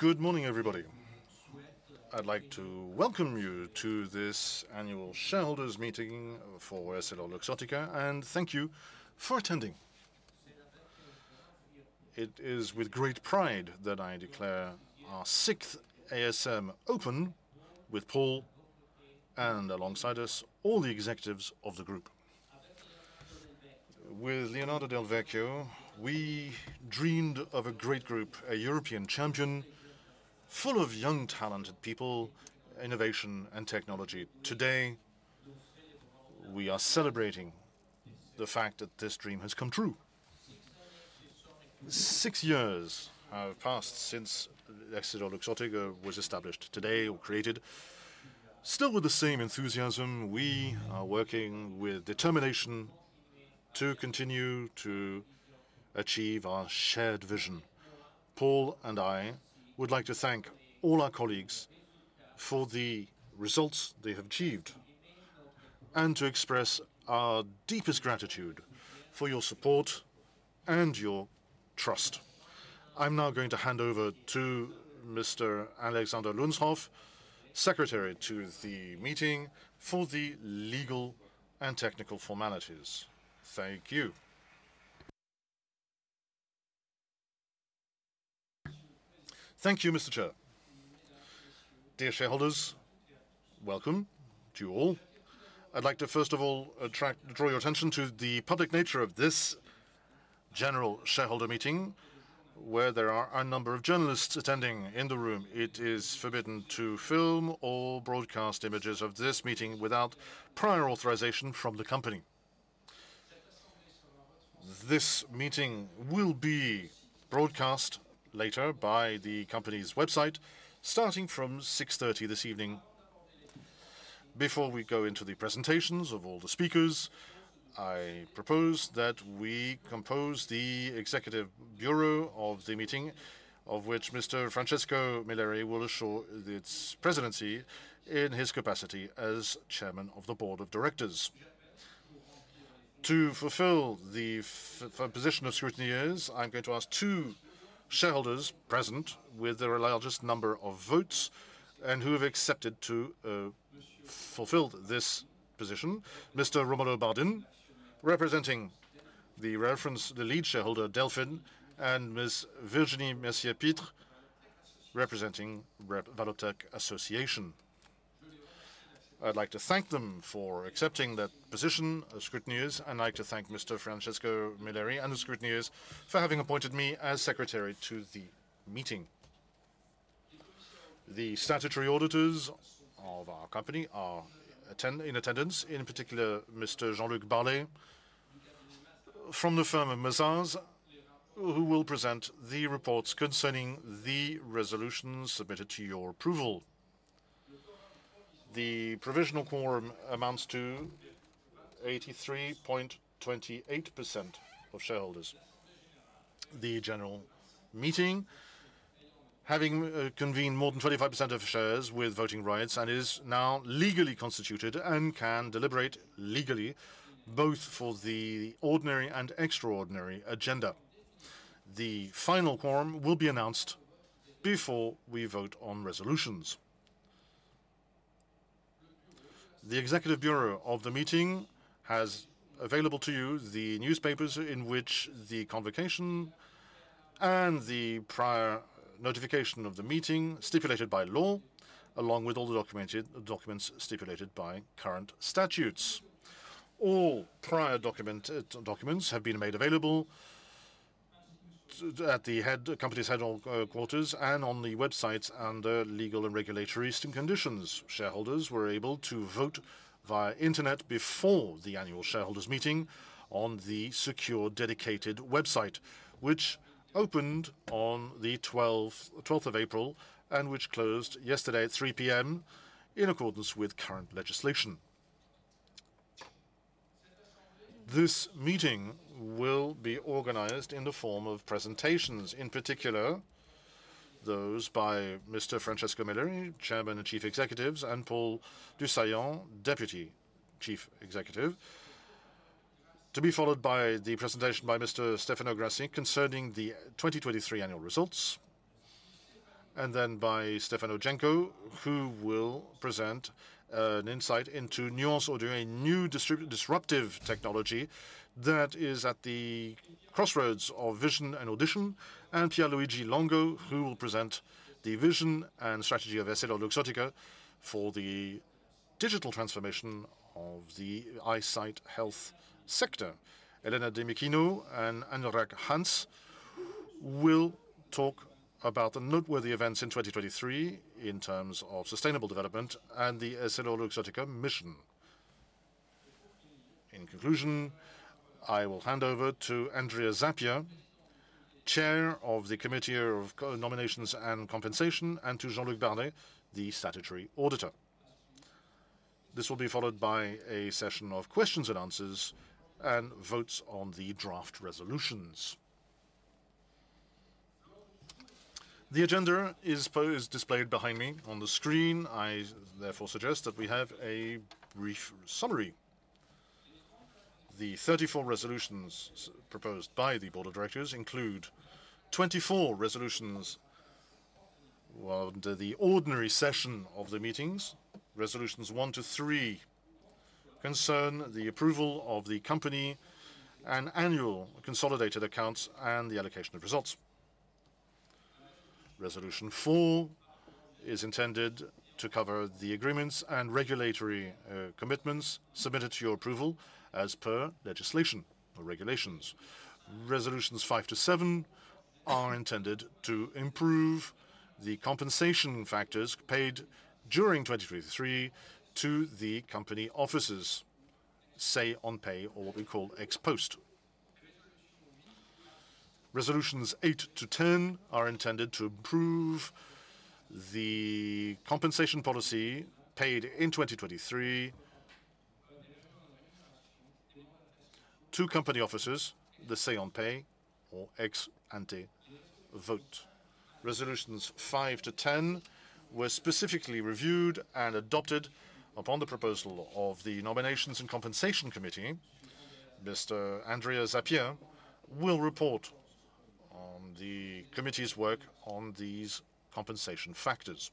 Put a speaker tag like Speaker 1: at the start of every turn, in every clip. Speaker 1: Good morning, everybody. I'd like to welcome you to this annual shareholders meeting for EssilorLuxottica, and thank you for attending. It is with great pride that I declare our sixth ASM open with Paul and alongside us, all the executives of the group. With Leonardo Del Vecchio, we dreamed of a great group, a European champion, full of young, talented people, innovation, and technology. Today, we are celebrating the fact that this dream has come true. Six years have passed since EssilorLuxottica was established today or created. Still with the same enthusiasm, we are working with determination to continue to achieve our shared vision. Paul and I would like to thank all our colleagues for the results they have achieved and to express our deepest gratitude for your support and your trust. I'm now going to hand over to Mr. Alexander Lunshof, secretary to the meeting, for the legal and technical formalities. Thank you.
Speaker 2: Thank you, Mr. Chair. Dear shareholders, welcome to you all. I'd like to first of all draw your attention to the public nature of this general shareholder meeting, where there are a number of journalists attending in the room. It is forbidden to film or broadcast images of this meeting without prior authorization from the company. This meeting will be broadcast later by the company's website, starting from 6:30 PM this evening. Before we go into the presentations of all the speakers, I propose that we compose the executive bureau of the meeting, of which Mr. Francesco Milleri will assure its presidency in his capacity as chairman of the board of directors. To fulfill the position of scrutineers, I'm going to ask two shareholders present with the largest number of votes and who have accepted to fulfill this position. Mr. Romolo Bardin, representing the lead shareholder, Delfin, and Ms. Virginie Mercier-Pitre, representing Valoptec Association. I'd like to thank them for accepting that position as scrutineers. I'd like to thank Mr. Francesco Milleri and the scrutineers for having appointed me as secretary to the meeting. The statutory auditors of our company are in attendance, in particular, Mr. Jean-Luc Barlet from the firm of Mazars, who will present the reports concerning the resolutions submitted to your approval. The provisional quorum amounts to 83.28% of shareholders. The general meeting, having convened more than 25% of shares with voting rights and is now legally constituted and can deliberate legally, both for the ordinary and extraordinary agenda. The final quorum will be announced before we vote on resolutions. The executive bureau of the meeting has available to you the newspapers in which the convocation and the prior notification of the meeting stipulated by law, along with all the documents stipulated by current statutes. All prior documents have been made available at the head, the company's headquarters and on the websites under legal and regulatory conditions. Shareholders were able to vote via internet before the annual shareholders meeting on the secure, dedicated website, which opened on the 12th of April, and which closed yesterday at 3:00 PM, in accordance with current legislation. This meeting will be organized in the form of presentations, in particular, those by Mr. Francesco Milleri, Chairman and Chief Executive, and Paul du Saillant, Deputy Chief Executive. To be followed by the presentation by Mr. Stefano Grassi, concerning the 2023 annual results, and then by Stefano Genco, who will present an insight into Nuance Audio, a new disruptive technology that is at the crossroads of vision and audition, and Pierluigi Longo, who will present the vision and strategy of EssilorLuxottica for the digital transformation of the eyesight health sector. Elena Di Michino and Anurag Hans will talk about the noteworthy events in 2023 in terms of sustainable development and the EssilorLuxottica mission. In conclusion, I will hand over to Andrea Zappia, Chair of the Nominations and Compensation Committee, and to Jean-Luc Barlet, the statutory auditor. This will be followed by a session of questions and answers and votes on the draft resolutions. The agenda is displayed behind me on the screen. I therefore suggest that we have a brief summary... The 34 resolutions proposed by the board of directors include 24 resolutions under the ordinary session of the meetings. Resolutions 1-3 concern the approval of the company and annual consolidated accounts and the allocation of results. Resolution 4 is intended to cover the agreements and regulatory commitments submitted to your approval as per legislation or regulations. Resolutions 5-7 are intended to improve the compensation factors paid during 2023 to the company officers, say on pay or what we call ex post. Resolutions 8-10 are intended to improve the compensation policy paid in 2023 to company officers, the say on pay or ex ante vote. Resolutions 5 to 10 were specifically reviewed and adopted upon the proposal of the Nominations and Compensation Committee. Mr. Andrea Zappia will report on the committee's work on these compensation factors.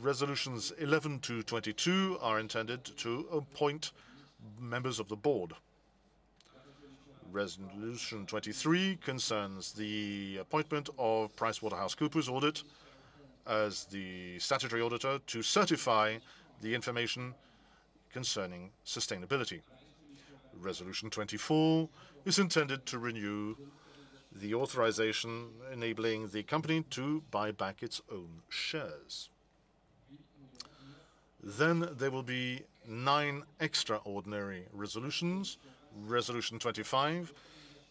Speaker 2: Resolutions 11 to 22 are intended to appoint members of the board. Resolution 23 concerns the appointment of PricewaterhouseCoopers Audit as the statutory auditor to certify the information concerning sustainability. Resolution 24 is intended to renew the authorization, enabling the company to buy back its own shares. Then there will be nine extraordinary resolutions. Resolution 25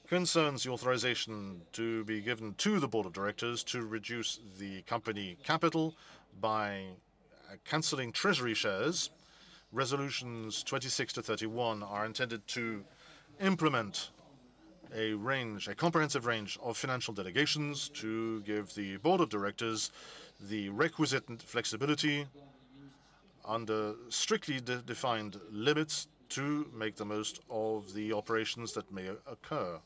Speaker 2: concerns the authorization to be given to the board of directors to reduce the company capital by canceling treasury shares. Resolutions 26 to 31 are intended to implement a range, a comprehensive range of financial delegations to give the board of directors the requisite flexibility under strictly defined limits to make the most of the operations that may occur.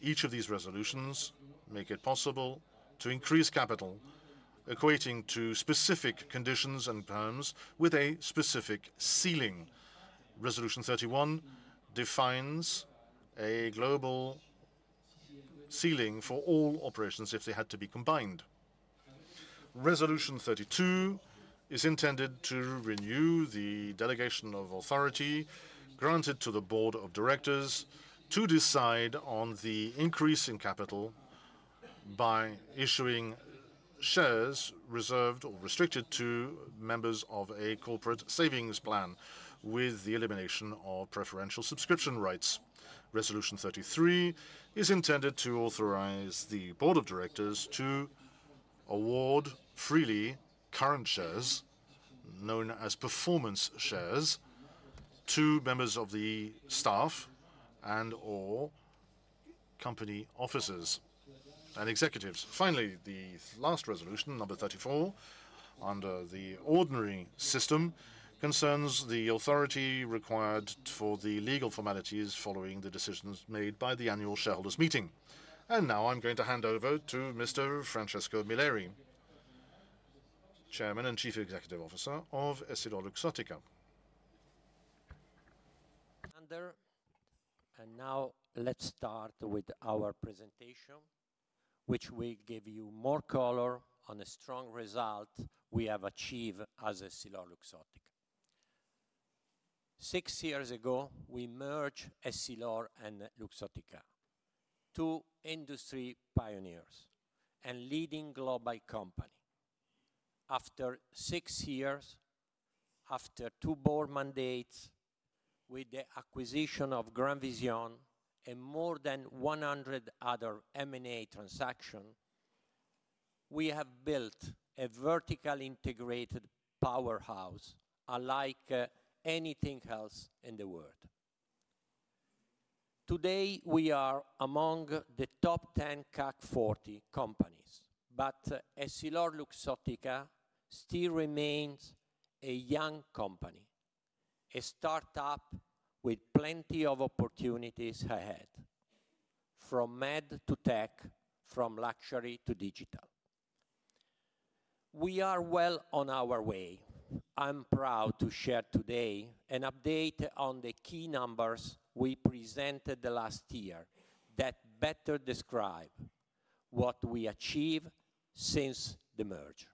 Speaker 2: Each of these resolutions make it possible to increase capital, equating to specific conditions and terms with a specific ceiling. Resolution 31 defines a global ceiling for all operations if they had to be combined. Resolution 32 is intended to renew the delegation of authority granted to the board of directors to decide on the increase in capital by issuing shares reserved or restricted to members of a corporate savings plan, with the elimination of preferential subscription rights. Resolution 33 is intended to authorize the board of directors to award freely current shares, known as performance shares, to members of the staff and/or company officers and executives. Finally, the last resolution, number 34, under the ordinary system, concerns the authority required for the legal formalities following the decisions made by the annual shareholders meeting. Now I'm going to hand over to Mr. Francesco Milleri, Chairman and Chief Executive Officer of EssilorLuxottica.
Speaker 3: Now let's start with our presentation, which will give you more color on the strong result we have achieved as EssilorLuxottica. Six years ago, we merged Essilor and Luxottica, two industry pioneers and leading global companies. After six years, after two board mandates, with the acquisition of GrandVision and more than 100 other M&A transactions, we have built a vertically integrated powerhouse, unlike anything else in the world. Today, we are among the top 10 CAC 40 companies, but EssilorLuxottica still remains a young company, a start-up with plenty of opportunities ahead, from med to tech, from luxury to digital. We are well on our way. I'm proud to share today an update on the key numbers we presented the last year that better describe what we achieved since the merger.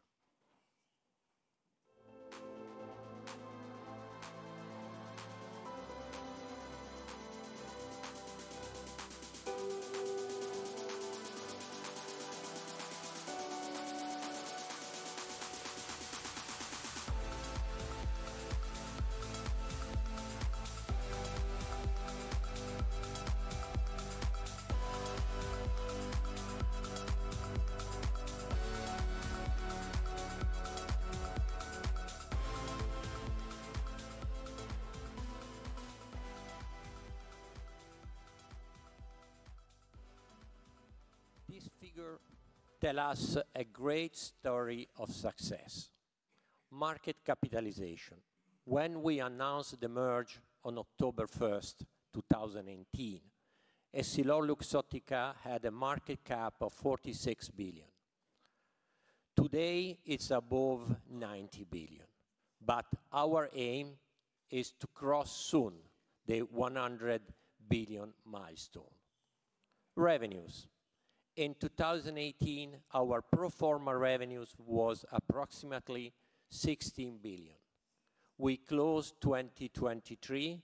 Speaker 3: These figures tell us a great story of success. Market capitalization. When we announced the merger on October 1, 2018, EssilorLuxottica had a market cap of 46 billion. Today, it's above 90 billion, but our aim is to cross soon the 100 billion milestone. Revenues. In 2018, our pro forma revenues was approximately 16 billion. We closed 2023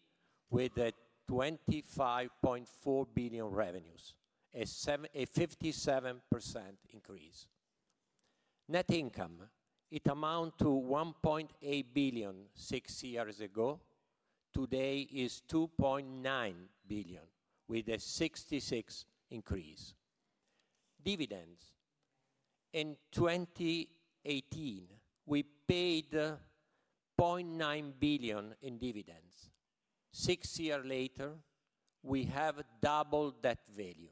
Speaker 3: with 25.4 billion revenues, a 57% increase. Net income, it amount to 1.8 billion six years ago. Today is 2.9 billion, with a 66% increase. Dividends. In 2018, we paid 0.9 billion in dividends. Six years later, we have doubled that value,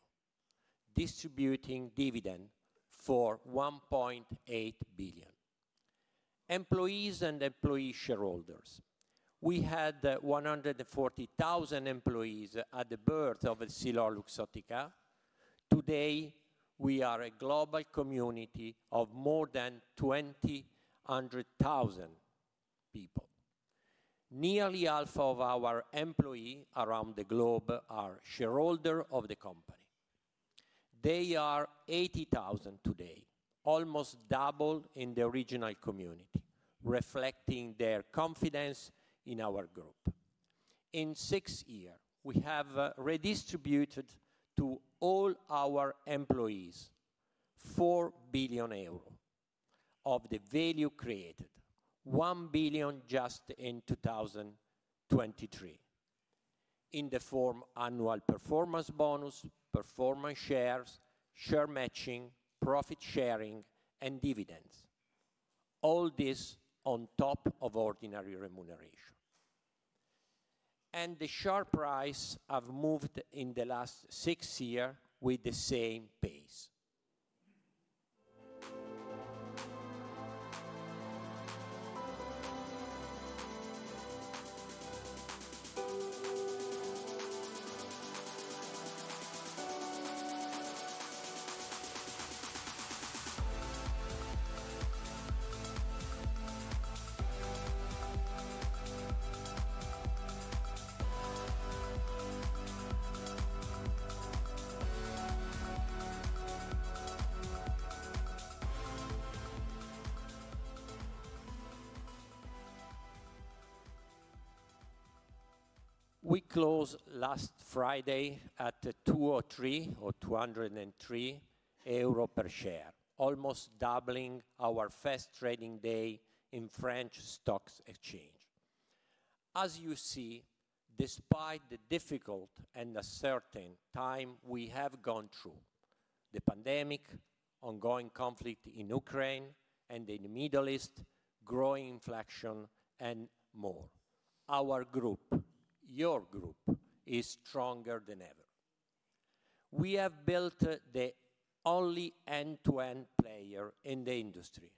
Speaker 3: distributing dividend for 1.8 billion. Employees and employee shareholders. We had 140,000 employees at the birth of EssilorLuxottica. Today, we are a global community of more than 200,000 people. Nearly half of our employees around the globe are shareholders of the company. They are 80,000 today, almost double in the original community, reflecting their confidence in our group. In six years, we have redistributed to all our employees 4 billion euro of the value created, 1 billion just in 2023, in the form annual performance bonus, performance shares, share matching, profit sharing, and dividends. All this on top of ordinary remuneration. The share price have moved in the last six years with the same pace. We closed last Friday at 203 euro per share, almost doubling our first trading day in French stock exchange. As you see, despite the difficult and uncertain time we have gone through, the pandemic, ongoing conflict in Ukraine and in the Middle East, growing inflation, and more, our group, your group, is stronger than ever. We have built the only end-to-end player in the industry.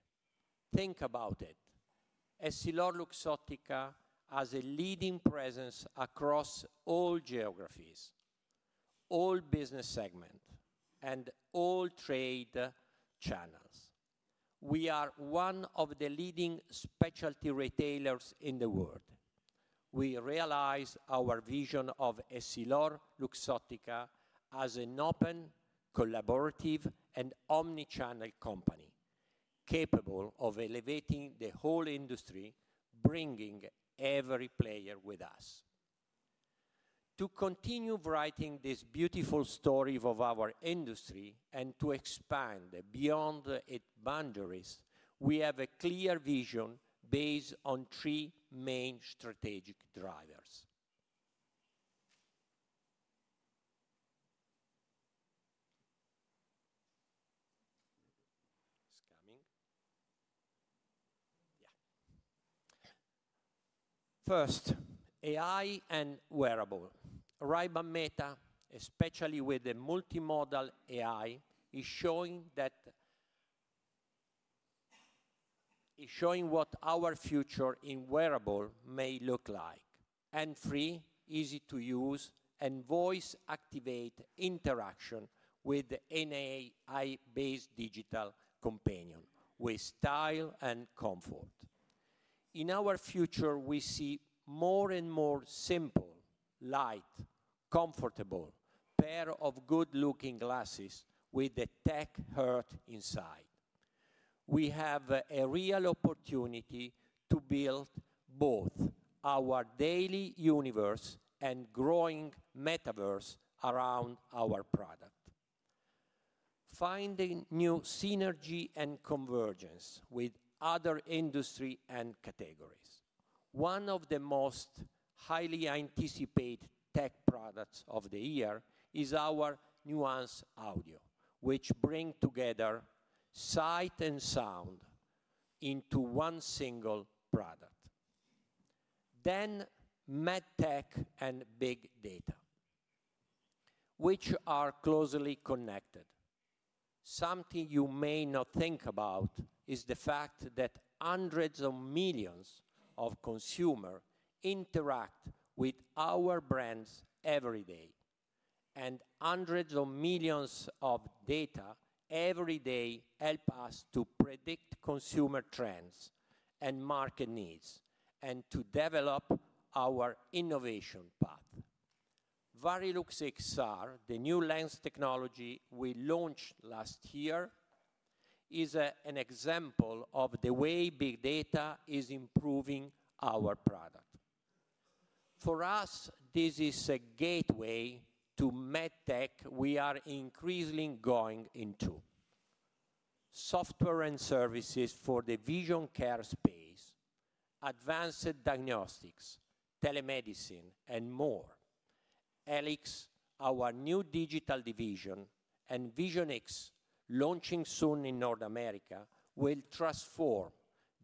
Speaker 3: Think about it. EssilorLuxottica has a leading presence across all geographies, all business segment, and all trade channels. We are one of the leading specialty retailers in the world. We realize our vision of EssilorLuxottica as an open, collaborative, and omni-channel company, capable of elevating the whole industry, bringing every player with us. To continue writing this beautiful story of our industry and to expand beyond its boundaries, we have a clear vision based on three main strategic drivers. It's coming. Yeah. First, AI and wearable. Ray-Ban Meta, especially with the multimodal AI, is showing that... Is showing what our future in wearable may look like, hands-free, easy to use, and voice-activated interaction with an AI-based digital companion, with style and comfort. In our future, we see more and more simple, light, comfortable pair of good-looking glasses with a tech heart inside. We have a real opportunity to build both our daily universe and growing metaverse around our product, finding new synergy and convergence with other industry and categories. One of the most highly anticipated tech products of the year is our Nuance Audio, which bring together sight and sound into one single product. Then med tech and big data, which are closely connected. Something you may not think about is the fact that hundreds of millions of consumers interact with our brands every day, and hundreds of millions of data every day help us to predict consumer trends and market needs, and to develop our innovation path. Varilux XR, the new lens technology we launched last year, is an example of the way big data is improving our product. For us, this is a gateway to med tech we are increasingly going into. Software and services for the vision care space, advanced diagnostics, telemedicine, and more. HELIX, our new digital division, and Vision(X), launching soon in North America, will transform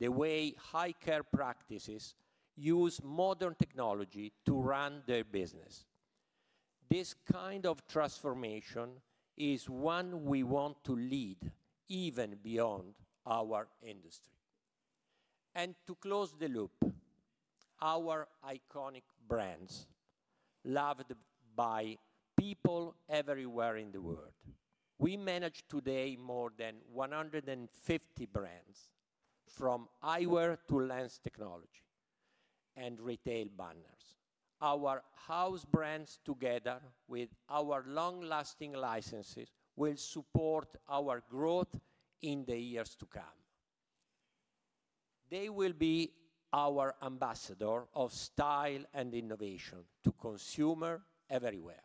Speaker 3: the way eye care practices use modern technology to run their business. This kind of transformation is one we want to lead, even beyond our industry. And to close the loop, our iconic brands, loved by people everywhere in the world. We manage today more than 150 brands, from eyewear to lens technology and retail banners. Our house brands, together with our long-lasting licenses, will support our growth in the years to come. They will be our ambassador of style and innovation to consumer everywhere.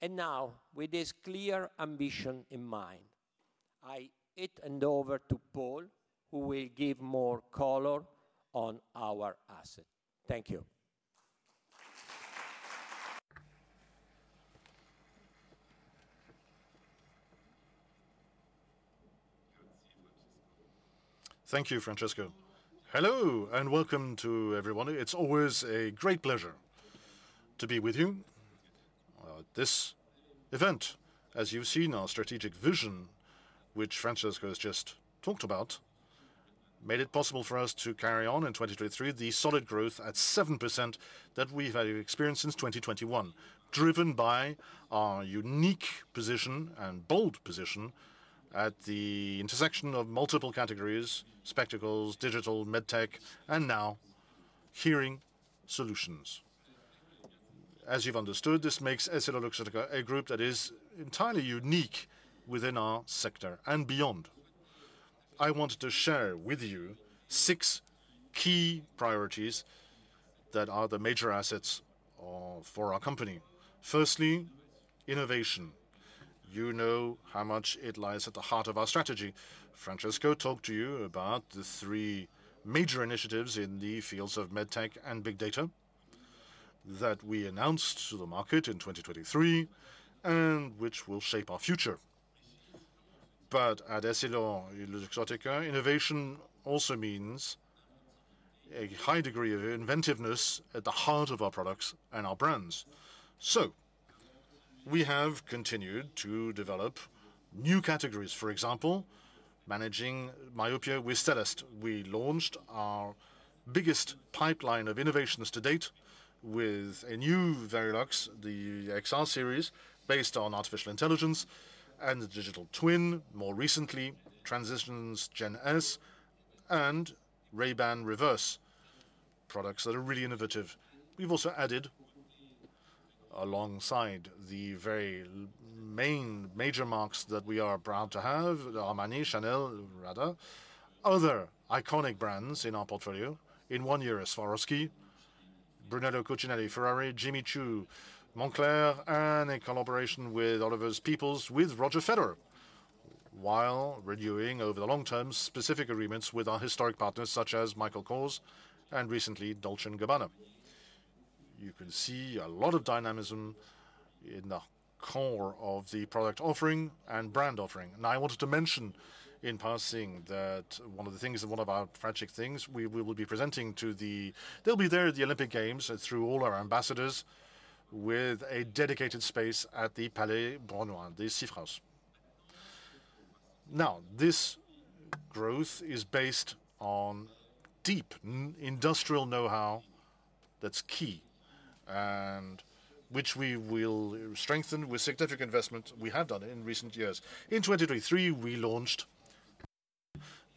Speaker 3: And now, with this clear ambition in mind, I hand it over to Paul, who will give more color on our asset. Thank you.
Speaker 1: Thank you, Francesco. Hello, and welcome to everyone. It's always a great pleasure to be with you. This event, as you've seen, our strategic vision, which Francesco has just talked about, made it possible for us to carry on in 2023, the solid growth at 7% that we have experienced since 2021, driven by our unique position and bold position at the intersection of multiple categories: spectacles, digital, med tech, and now hearing solutions. As you've understood, this makes EssilorLuxottica a group that is entirely unique within our sector and beyond. I wanted to share with you six key priorities that are the major assets for our company. Firstly, innovation. You know how much it lies at the heart of our strategy. Francesco talked to you about the three major initiatives in the fields of med tech and big data that we announced to the market in 2023, and which will shape our future. But at EssilorLuxottica, innovation also means a high degree of inventiveness at the heart of our products and our brands. So, we have continued to develop new categories. For example, managing myopia with Stellest. We launched our biggest pipeline of innovations to date with a new Varilux, the XR series, based on artificial intelligence and the digital twin. More recently, Transitions Gen S and Ray-Ban Reverse, products that are really innovative. We've also added, alongside the very main major marks that we are proud to have, Armani, Chanel, Prada, other iconic brands in our portfolio. In one year, Swarovski, Brunello Cucinelli, Ferrari, Jimmy Choo, Moncler, and a collaboration with Oliver Peoples, with Roger Federer, while renewing over the long term, specific agreements with our historic partners such as Michael Kors and recently Dolce & Gabbana. You can see a lot of dynamism in the core of the product offering and brand offering. I wanted to mention in passing that one of the things and one of our strategic things we, we will be presenting to the... They'll be there at the Olympic Games through all our ambassadors, with a dedicated space at the Palais Brongniart, the Sephora. Now, this growth is based on deep industrial know-how that's key, and which we will strengthen with significant investment we have done in recent years. In 2023, we launched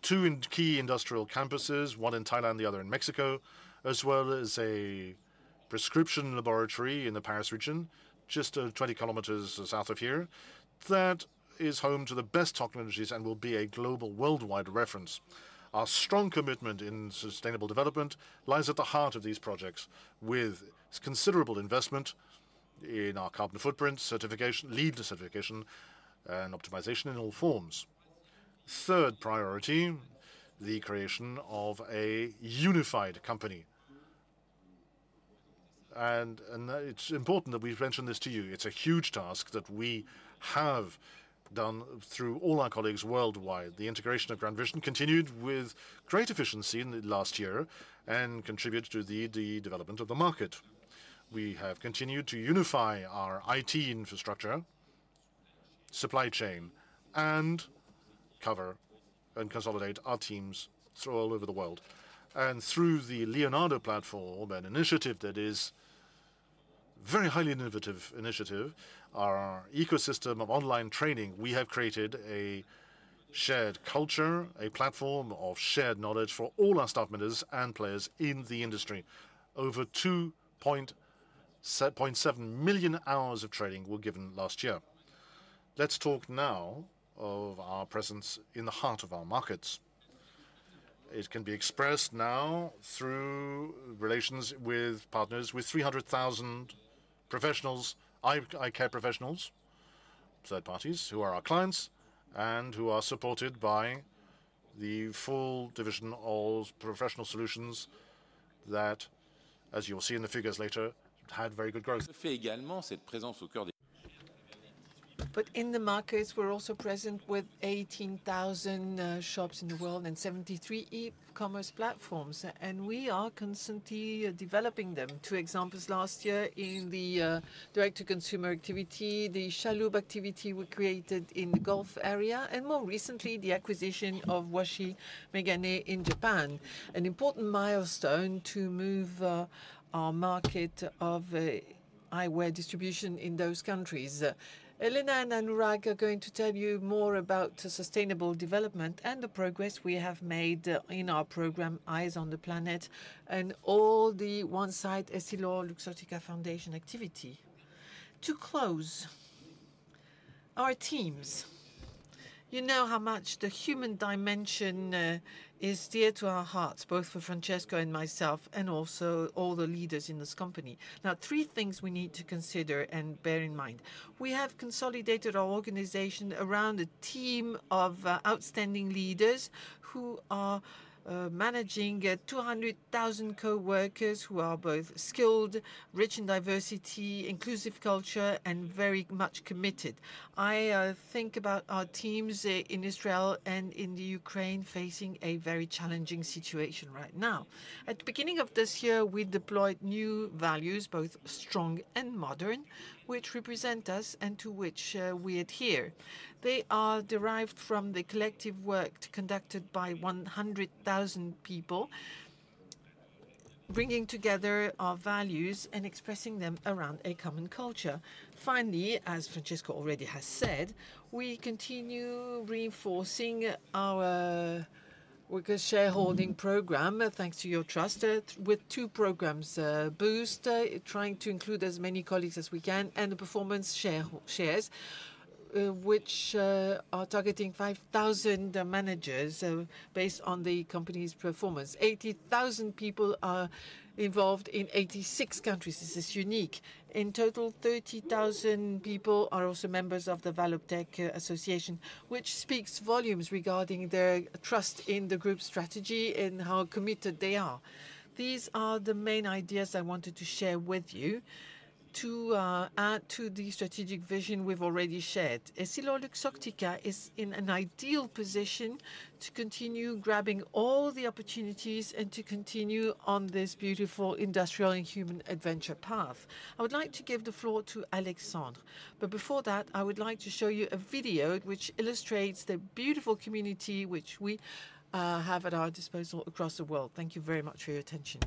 Speaker 1: two key industrial campuses, one in Thailand, the other in Mexico, as well as a prescription laboratory in the Paris region, just 20 kilometers south of here. That is home to the best technologies and will be a global worldwide reference. Our strong commitment in sustainable development lies at the heart of these projects, with considerable investment in our carbon footprint certification, LEED certification, and optimization in all forms. Third priority, the creation of a unified company. It's important that we've mentioned this to you. It's a huge task that we have done through all our colleagues worldwide. The integration of GrandVision continued with great efficiency in the last year and contributed to the development of the market. We have continued to unify our IT infrastructure, supply chain, and cover and consolidate our teams through all over the world. Through the Leonardo platform, an initiative that is very highly innovative initiative, our ecosystem of online training, we have created a shared culture, a platform of shared knowledge for all our staff members and players in the industry. Over 2.7 million hours of training were given last year. Let's talk now of our presence in the heart of our markets. It can be expressed now through relations with partners, with 300,000 professionals, eye care professionals, third parties, who are our clients, and who are supported by the full division of Professional Solutions that, as you will see in the figures later, had very good growth.
Speaker 4: But in the markets, we're also present with 18,000 shops in the world and 73 e-commerce platforms, and we are constantly developing them. Two examples last year in the direct-to-consumer activity, the Chalhoub activity we created in the Gulf area, and more recently, the acquisition of Washin Megane in Japan, an important milestone to move our market of eyewear distribution in those countries. Elena and Anurag are going to tell you more about sustainable development and the progress we have made in our program, Eyes on the Planet, and all the OneSight EssilorLuxottica Foundation activity. To close, our teams. You know how much the human dimension is dear to our hearts, both for Francesco and myself, and also all the leaders in this company. Now, three things we need to consider and bear in mind. We have consolidated our organization around a team of outstanding leaders who are managing 200,000 coworkers who are both skilled, rich in diversity, inclusive culture, and very much committed. I think about our teams in Israel and in the Ukraine, facing a very challenging situation right now. At the beginning of this year, we deployed new values, both strong and modern, which represent us and to which we adhere. They are derived from the collective work conducted by 100,000 people, bringing together our values and expressing them around a common culture. Finally, as Francesco already has said, we continue reinforcing our worker shareholding program, thanks to your trust, with two programs: Boost, trying to include as many colleagues as we can, and the performance share, shares, which are targeting 5,000 managers, based on the company's performance. 80,000 people are involved in 86 countries. This is unique. In total, 30,000 people are also members of the Valoptec Association, which speaks volumes regarding their trust in the group's strategy and how committed they are. These are the main ideas I wanted to share with you to add to the strategic vision we've already shared. EssilorLuxottica is in an ideal position to continue grabbing all the opportunities and to continue on this beautiful industrial and human adventure path. I would like to give the floor to Alexandre, but before that, I would like to show you a video which illustrates the beautiful community which we have at our disposal across the world. Thank you very much for your attention.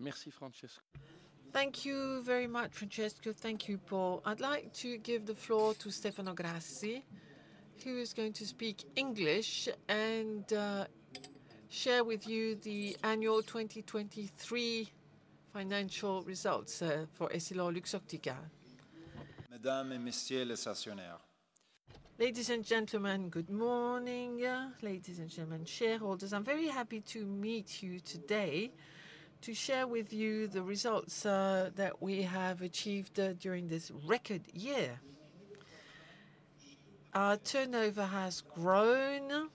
Speaker 2: Merci, Francesco.
Speaker 4: Thank you very much, Francesco. Thank you, Paul. I'd like to give the floor to Stefano Grassi, who is going to speak English and share with you the annual 2023 financial results for EssilorLuxottica.
Speaker 5: Madam and Monsieur, les actionnaires.
Speaker 4: Ladies and gentlemen, good morning. Ladies and gentlemen, shareholders, I'm very happy to meet you today to share with you the results that we have achieved during this record year. Our turnover has grown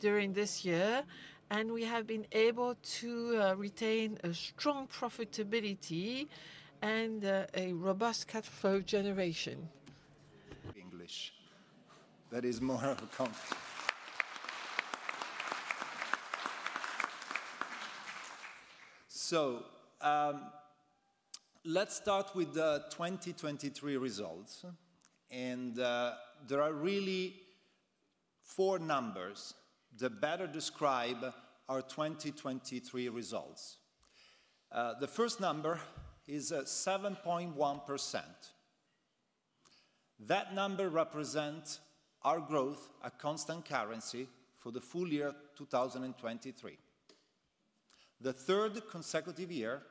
Speaker 4: during this year, and we have been able to retain a strong profitability and a robust cash flow generation.
Speaker 5: English. That is more appropriate. So, let's start with the 2023 results, and, there are really four numbers that better describe our 2023 results. The first number is, 7.1%. That number represent our growth at constant currency for the full year 2023, the third consecutive year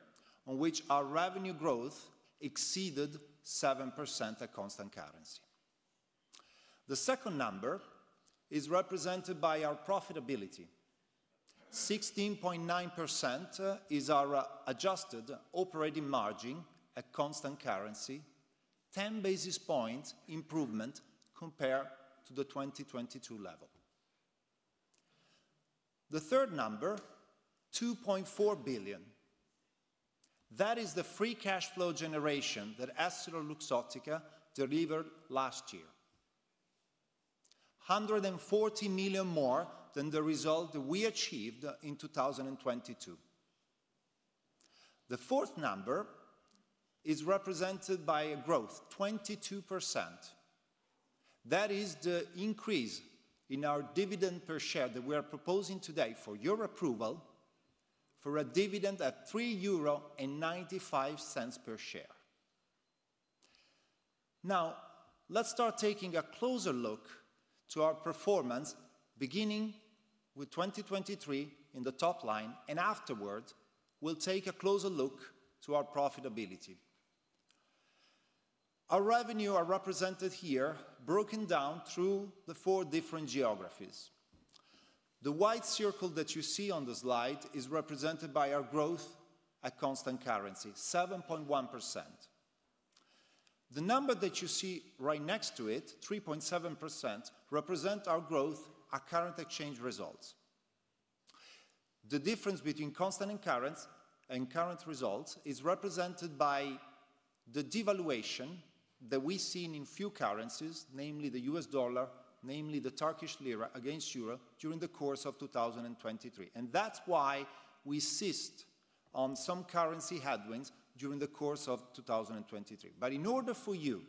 Speaker 5: on which our revenue growth exceeded 7% at constant currency. The second number is represented by our profitability. 16.9%, is our adjusted operating margin at constant currency, 10 basis points improvement compared to the 2022 level. The third number, 2.4 billion. That is the free cash flow generation that EssilorLuxottica delivered last year. 140 million more than the result we achieved in 2022. The fourth number is represented by a growth, 22%. That is the increase in our dividend per share that we are proposing today for your approval, for a dividend at 3.95 euro per share. Now, let's start taking a closer look to our performance, beginning with 2023 in the top line, and afterward, we'll take a closer look to our profitability. Our revenue are represented here, broken down through the four different geographies. The white circle that you see on the slide is represented by our growth at constant currency, 7.1%. The number that you see right next to it, 3.7%, represent our growth at current exchange results. The difference between constant and current, and current results is represented by the devaluation that we've seen in few currencies, namely the U.S. dollar, namely the Turkish lira against euro during the course of 2023. That's why we insist on some currency headwinds during the course of 2023. But in order for you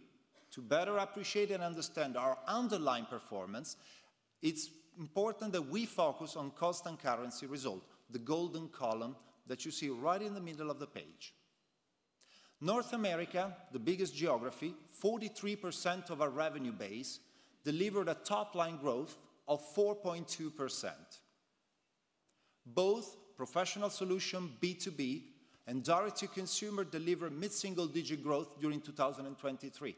Speaker 5: to better appreciate and understand our underlying performance, it's important that we focus on constant currency result, the golden column that you see right in the middle of the page. North America, the biggest geography, 43% of our revenue base, delivered a top-line growth of 4.2%. Both professional solution, B2B, and direct-to-consumer delivered mid-single-digit growth during 2023.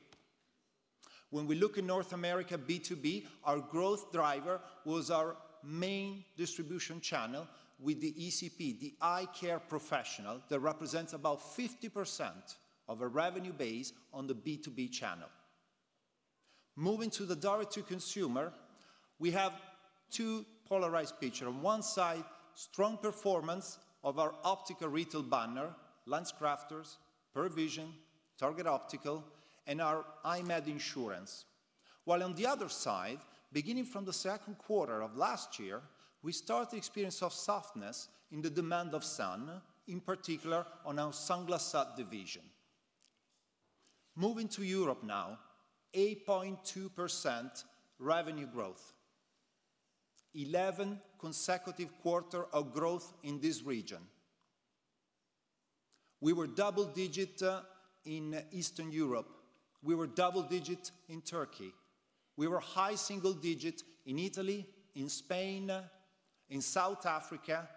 Speaker 5: When we look in North America B2B, our growth driver was our main distribution channel with the ECP, the eye care professional, that represents about 50% of our revenue base on the B2B channel. Moving to the direct-to-consumer, we have two polarized picture. On one side, strong performance of our Optical Retail Banner, LensCrafters, Pearle Vision, Target Optical, and our EyeMed Insurance. While on the other side, beginning from the second quarter of last year, we start to experience some softness in the demand of sun, in particular on our Sunglass Hut division. Moving to Europe now, 8.2% revenue growth. 11 consecutive quarters of growth in this region. We were double-digit in Eastern Europe. We were double-digit in Turkey. We were high single-digit in Italy, in Spain, in South Africa,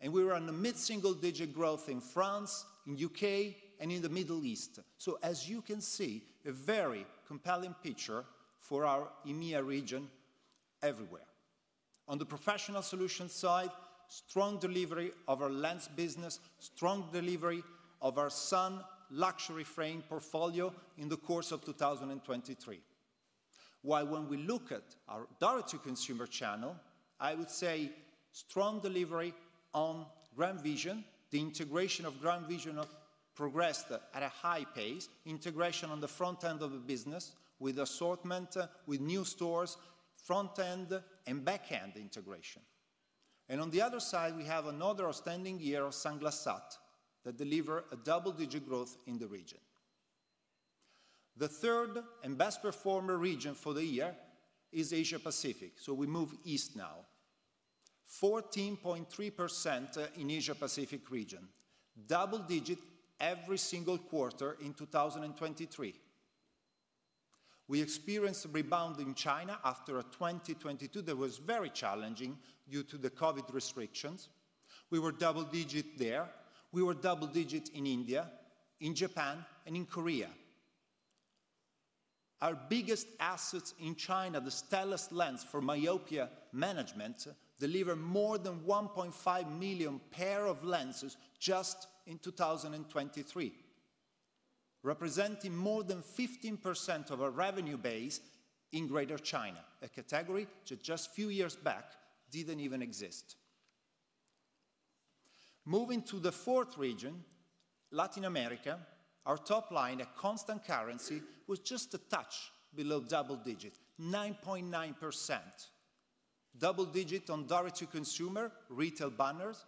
Speaker 5: and we were mid-single-digit growth in France, in U.K., and in the Middle East. So as you can see, a very compelling picture for our EMEA region everywhere. On the professional solution side, strong delivery of our lens business, strong delivery of our sun luxury frame portfolio in the course of 2023. While when we look at our direct-to-consumer channel, I would say strong delivery on GrandVision, the integration of GrandVision progressed at a high pace, integration on the front end of the business with assortment, with new stores, front end and back end integration. On the other side, we have another outstanding year of Sunglass Hut that deliver a double-digit growth in the region. The third and best performer region for the year is Asia Pacific, so we move east now. 14.3% in Asia Pacific region, double-digit every single quarter in 2023. We experienced a rebound in China after a 2022 that was very challenging due to the COVID restrictions. We were double-digit there. We were double-digit in India, in Japan, and in Korea. Our biggest assets in China, the Stellest lens for myopia management, delivered more than 1.5 million pair of lenses just in 2023, representing more than 15% of our revenue base in Greater China, a category that just few years back didn't even exist. Moving to the fourth region, Latin America, our top line at constant currency was just a touch below double-digit, 9.9%. Double-digit on direct-to-consumer retail banners,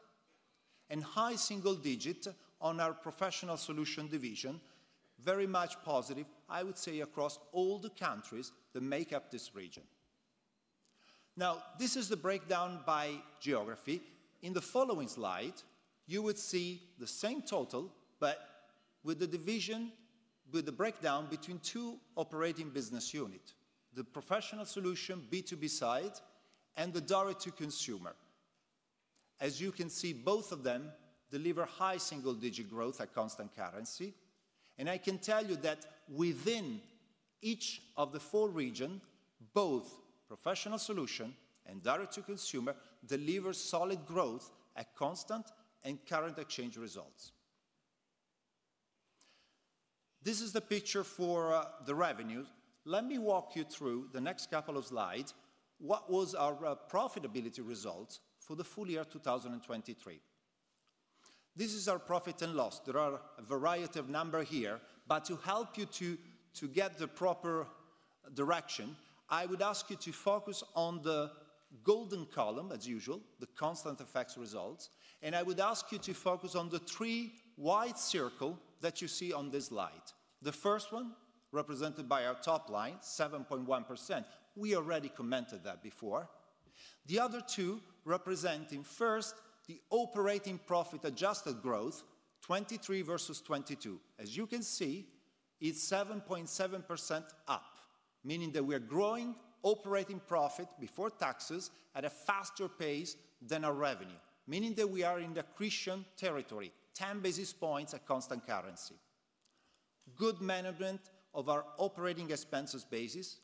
Speaker 5: and high single-digit on our professional solution division. Very much positive, I would say, across all the countries that make up this region. Now, this is the breakdown by geography. In the following slide, you would see the same total, but with the division, with the breakdown between two operating business unit: the professional solution, B2B side, and the direct to consumer. As you can see, both of them deliver high single-digit growth at constant currency, and I can tell you that within each of the four regions, both Professional Solutions and direct-to-consumer deliver solid growth at constant and current exchange results. This is the picture for the revenue. Let me walk you through the next couple of slides, what was our profitability results for the full year 2023. This is our profit and loss. There are a variety of numbers here, but to help you to get the proper direction, I would ask you to focus on the golden column, as usual, the constant FX results, and I would ask you to focus on the three wide circles that you see on this slide. The first one, represented by our top line, 7.1%, we already commented that before. The other two, representing first, the operating profit adjusted growth, 2023 versus 2022. As you can see, it's 7.7% up, meaning that we are growing operating profit before taxes at a faster pace than our revenue, meaning that we are in the accretion territory, 10 basis points at constant currency. Good management of our operating expenses basis,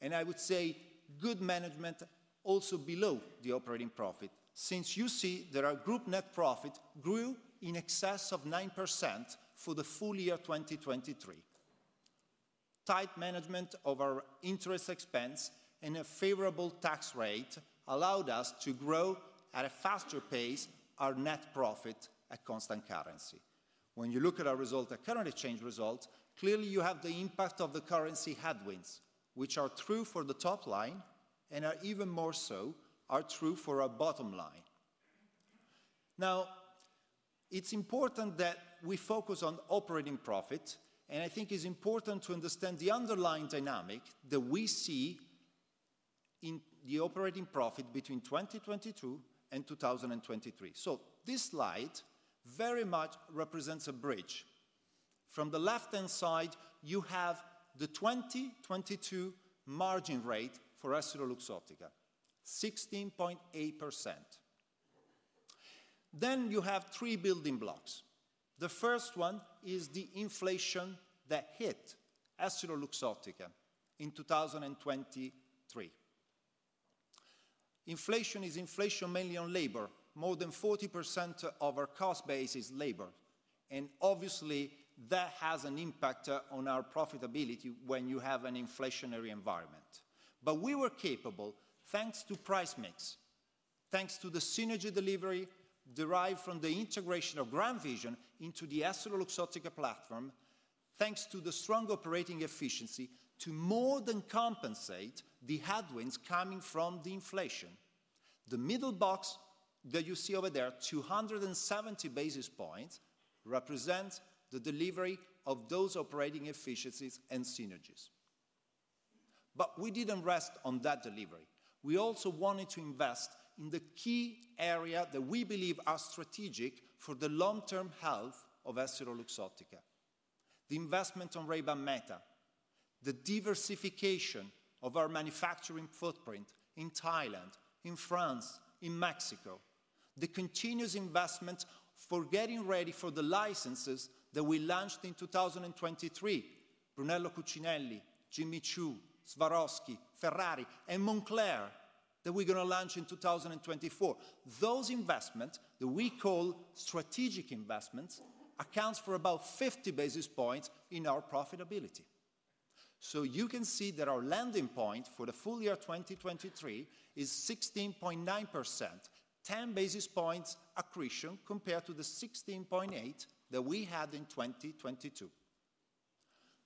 Speaker 5: and I would say good management also below the operating profit. Since you see that our group net profit grew in excess of 9% for the full year 2023. Tight management of our interest expense and a favorable tax rate allowed us to grow at a faster pace, our net profit at constant currency. When you look at our result, at current exchange result, clearly you have the impact of the currency headwinds, which are true for the top line and are even more so, are true for our bottom line. Now, it's important that we focus on operating profit, and I think it's important to understand the underlying dynamic that we see in the operating profit between 2022 and 2023. This slide very much represents a bridge. From the left-hand side, you have the 2022 margin rate for EssilorLuxottica, 16.8%. Then you have three building blocks. The first one is the inflation that hit EssilorLuxottica in 2023. Inflation is inflation mainly on labor. More than 40% of our cost base is labor, and obviously, that has an impact on our profitability when you have an inflationary environment. But we were capable, thanks to price mix, thanks to the synergy delivery derived from the integration of GrandVision into the EssilorLuxottica platform, thanks to the strong operating efficiency, to more than compensate the headwinds coming from the inflation. The middle box that you see over there, 270 basis points, represent the delivery of those operating efficiencies and synergies. But we didn't rest on that delivery. We also wanted to invest in the key area that we believe are strategic for the long-term health of EssilorLuxottica. The investment on Ray-Ban Meta, the diversification of our Manufacturing Footprint in Thailand, in France, in Mexico, the continuous investment for getting ready for the licenses that we launched in 2023, Brunello Cucinelli, Jimmy Choo, Swarovski, Ferrari, and Moncler, that we're gonna launch in 2024. Those investments, that we call strategic investments, accounts for about 50 basis points in our profitability. So you can see that our landing point for the full year 2023 is 16.9%, 10 basis points accretion compared to the 16.8 that we had in 2022.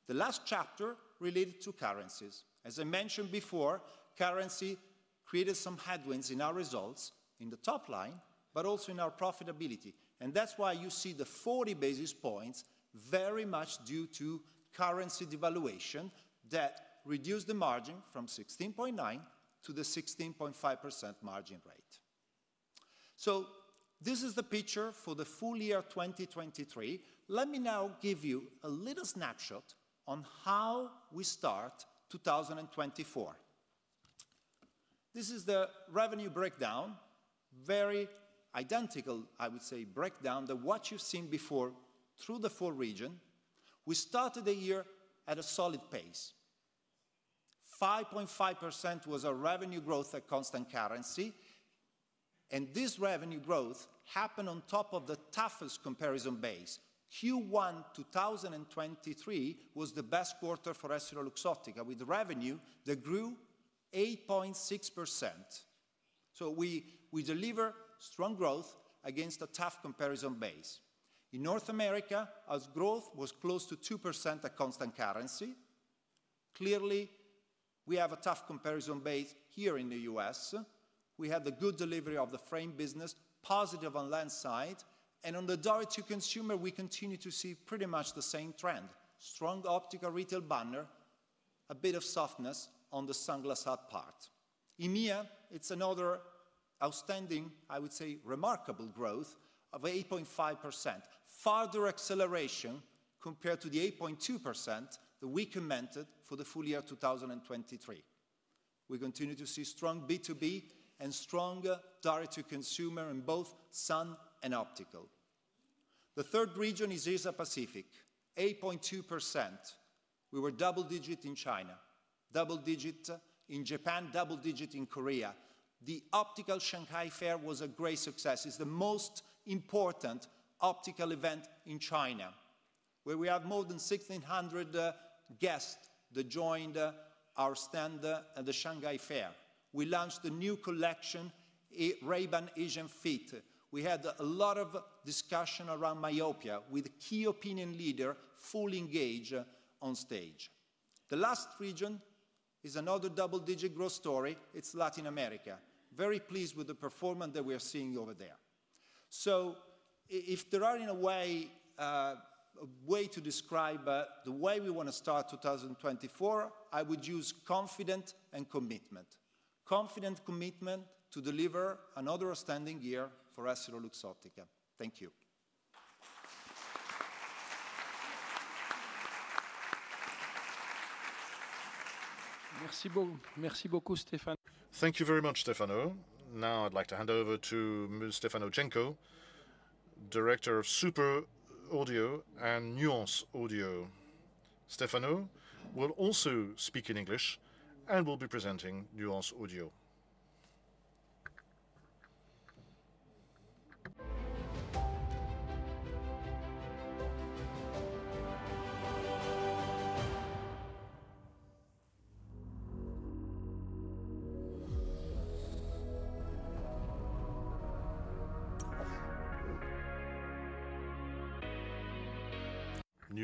Speaker 5: The last chapter related to currencies. As I mentioned before, currency created some headwinds in our results, in the top line, but also in our profitability. And that's why you see the 40 basis points very much due to currency devaluation that reduced the margin from 16.9 to the 16.5% margin rate. So this is the picture for the full year 2023. Let me now give you a little snapshot on how we start 2024. This is the revenue breakdown, very identical, I would say, breakdown than what you've seen before through the four region. We started the year at a solid pace. 5.5% was our revenue growth at constant currency, and this revenue growth happened on top of the toughest comparison base. Q1 2023 was the best quarter for EssilorLuxottica, with revenue that grew 8.6%. So we, we deliver strong growth against a tough comparison base. In North America, as growth was close to 2% at constant currency, clearly, we have a tough comparison base here in the U.S. We had a good delivery of the frame business, positive on lens side, and on the direct-to-consumer, we continue to see pretty much the same trend: strong optical retail banner, a bit of softness on the sunglasses part. EMEA, it's another outstanding, I would say, remarkable growth of 8.5%. Further acceleration compared to the 8.2% that we commented for the full year 2023. We continue to see strong B2B and strong direct-to-consumer in both sun and optical. The third region is Asia Pacific, 8.2%. We were double-digit in China, double-digit in Japan, double-digit in Korea. The Optical Shanghai Fair was a great success. It's the most important optical event in China, where we had more than 1,600 guests that joined our stand at the Shanghai Fair. We launched a new collection, Ray-Ban Asian Fit. We had a lot of discussion around myopia, with key opinion leader fully engaged on stage. The last region is another double-digit growth story. It's Latin America. Very pleased with the performance that we are seeing over there. So if there are, in a way, a way to describe the way we want to start 2024, I would use confident and commitment. Confident commitment to deliver another outstanding year for EssilorLuxottica. Thank you.
Speaker 6: Merci beaucoup. Merci beaucoup, Stefano.
Speaker 1: Thank you very much, Stefano. Now, I'd like to hand over to Stefano Genco, Director of Nuance Audio. Stefano will also speak in English and will be presenting Nuance Audio.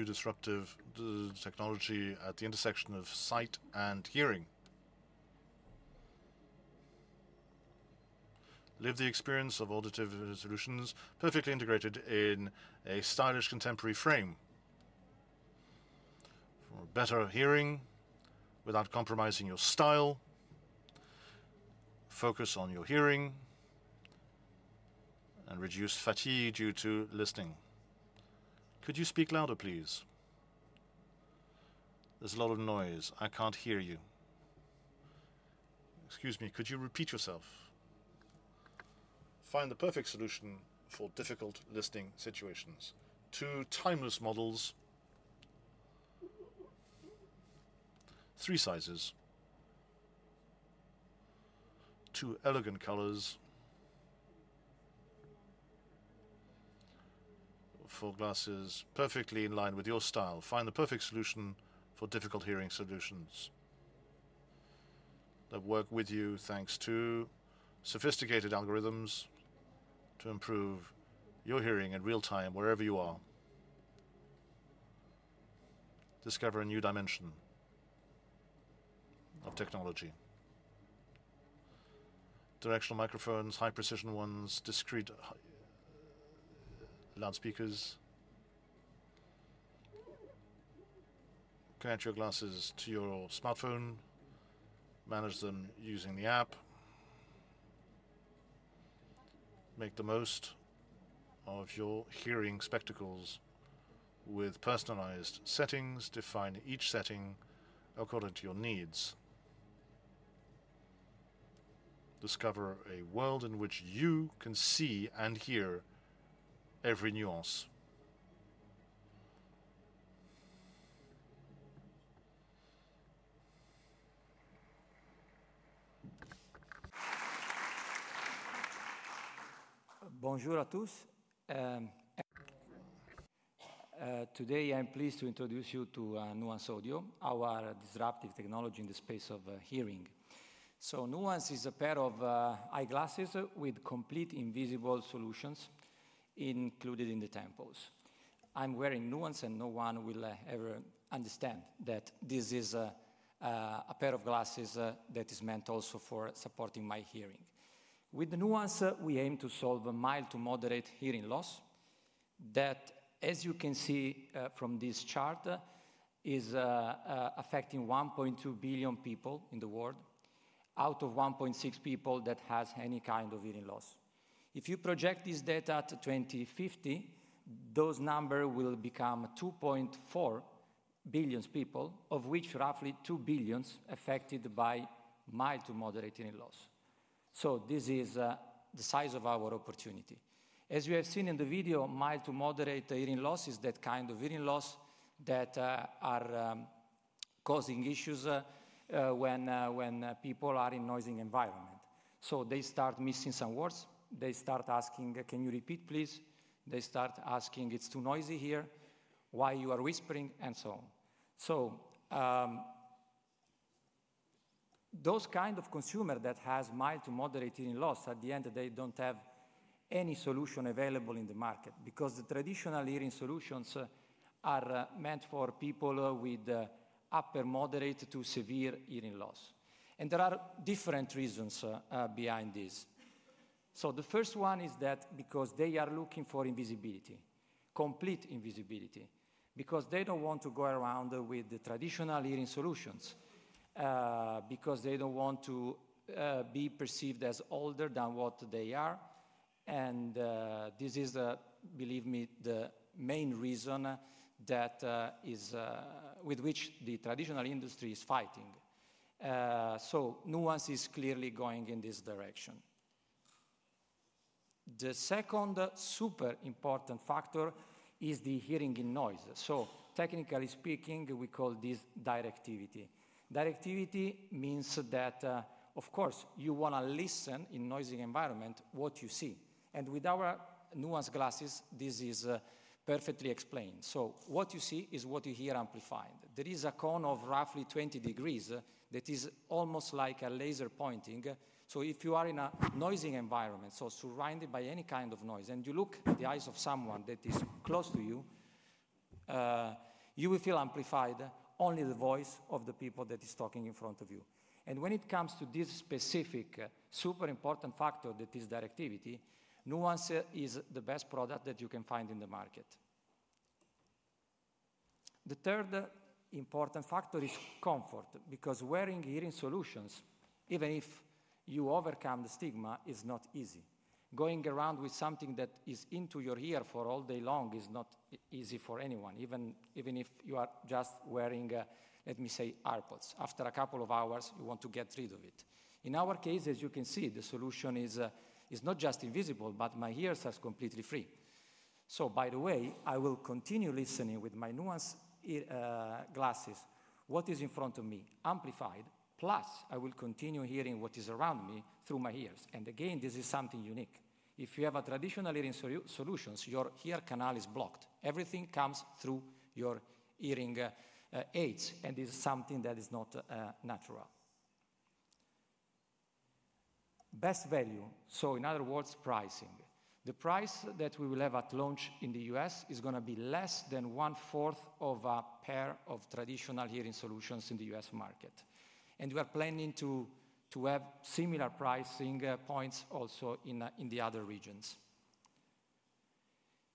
Speaker 7: New disruptive technology at the intersection of sight and hearing. Live the experience of auditive solutions, perfectly integrated in a stylish, contemporary frame. For better hearing without compromising your style, focus on your hearing, and reduce fatigue due to listening.
Speaker 1: Could you speak louder, please? There's a lot of noise. I can't hear you. Excuse me, could you repeat yourself?
Speaker 7: Find the perfect solution for difficult listening situations. Two timeless models, three sizes, two elegant colors for glasses perfectly in line with your style. Find the perfect solution for difficult hearing solutions that work with you, thanks to sophisticated algorithms to improve your hearing in real time, wherever you are. Discover a new dimension of technology. Directional microphones, high-precision ones, discrete loudspeakers. Connect your glasses to your smartphone. Manage them using the app. Make the most of your hearing spectacles with personalized settings. Define each setting according to your needs. Discover a world in which you can see and hear every nuance.
Speaker 5: Bonjour à tous. Today, I'm pleased to introduce you to Nuance Audio, our disruptive technology in the space of hearing. So Nuance is a pair of eyeglasses with complete invisible solutions included in the temples. I'm wearing Nuance, and no one will ever understand that this is a pair of glasses that is meant also for supporting my hearing. With the Nuance, we aim to solve mild to moderate hearing loss. That, as you can see, from this chart, is affecting 1.2 billion people in the world, out of 1.6 billion people that has any kind of hearing loss. If you project this data to 2050, those number will become 2.4 billion people, of which roughly 2 billion affected by mild to moderate hearing loss. So this is the size of our opportunity. As you have seen in the video, mild to moderate hearing loss is that kind of hearing loss that are causing issues when people are in noisy environment. So they start missing some words. They start asking: "Can you repeat, please?" They start asking: "It's too noisy here. Why you are whispering?" And so on.
Speaker 7: So, those kind of consumer that has mild to moderate hearing loss, at the end of the day, don't have any solution available in the market, because the traditional hearing solutions are meant for people with upper moderate to severe hearing loss. And there are different reasons behind this. So the first one is that because they are looking for invisibility, complete invisibility, because they don't want to go around with the traditional hearing solutions, because they don't want to be perceived as older than what they are. And this is, believe me, the main reason that is with which the traditional industry is fighting. So Nuance is clearly going in this direction. The second super important factor is the hearing in noise. So technically speaking, we call this directivity. Directivity means that, of course, you want to listen in noisy environment, what you see. And with our Nuance glasses, this is perfectly explained. So what you see is what you hear amplified. There is a cone of roughly 20 degrees that is almost like a laser pointing. So if you are in a noisy environment, so surrounded by any kind of noise, and you look at the eyes of someone that is close to you, you will feel amplified only the voice of the people that is talking in front of you. And when it comes to this specific, super important factor, that is directivity, Nuance is the best product that you can find in the market. The third important factor is comfort, because wearing hearing solutions, even if you overcome the stigma, is not easy. Going around with something that is into your ear for all day long is not easy for anyone, even if you are just wearing, let me say, AirPods. After a couple of hours, you want to get rid of it. In our case, as you can see, the solution is not just invisible, but my ears are completely free. So, by the way, I will continue listening with my Nuance Audio glasses what is in front of me, amplified, plus I will continue hearing what is around me through my ears. And again, this is something unique. If you have a traditional hearing solutions, your ear canal is blocked. Everything comes through your hearing aids, and this is something that is not natural. Best value, so in other words, pricing. The price that we will have at launch in the U.S. is going to be less than one-fourth of a pair of traditional hearing solutions in the U.S. market, and we are planning to have similar pricing points also in the other regions.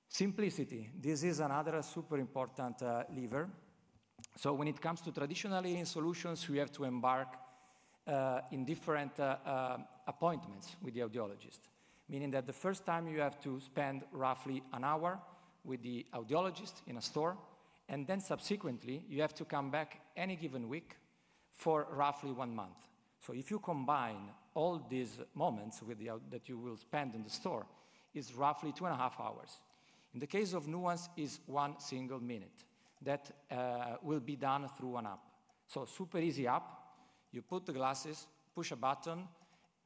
Speaker 7: Simplicity. This is another super important lever. So when it comes to traditional hearing solutions, we have to embark in different appointments with the audiologist, meaning that the first time you have to spend roughly an hour with the audiologist in a store, and then subsequently, you have to come back any given week for roughly one month. So if you combine all these moments with the that you will spend in the store, is roughly two and a half hours. In the case of Nuance, is one single minute that will be done through an app. So super easy app: you put the glasses, push a button,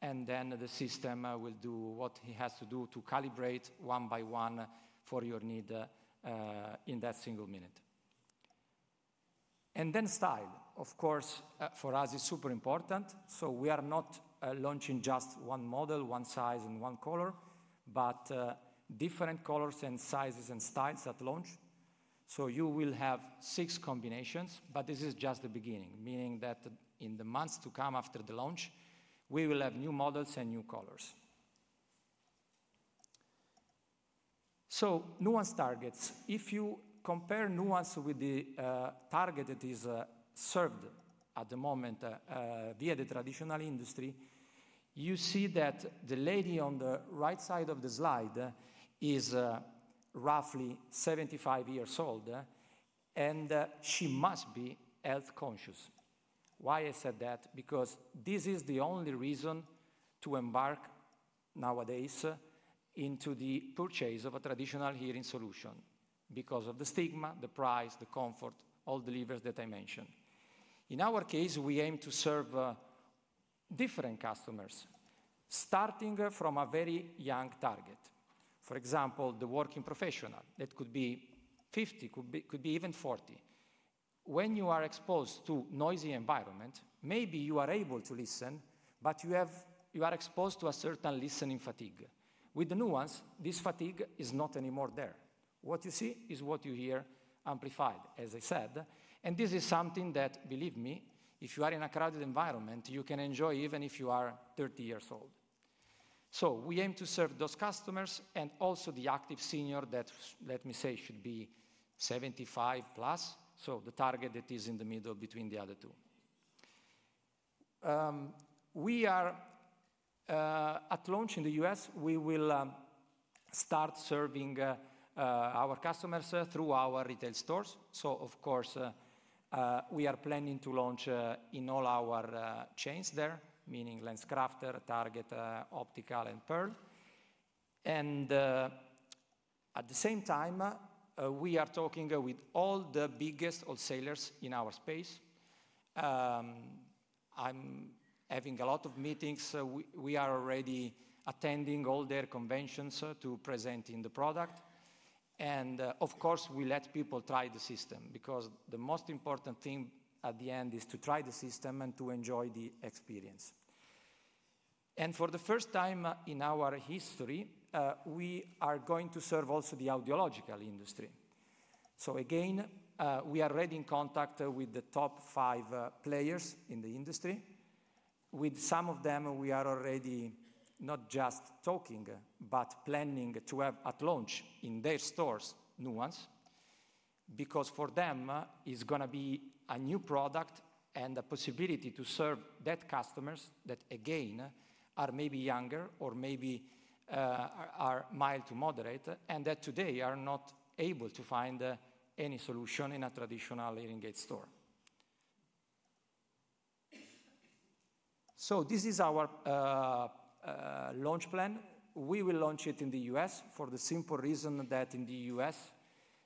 Speaker 7: and then the system will do what it has to do to calibrate one by one for your need in that single minute. And then style. Of course, for us, is super important. So we are not launching just one model, one size, and one color, but different colors and sizes and styles at launch. So you will have six combinations, but this is just the beginning, meaning that in the months to come after the launch, we will have new models and new colors. So Nuance targets. If you compare Nuance with the target that is served at the moment via the traditional industry, you see that the lady on the right side of the slide is roughly 75 years old, and she must be health conscious. Why I said that? Because this is the only reason to embark nowadays into the purchase of a traditional hearing solution, because of the stigma, the price, the comfort, all the levers that I mentioned. In our case, we aim to serve different customers, starting from a very young target. For example, the working professional, that could be 50, could be, could be even 40. When you are exposed to noisy environment, maybe you are able to listen, but you have... You are exposed to a certain listening fatigue. With the Nuance, this fatigue is not anymore there. What you see is what you hear amplified, as I said, and this is something that, believe me, if you are in a crowded environment, you can enjoy even if you are 30 years old. So we aim to serve those customers and also the active senior that, let me say, should be 75+, so the target that is in the middle between the other two. We are at launch in the U.S., we will start serving our customers through our retail stores. So of course, we are planning to launch in all our chains there, meaning LensCrafters, Target Optical, and Pearle. At the same time, we are talking with all the biggest wholesalers in our space. I'm having a lot of meetings. We are already attending all their conventions to presenting the product. Of course, we let people try the system because the most important thing at the end is to try the system and to enjoy the experience. For the first time in our history, we are going to serve also the audiological industry. So again, we are already in contact with the top five players in the industry. With some of them, we are already not just talking, but planning to have at launch in their stores, Nuance, because for them is gonna be a new product and a possibility to serve that customers that, again, are maybe younger or maybe are mild to moderate, and that today are not able to find any solution in a traditional hearing aid store. So this is our launch plan. We will launch it in the U.S. for the simple reason that in the U.S.,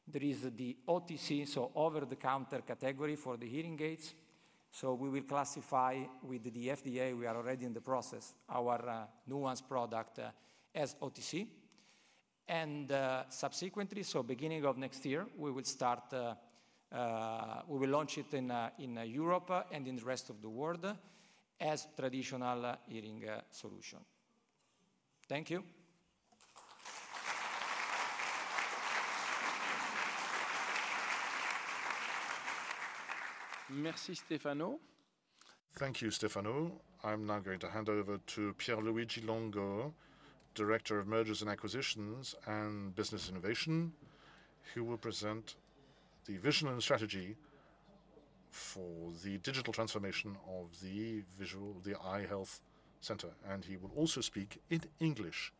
Speaker 7: there is the OTC, so over-the-counter category for the hearing aids. So we will classify with the FDA. We are already in the process, our Nuance product as OTC. And subsequently, so beginning of next year, we will launch it in Europe and in the rest of the world as traditional hearing solution. Thank you.
Speaker 1: Merci, Stefano. Thank you, Stefano. I'm now going to hand over to Pier Luigi Longo, Director of Mergers and Acquisitions and Business Innovation, who will present the vision and strategy for the digital transformation of the visual... the Eye Health Center, and he will also speak in English.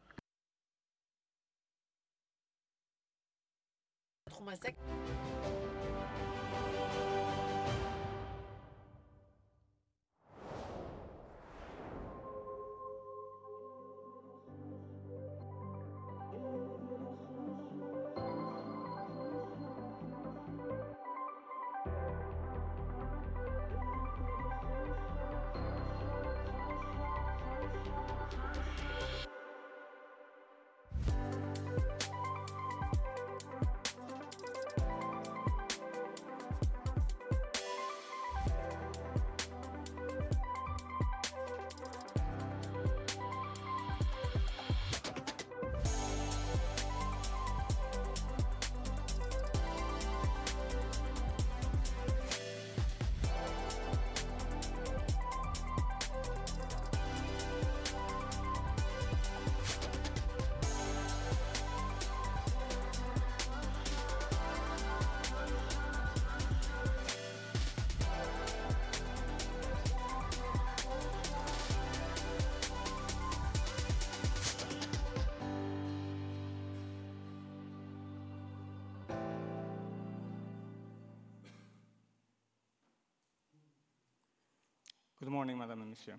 Speaker 8: Good morning, Madam and Monsieur.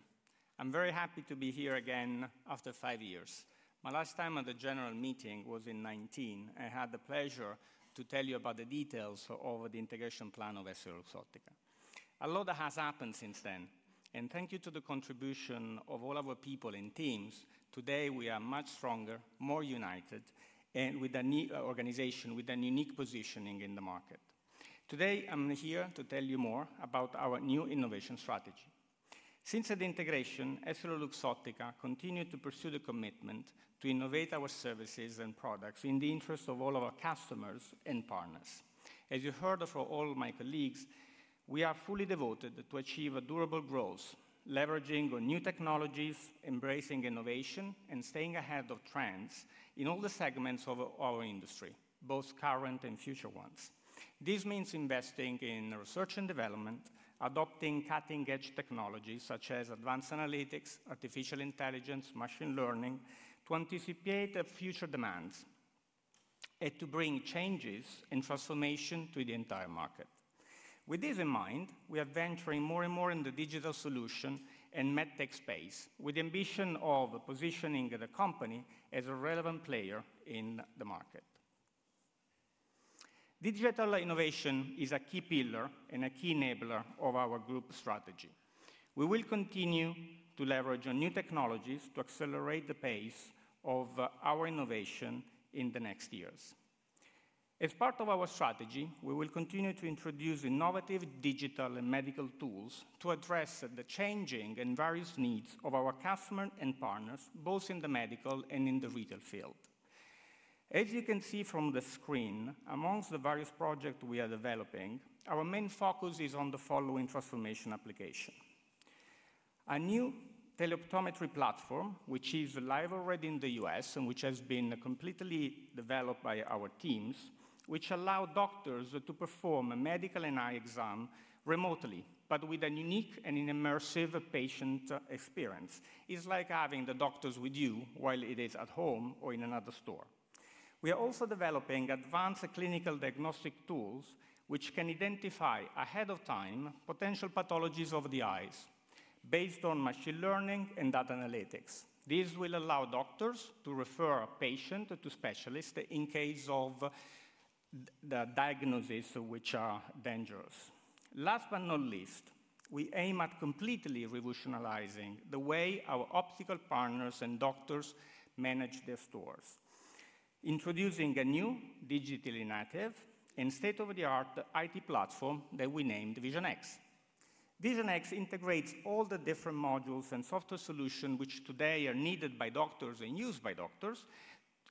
Speaker 8: I'm very happy to be here again after five years. My last time at the general meeting was in 2019. I had the pleasure to tell you about the details of the integration plan of EssilorLuxottica. A lot has happened since then, and thank you to the contribution of all our people and teams. Today, we are much stronger, more united, and with a new organization, with a unique positioning in the market. Today, I'm here to tell you more about our new innovation strategy. Since the integration, EssilorLuxottica continued to pursue the commitment to innovate our services and products in the interest of all of our customers and partners. As you heard from all my colleagues, we are fully devoted to achieve a durable growth, leveraging on new technologies, embracing innovation, and staying ahead of trends in all the segments of our industry, both current and future ones. This means investing in research and development, adopting cutting-edge technologies such as advanced analytics, artificial intelligence, machine learning, to anticipate the future demands and to bring changes and transformation to the entire market. With this in mind, we are venturing more and more in the digital solution and MedTech space, with the ambition of positioning the company as a relevant player in the market. Digital innovation is a key pillar and a key enabler of our group strategy. We will continue to leverage on new technologies to accelerate the pace of our innovation in the next years. As part of our strategy, we will continue to introduce innovative digital and medical tools to address the changing and various needs of our customers and partners, both in the medical and in the retail field. As you can see from the screen, among the various project we are developing, our main focus is on the following transformation application: a new Teleoptometry platform, which is live already in the U.S. and which has been completely developed by our teams, which allow doctors to perform a medical and eye exam remotely, but with a unique and an immersive patient experience. It's like having the doctors with you while it is at home or in another store. We are also developing advanced clinical diagnostic tools, which can identify ahead of time potential pathologies of the eyes based on machine learning and data analytics. This will allow doctors to refer a patient to specialists in case of diagnoses which are dangerous. Last but not least, we aim at completely revolutionizing the way our optical partners and doctors manage their stores, introducing a new digitally native and state-of-the-art IT platform that we named Vision(X). Vision(X) integrates all the different modules and software solution, which today are needed by doctors and used by doctors,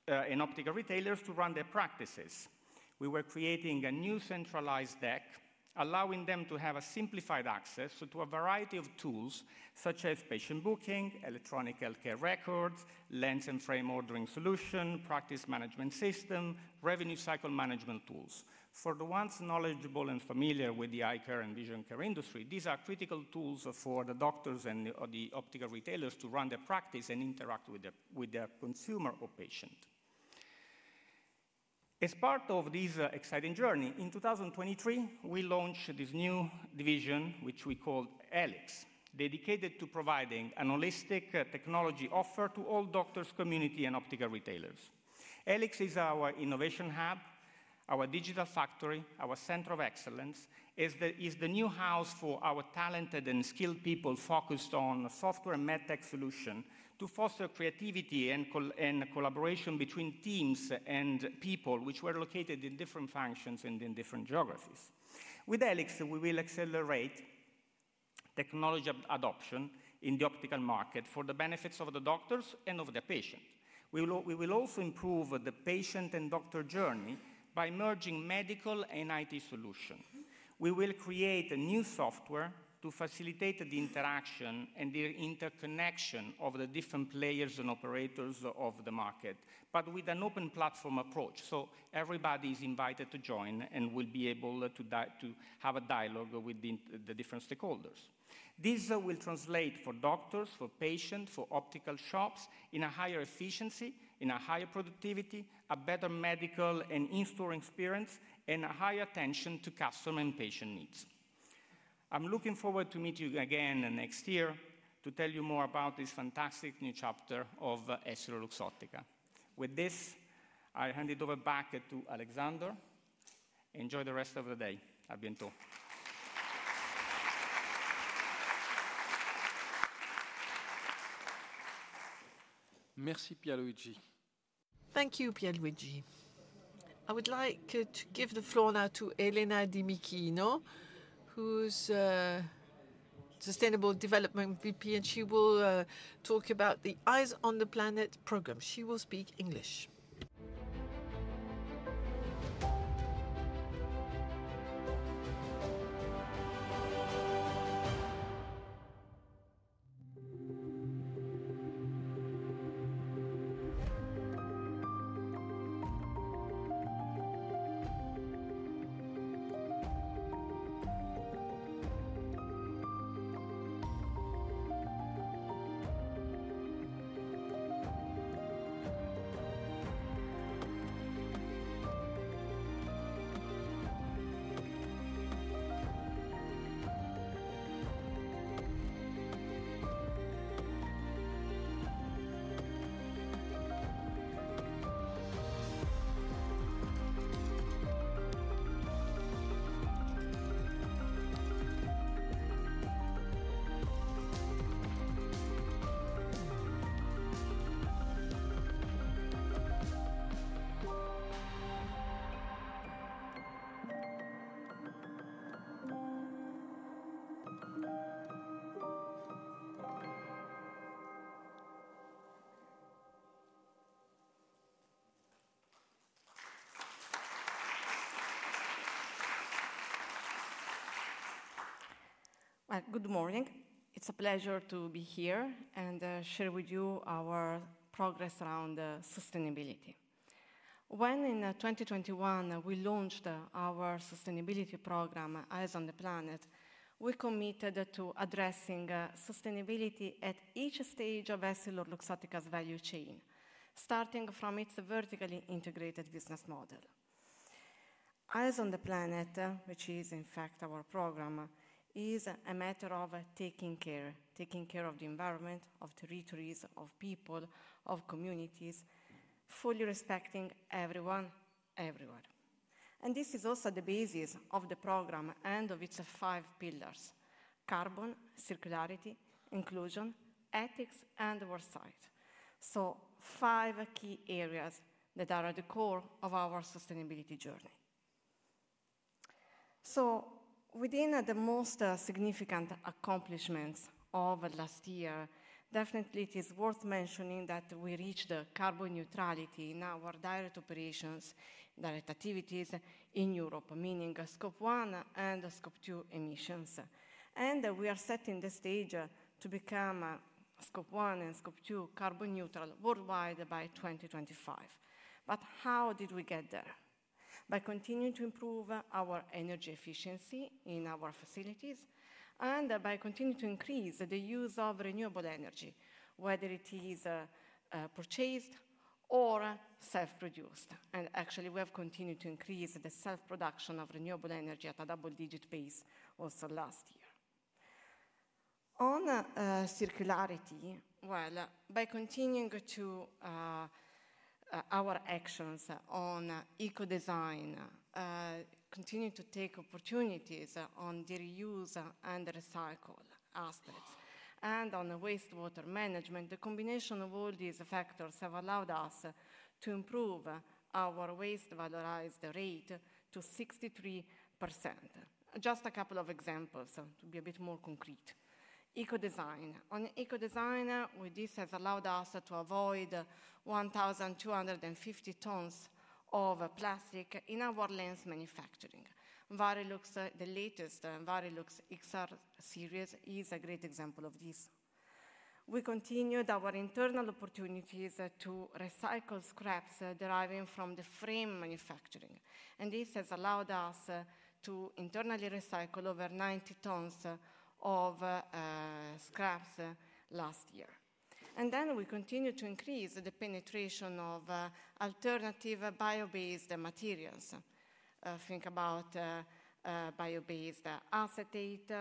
Speaker 8: and optical retailers to run their practices. We were creating a new centralized deck, allowing them to have a simplified access to a variety of tools such as patient booking, electronic healthcare records, lens and frame ordering solution, practice management system, revenue cycle management tools. For the ones knowledgeable and familiar with the eye care and vision care industry, these are critical tools for the doctors and the, or the optical retailers to run their practice and interact with their, with their consumer or patient. As part of this exciting journey, in 2023, we launched this new division, which we called HELIX, dedicated to providing a holistic technology offer to all doctors, community, and optical retailers. HELIX is our innovation hub, our digital factory, our center of excellence, is the, is the new house for our talented and skilled people focused on software and med tech solution to foster creativity and collaboration between teams and people, which were located in different functions and in different geographies. With HELIX, we will accelerate technology adoption in the optical market for the benefits of the doctors and of the patient. We will also improve the patient and doctor journey by merging medical and IT solution. We will create a new software to facilitate the interaction and the interconnection of the different players and operators of the market, but with an open platform approach, so everybody is invited to join and will be able to to have a dialogue with the different stakeholders. This will translate for doctors, for patients, for optical shops, in a higher efficiency, in a higher productivity, a better medical and in-store experience, and a higher attention to customer and patient needs. I'm looking forward to meet you again next year, to tell you more about this fantastic new chapter of EssilorLuxottica. With this, I hand it over back to Alexandre. Enjoy the rest of the day. À bientôt.
Speaker 9: Merci, Pierluigi.
Speaker 4: Thank you, Pierluigi. I would like to give the floor now to Elena Dimichino, who's Sustainable Development VP, and she will talk about the Eyes on the Planet program. She will speak English.
Speaker 10: Good morning. It's a pleasure to be here and share with you our progress around sustainability. When in 2021, we launched our sustainability program, Eyes on the Planet, we committed to addressing sustainability at each stage of EssilorLuxottica's value chain, starting from its vertically integrated business model. Eyes on the Planet, which is in fact our program, is a matter of taking care: taking care of the environment, of territories, of people, of communities, fully respecting everyone, everywhere. And this is also the basis of the program and of its five pillars: carbon, circularity, inclusion, ethics, and oversight. So five key areas that are at the core of our sustainability journey.... So within the most significant accomplishments of last year, definitely it is worth mentioning that we reached carbon neutrality in our direct operations, direct activities in Europe, meaning Scope One and Scope Two emissions. We are setting the stage to become Scope One and Scope Two carbon neutral worldwide by 2025. But how did we get there? By continuing to improve our energy efficiency in our facilities and by continuing to increase the use of renewable energy, whether it is purchased or self-produced. Actually, we have continued to increase the self-production of renewable energy at a double-digit pace also last year. On circularity, well, by continuing to our actions on eco-design, continuing to take opportunities on the reuse and recycle aspects and on the wastewater management, the combination of all these factors have allowed us to improve our waste valorized rate to 63%. Just a couple of examples to be a bit more concrete. Eco-design. On eco-design, this has allowed us to avoid 1,250 tons of plastic in our lens manufacturing. Varilux, the latest Varilux XR series is a great example of this. We continued our internal opportunities to recycle scraps deriving from the frame manufacturing, and this has allowed us to internally recycle over 90 tons of scraps last year. And then we continue to increase the penetration of alternative bio-based materials. Think about bio-based acetate,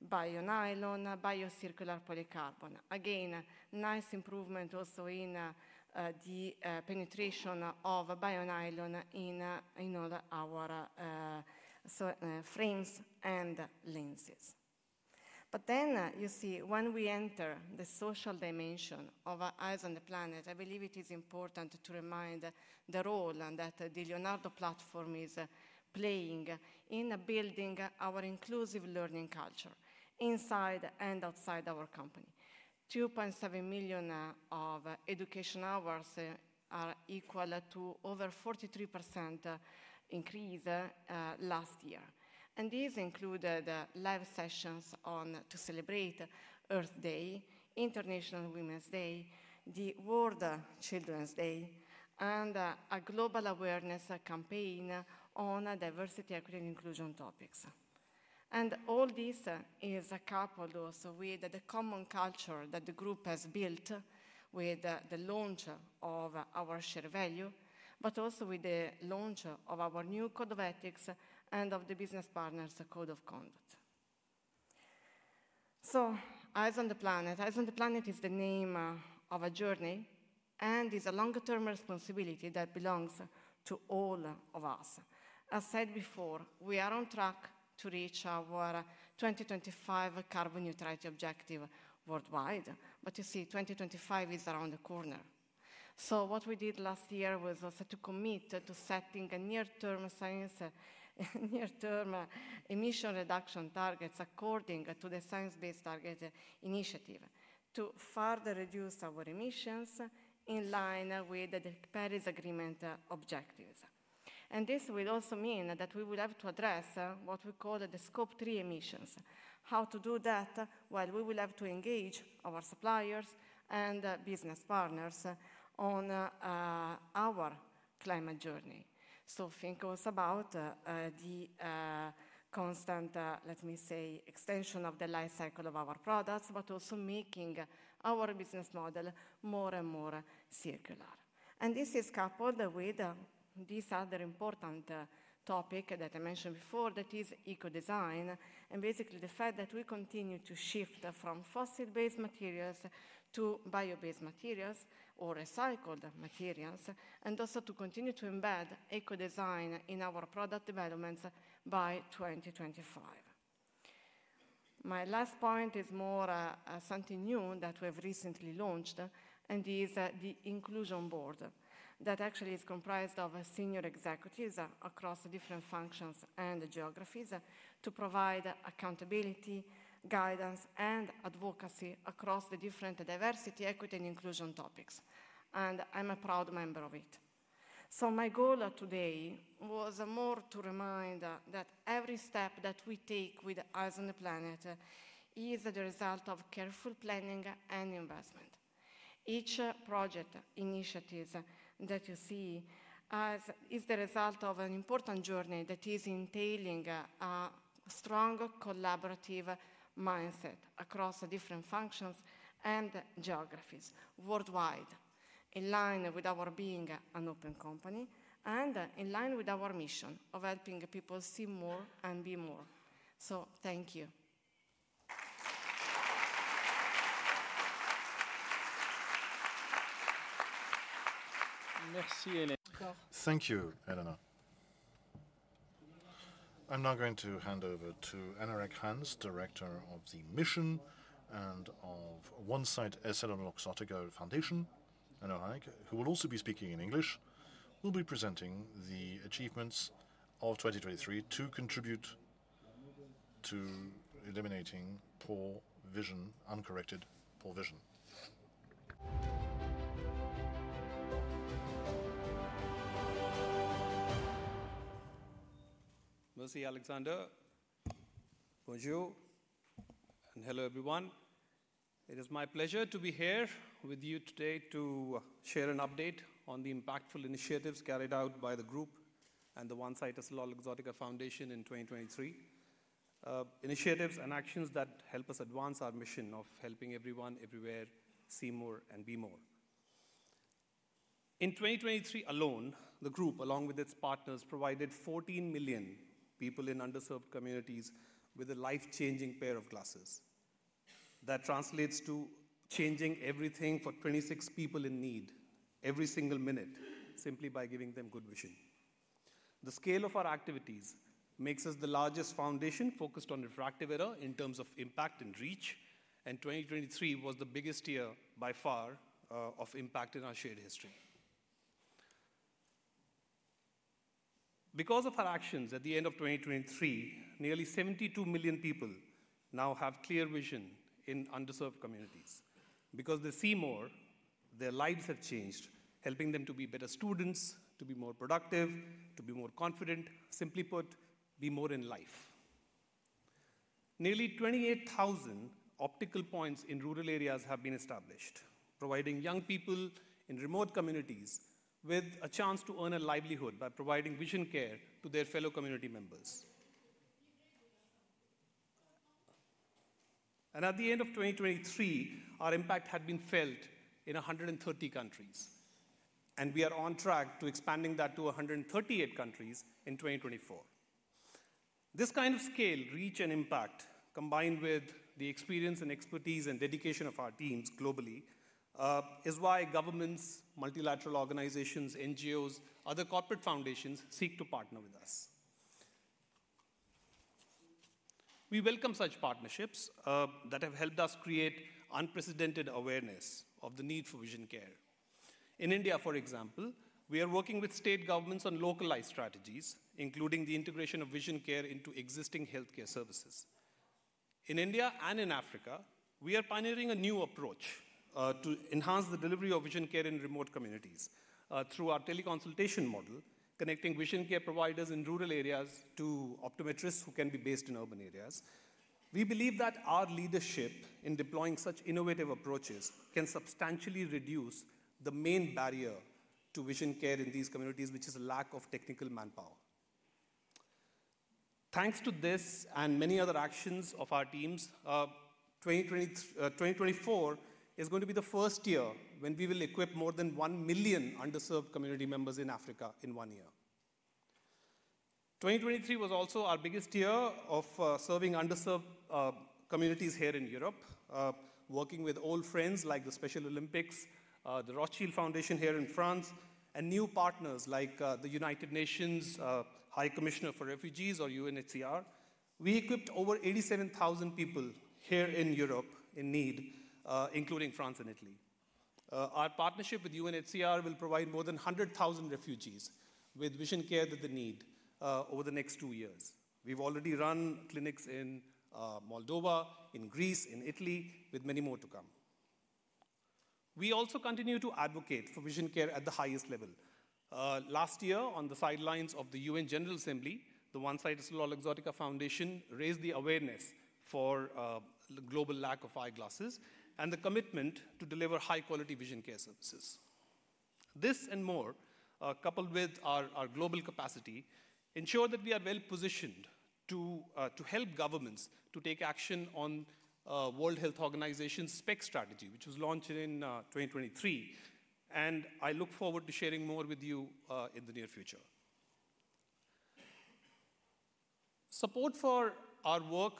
Speaker 10: bio-nylon, biocircular polycarbonate. Again, nice improvement also in the penetration of bio-nylon in all our frames and lenses. But then, you see, when we enter the social dimension of Eyes on the Planet, I believe it is important to remind the role that the Leonardo platform is playing in building our inclusive learning culture inside and outside our company. 2.7 million of education hours are equal to over 43% increase last year. And these included live sessions to celebrate Earth Day, International Women's Day, the World Children's Day, and a global awareness campaign on diversity, equity, and inclusion topics. And all this is coupled also with the common culture that the group has built with the launch of our shared value, but also with the launch of our new code of ethics and of the business partners code of conduct. So Eyes on the Planet. Eyes on the Planet is the name of a journey, and is a long-term responsibility that belongs to all of us. As said before, we are on track to reach our 2025 carbon neutrality objective worldwide. But you see, 2025 is around the corner. So what we did last year was also to commit to setting a near-term science, near-term emission reduction targets according to the Science Based Targets initiative, to further reduce our emissions in line with the Paris Agreement objectives. And this will also mean that we will have to address what we call the Scope Three emissions. How to do that? Well, we will have to engage our suppliers and business partners on, our climate journey. So think also about the constant, let me say, extension of the life cycle of our products, but also making our business model more and more circular. This is coupled with this other important topic that I mentioned before, that is eco-design, and basically the fact that we continue to shift from fossil-based materials to bio-based materials or recycled materials, and also to continue to embed eco-design in our product developments by 2025. My last point is more something new that we have recently launched, and this is the inclusion board that actually is comprised of senior executives across different functions and geographies, to provide accountability, guidance, and advocacy across the different diversity, equity, and inclusion topics, and I'm a proud member of it. My goal today was more to remind that every step that we take with Eyes on the Planet is the result of careful planning and investment. Each project initiatives that you see as is the result of an important journey that is entailing a strong collaborative mindset across different functions and geographies worldwide, in line with our being an open company and in line with our mission of helping people see more and be more. Thank you.
Speaker 1: Merci, Elena. Thank you, Elena. I'm now going to hand over to Anurag Hans, Director of the Mission and of OneSight EssilorLuxottica Foundation. Anurag, who will also be speaking in English, will be presenting the achievements of 2023 to contribute to eliminating poor vision, uncorrected poor vision.
Speaker 6: Merci, Alexander. Bonjour, and hello, everyone. It is my pleasure to be here with you today to share an update on the impactful initiatives carried out by the group and the OneSight EssilorLuxottica Foundation in 2023. Initiatives and actions that help us advance our mission of helping everyone, everywhere, see more and be more. In 2023 alone, the group, along with its partners, provided 14 million people in underserved communities with a life-changing pair of glasses. That translates to changing everything for 26 people in need every single minute, simply by giving them good vision. The scale of our activities makes us the largest foundation focused on refractive error in terms of impact and reach, and 2023 was the biggest year by far of impact in our shared history. Because of our actions at the end of 2023, nearly 72 million people now have clear vision in underserved communities. Because they see more, their lives have changed, helping them to be better students, to be more productive, to be more confident. Simply put, be more in life. Nearly 28,000 optical points in rural areas have been established, providing young people in remote communities with a chance to earn a livelihood by providing vision care to their fellow community members. And at the end of 2023, our impact had been felt in 130 countries, and we are on track to expanding that to 138 countries in 2024. This kind of scale, reach, and impact, combined with the experience and expertise and dedication of our teams globally, is why governments, multilateral organizations, NGOs, other corporate foundations seek to partner with us. We welcome such partnerships that have helped us create unprecedented awareness of the need for vision care. In India, for example, we are working with state governments on localized strategies, including the integration of vision care into existing healthcare services. In India and in Africa, we are pioneering a new approach to enhance the delivery of vision care in remote communities through our teleconsultation model, connecting vision care providers in rural areas to optometrists who can be based in urban areas. We believe that our leadership in deploying such innovative approaches can substantially reduce the main barrier to vision care in these communities, which is a lack of technical manpower. Thanks to this and many other actions of our teams, 2024 is going to be the first year when we will equip more than 1 million underserved community members in Africa in one year. 2023 was also our biggest year of serving underserved communities here in Europe. Working with old friends like the Special Olympics, the Rothschild Foundation here in France, and new partners like the United Nations High Commissioner for Refugees or UNHCR. We equipped over 87,000 people here in Europe in need, including France and Italy. Our partnership with UNHCR will provide more than 100,000 refugees with vision care that they need over the next two years. We've already run clinics in Moldova, in Greece, in Italy, with many more to come. We also continue to advocate for vision care at the highest level. Last year, on the sidelines of the UN General Assembly, the OneSight EssilorLuxottica Foundation raised the awareness for global lack of eyeglasses and the commitment to deliver high-quality vision care services. This and more, coupled with our global capacity, ensure that we are well-positioned to help governments to take action on World Health Organization's SPECS strategy, which was launched in 2023, and I look forward to sharing more with you in the near future. Support for our work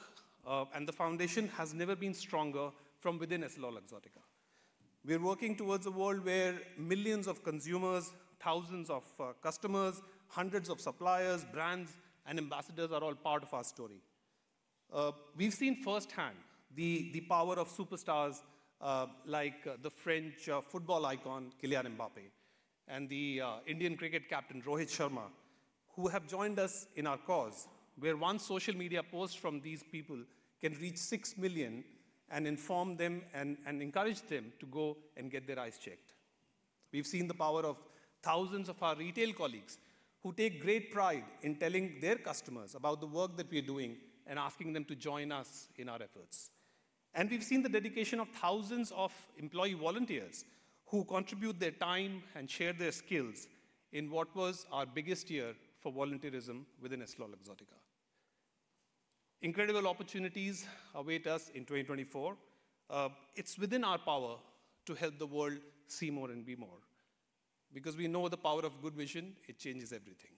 Speaker 6: and the foundation has never been stronger from within EssilorLuxottica. We are working towards a world where millions of consumers, thousands of customers, hundreds of suppliers, brands, and ambassadors are all part of our story. We've seen firsthand the power of superstars like the French football icon, Kylian Mbappé, and the Indian cricket captain, Rohit Sharma, who have joined us in our cause, where one social media post from these people can reach 6 million and inform them and encourage them to go and get their eyes checked. We've seen the power of thousands of our retail colleagues, who take great pride in telling their customers about the work that we are doing and asking them to join us in our efforts. And we've seen the dedication of thousands of employee volunteers, who contribute their time and share their skills in what was our biggest year for volunteerism within EssilorLuxottica. Incredible opportunities await us in 2024. It's within our power to help the world see more and be more, because we know the power of good vision, it changes everything.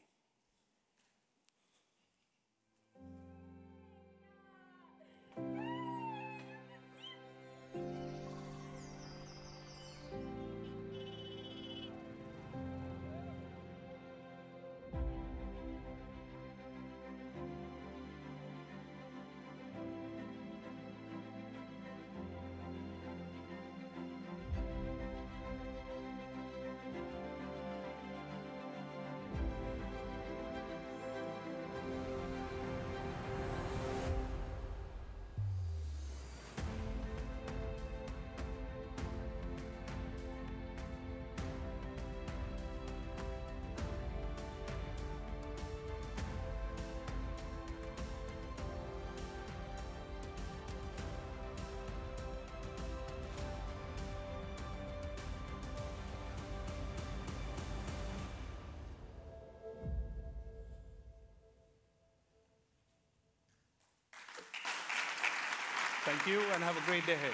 Speaker 6: Thank you, and have a great day ahead.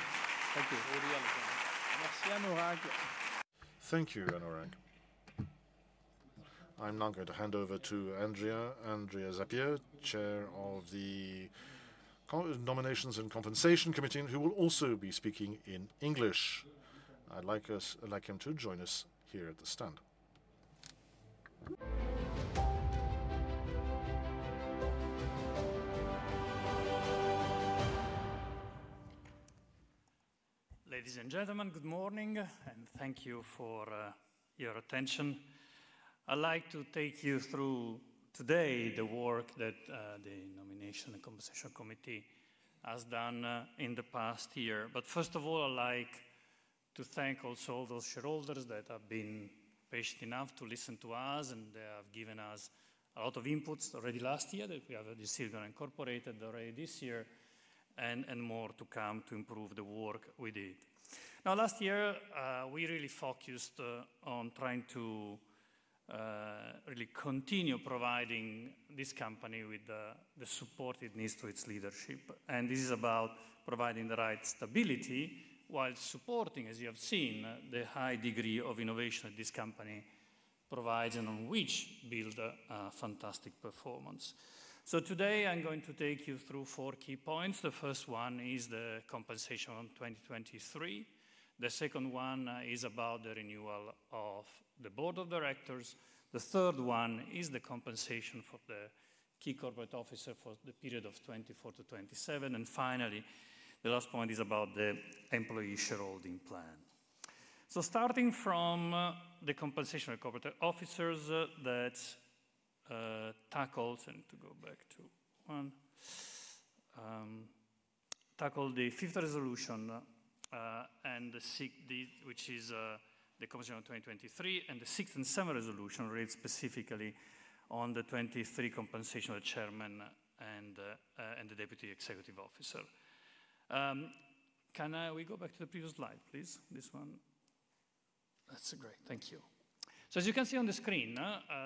Speaker 6: Thank you.
Speaker 1: Thank you, Anurag. I'm now going to hand over to Andrea, Andrea Zappia, Chair of the Nominations and Compensation Committee, who will also be speaking in English. I'd like us, I'd like him to join us here at the stand.
Speaker 9: Ladies and gentlemen, good morning, and thank you for your attention. I'd like to take you through today the work that the Nomination and Compensation Committee has done in the past year. But first of all, I'd like to thank also those shareholders that have been patient enough to listen to us, and they have given us a lot of inputs already last year that we have received and incorporated already this year, and more to come to improve the work we did. Now, last year we really focused on trying to really continue providing this company with the support it needs for its leadership. This is about providing the right stability while supporting, as you have seen, the high degree of innovation that this company provides and on which build a fantastic performance. So today, I'm going to take you through four key points. The first one is the compensation on 2023. The second one is about the renewal of the board of directors. The third one is the compensation for the key corporate officer for the period of 2024-2027. And finally, the last point is about the employee shareholding plan. So starting from the compensation of corporate officers that tackles... I need to go back to one. Tackle the fifth resolution and the sixth, which is the compensation of 2023, and the sixth and seventh resolution relates specifically on the 2023 compensation of the chairman and the deputy executive officer. Can we go back to the previous slide, please? This one. That's great. Thank you. So as you can see on the screen,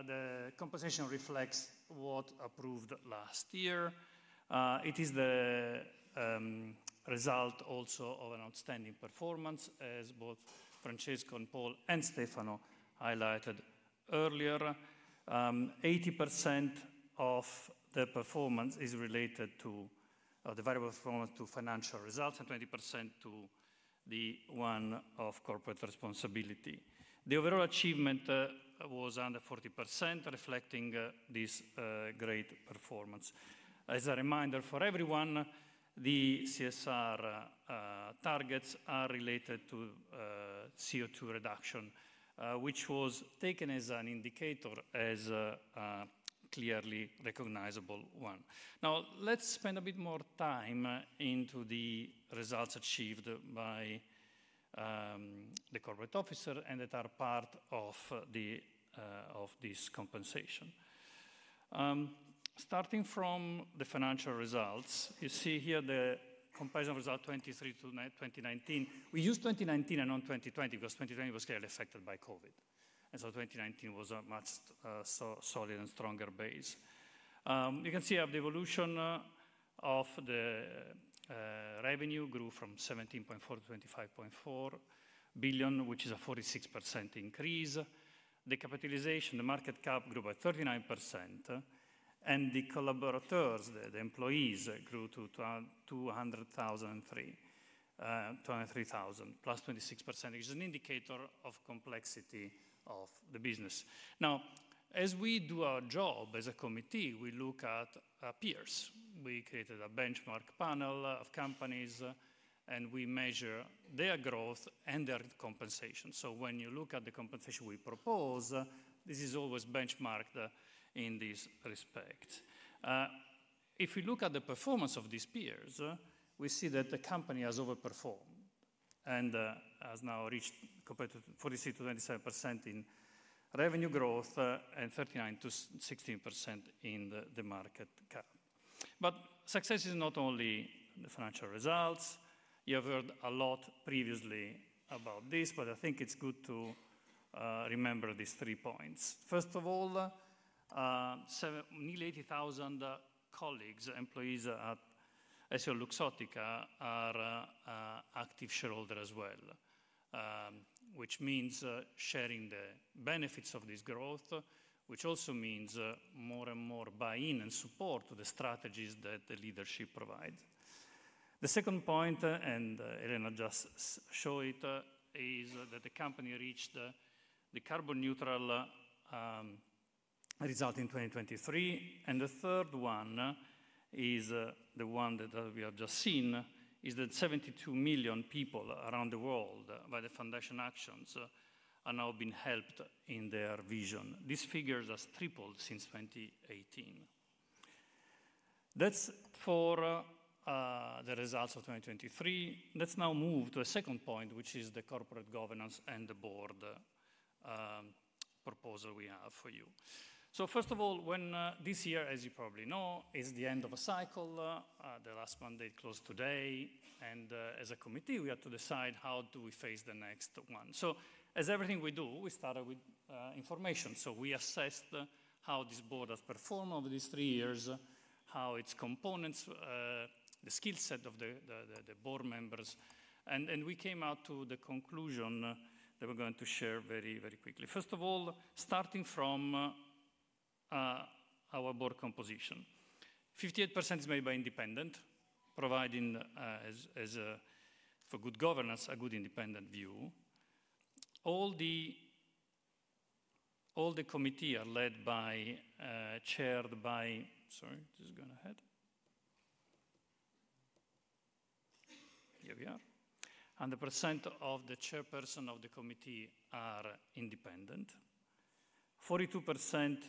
Speaker 9: the compensation reflects what approved last year. It is the result also of an outstanding performance, as both Francesco and Paul and Stefano highlighted earlier. 80% of the performance is related to the variable performance to financial results, and 20% to the one of corporate responsibility. The overall achievement was under 40%, reflecting this great performance. As a reminder for everyone, the CSR targets are related to CO₂ reduction, which was taken as an indicator, as a clearly recognizable one. Now, let's spend a bit more time into the results achieved by the corporate officer and that are part of this compensation. Starting from the financial results, you see here the comparison result 2023 to 2019. We used 2019 and not 2020, because 2020 was heavily affected by COVID, and 2019 was a much, so-solid and stronger base. You can see how the evolution of the revenue grew from 17.4 billion to 25.4 billion, which is a 46% increase. The capitalization, the market cap, grew by 39%, and the collaborators, the employees, grew to 223,000, plus 26%, which is an indicator of complexity of the business. Now, as we do our job as a committee, we look at our peers. We created a benchmark panel of companies, and we measure their growth and their compensation. When you look at the compensation we propose, this is always benchmarked in this respect. If we look at the performance of these peers, we see that the company has overperformed and has now reached compared to 46%-27% in revenue growth and 39%-16% in the market cap. But success is not only the financial results. You have heard a lot previously about this, but I think it's good to remember these three points. First of all, nearly 80,000 colleagues, employees at EssilorLuxottica, are active shareholder as well, which means sharing the benefits of this growth, which also means more and more buy-in and support to the strategies that the leadership provides. The second point, and Elena just show it, is that the company reached the carbon neutral-... a result in 2023, and the third one is, the one that we have just seen, is that 72 million people around the world, by the foundation actions, are now being helped in their vision. This figure has tripled since 2018. That's for the results of 2023. Let's now move to a second point, which is the corporate governance and the board proposal we have for you. So first of all, when this year, as you probably know, is the end of a cycle, the last mandate closed today, and as a committee, we had to decide how do we face the next one. So as everything we do, we started with information. So we assessed how this board has performed over these three years, how its components, the skill set of the board members, and we came out to the conclusion that we're going to share very, very quickly. First of all, starting from our board composition. 58% is made by independent, providing, as a, for good governance, a good independent view. All the... All the committee are led by, chaired by... Sorry, just go ahead. Here we are. 100% of the chairperson of the committee are independent. 42%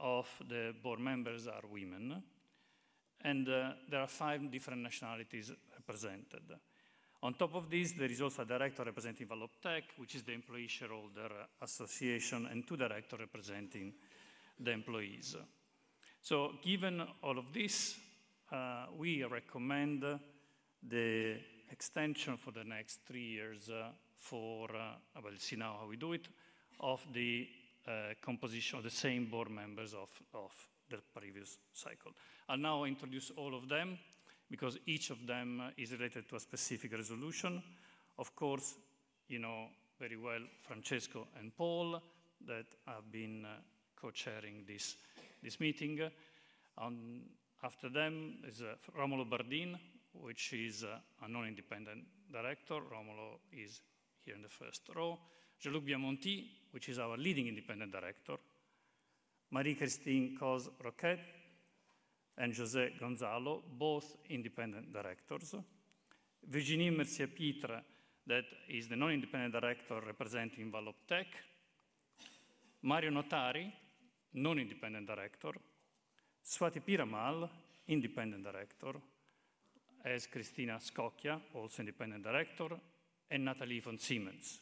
Speaker 9: of the board members are women, and there are five different nationalities represented. On top of this, there is also a director representing Valoptec, which is the employee shareholder association, and two director representing the employees. So given all of this, we recommend the extension for the next three years, we'll see now how we do it, of the composition of the same board members of the previous cycle. I'll now introduce all of them, because each of them is related to a specific resolution. Of course, you know very well Francesco and Paul, that have been co-chairing this meeting. After them is Romolo Bardin, which is a non-independent director. Romolo is here in the first row. Jean-Luc Biamonti, which is our leading independent director. Marie-Christine Coisne-Roquette and José Gonzalo, both independent directors. Virginie Mercier-Pitre, that is the non-independent director representing Valoptec. Mario Notari, non-independent director. Swati Piramal, independent director, as Cristina Scocchia, also independent director, and Nathalie von Siemens,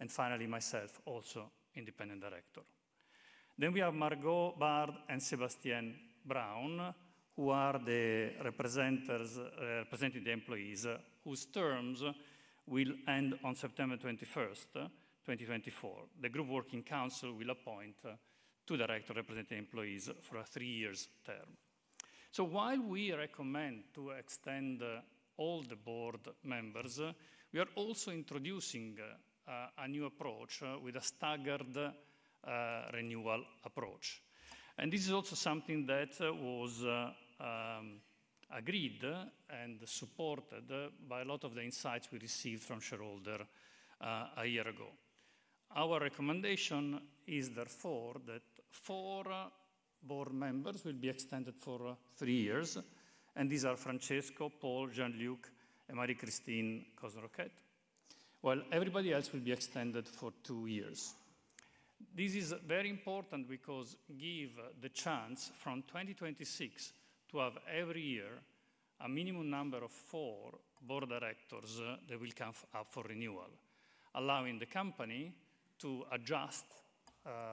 Speaker 9: and finally myself, also independent director. We have Margot Bard and Sébastien Brown, who are the representatives representing the employees, whose terms will end on September 21, 2024. The Group Working Council will appoint two directors representing employees for a three-year term. So while we recommend to extend all the board members, we are also introducing a new approach with a staggered renewal approach. And this is also something that was agreed and supported by a lot of the insights we received from shareholders a year ago. Our recommendation is therefore that four board members will be extended for three years, and these are Francesco, Paul, Jean-Luc, and Marie-Christine Coisne-Roquette, while everybody else will be extended for two years. This is very important because give the chance from 2026 to have every year, a minimum number of four board of directors that will come up for renewal, allowing the company to adjust,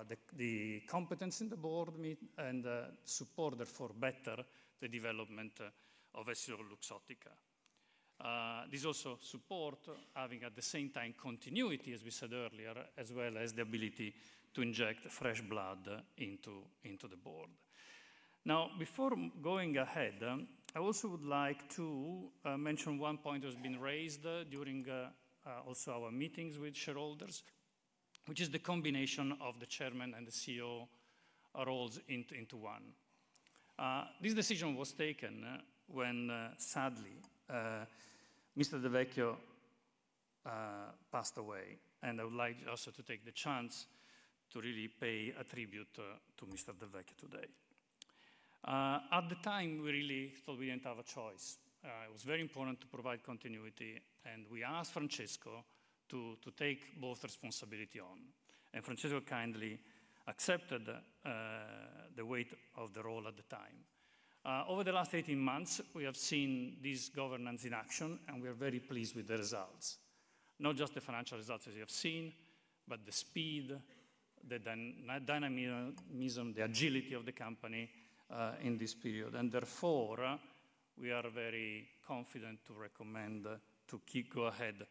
Speaker 9: the, the competence in the board and, support therefore better the development of EssilorLuxottica. This also support having, at the same time, continuity, as we said earlier, as well as the ability to inject fresh blood into, into the board. Now, before going ahead, I also would like to, mention one point that has been raised during, also our meetings with shareholders, which is the combination of the Chairman and the CEO roles into, into one. This decision was taken when, sadly, Mr. Del Vecchio, passed away, and I would like also to take the chance to really pay a tribute to, to Mr. Del Vecchio today. At the time, we really thought we didn't have a choice. It was very important to provide continuity, and we asked Francesco to take both responsibility on, and Francesco kindly accepted the weight of the role at the time. Over the last 18 months, we have seen this governance in action, and we are very pleased with the results. Not just the financial results, as you have seen, but the speed, the dynamism, the agility of the company in this period. And therefore, we are very confident to recommend to keep go ahead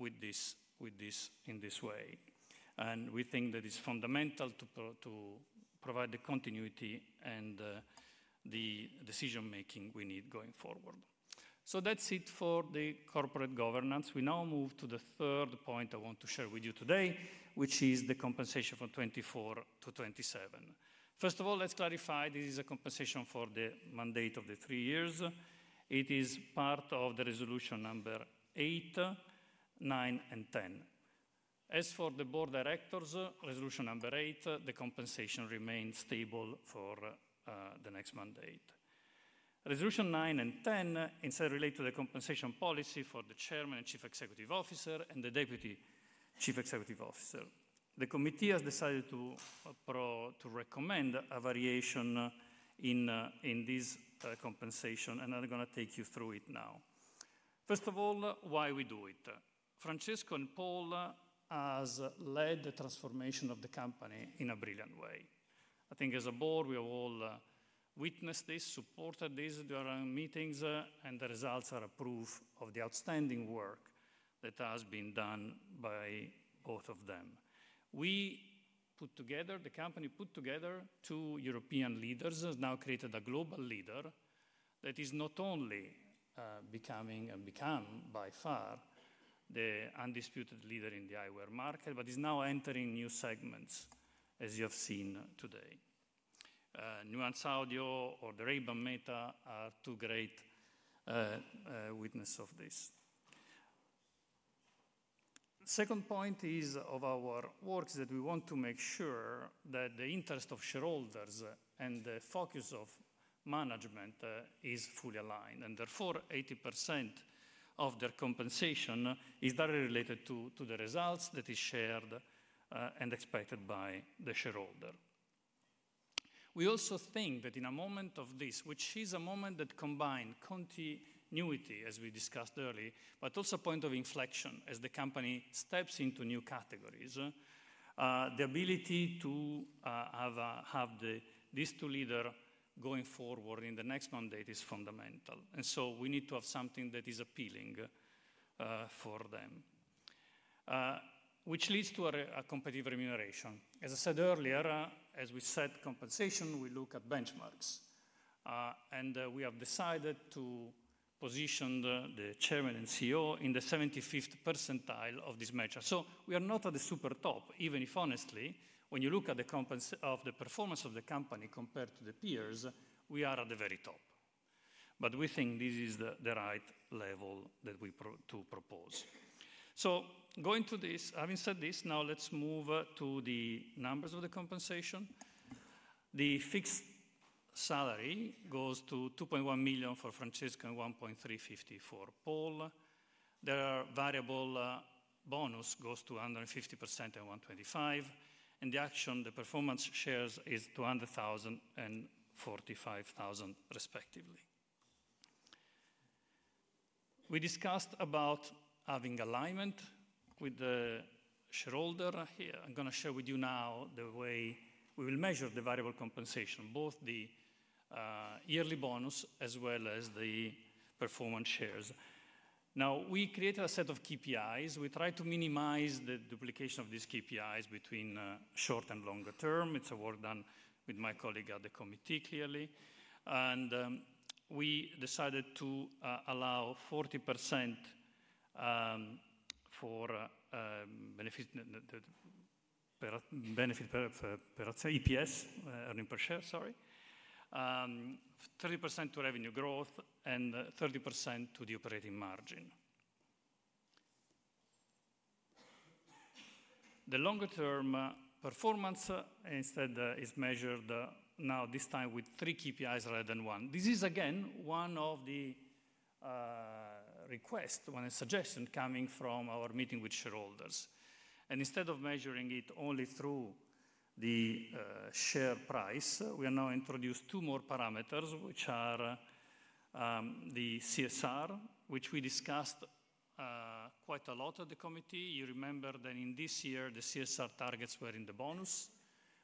Speaker 9: with this, with this, in this way. And we think that it's fundamental to provide the continuity and the decision-making we need going forward. So that's it for the corporate governance. We now move to the third point I want to share with you today, which is the compensation from 2024 to 2027. First of all, let's clarify, this is a compensation for the mandate of the 3 years. It is part of the resolution number eight, nine, and 10. As for the board of directors, resolution number eight, the compensation remains stable for the next mandate. Resolution 9 and 10, instead relate to the compensation policy for the Chairman and Chief Executive Officer and the Deputy Chief Executive Officer. The committee has decided to recommend a variation in this compensation, and I'm gonna take you through it now. First of all, why we do it? Francesco and Paul has led the transformation of the company in a brilliant way. I think as a board, we have all witnessed this, supported this during meetings, and the results are a proof of the outstanding work that has been done by both of them. We put together, the company put together two European leaders, has now created a global leader that is not only becoming and become by far the undisputed leader in the eyewear market, but is now entering new segments, as you have seen today. Nuance Audio or the Ray-Ban Meta are two great witness of this. Second point is of our work is that we want to make sure that the interest of shareholders and the focus of management is fully aligned, and therefore, 80% of their compensation is directly related to the results that is shared and expected by the shareholder. We also think that in a moment of this, which is a moment that combine continuity, as we discussed earlier, but also a point of inflection as the company steps into new categories, the ability to, have the these two leader going forward in the next mandate is fundamental, and so we need to have something that is appealing, for them. Which leads to a competitive remuneration. As I said earlier, as we set compensation, we look at benchmarks, and we have decided to position the chairman and CEO in the 75th percentile of this measure. So we are not at the super top, even if honestly, when you look at the compensation of the performance of the company compared to the peers, we are at the very top. But we think this is the right level that we propose to. So going to this... Having said this, now let's move to the numbers of the compensation. The fixed salary goes to 2.1 million for Francesco and 1.35 million for Paul. Their variable bonus goes to 150% and 125%, and the allocation, the performance shares, is 200,000 and 45,000 respectively. We discussed about having alignment with the shareholder. Here, I'm gonna share with you now the way we will measure the variable compensation, both the yearly bonus as well as the performance shares. Now, we created a set of KPIs. We tried to minimize the duplication of these KPIs between short and longer term. It's a work done with my colleague at the committee, clearly. We decided to allow 40% for benefit per EPS, earning per share, sorry, 30% to revenue growth, and 30% to the operating margin. The longer term performance instead is measured now this time with 3 KPIs rather than one. This is again one of the request, one suggestion coming from our meeting with shareholders. Instead of measuring it only through the share price, we are now introduce two more parameters, which are the CSR, which we discussed quite a lot at the committee. You remember that in this year, the CSR targets were in the bonus.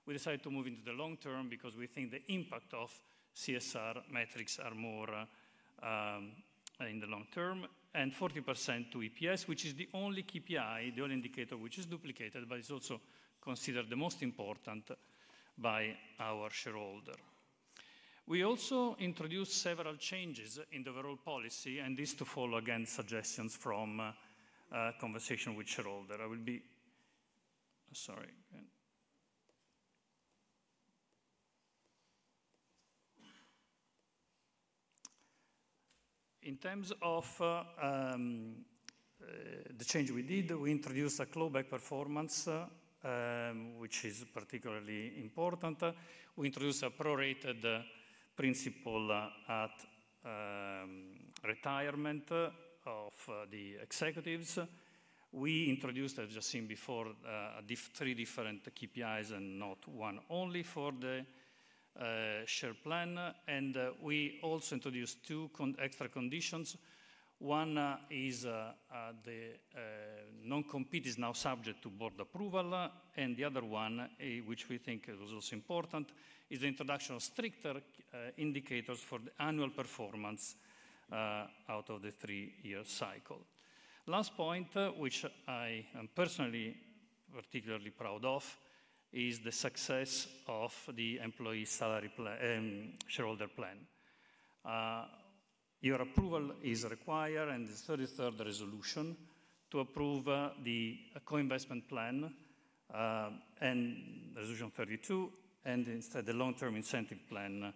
Speaker 9: We decided to move into the long term because we think the impact of CSR metrics are more in the long term, and 40% to EPS, which is the only KPI, the only indicator, which is duplicated, but is also considered the most important by our shareholder. We also introduced several changes in the overall policy, and this to follow, again, suggestions from conversation with shareholder. I will be... Sorry. In terms of the change we did, we introduced a clawback performance, which is particularly important. We introduced a prorated principle at retirement of the executives. We introduced, as you've seen before, three different KPIs and not one only for the share plan, and we also introduced two extra conditions. One is the non-compete is now subject to board approval, and the other one, which we think is also important, is the introduction of stricter indicators for the annual performance out of the three-year cycle. Last point, which I am personally particularly proud of, is the success of the employee salary plan, shareholder plan. Your approval is required, and the 33rd resolution, to approve the co-investment plan, and Resolution 32, and instead the long-term incentive plan,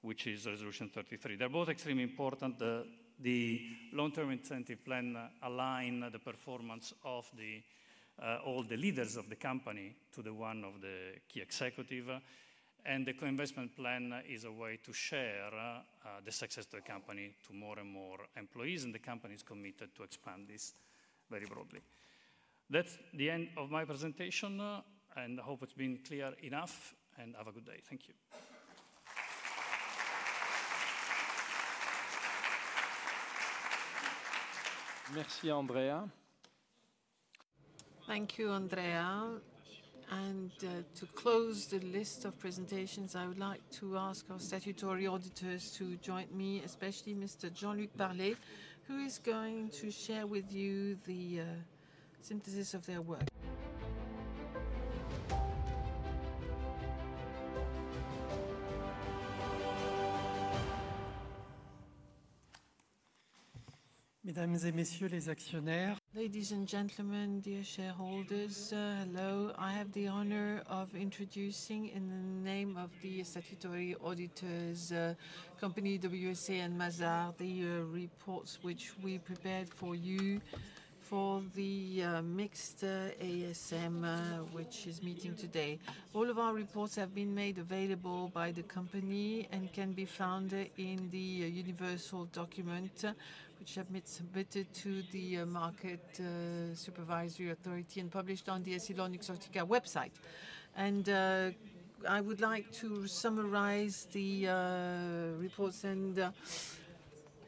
Speaker 9: which is Resolution 33. They're both extremely important. The long-term incentive plan align the performance of all the leaders of the company to the one of the key executive. And the co-investment plan is a way to share the success to the company to more and more employees, and the company is committed to expand this very broadly. That's the end of my presentation, and I hope it's been clear enough, and have a good day. Thank you.
Speaker 1: Merci, Andrea.
Speaker 11: Thank you, Andrea. To close the list of presentations, I would like to ask our statutory auditors to join me, especially Mr. Jean-Luc Biamonti, who is going to share with you the synthesis of their work.
Speaker 12: Mesdames et messieurs, les actionnaires. Ladies and gentlemen, dear shareholders, hello. I have the honor of introducing, in the name of the statutory auditors, company, WSA and Mazars, the reports which we prepared for you for the mixed ASM, which is meeting today. All of our reports have been made available by the company and can be found in the universal document, which have been submitted to the Market Supervisory Authority and published on the EssilorLuxottica website. I would like to summarize the reports and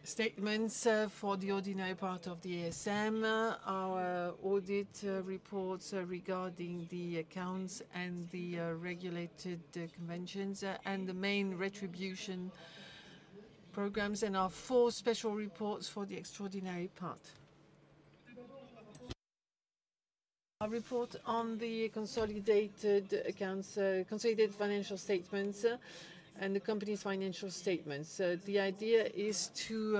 Speaker 12: statements for the ordinary part of the ASM, our audit reports regarding the accounts and the regulated conventions and the main retribution programs, and our four special reports for the extraordinary part. Our report on the consolidated accounts, consolidated financial statements, and the company's financial statements. The idea is to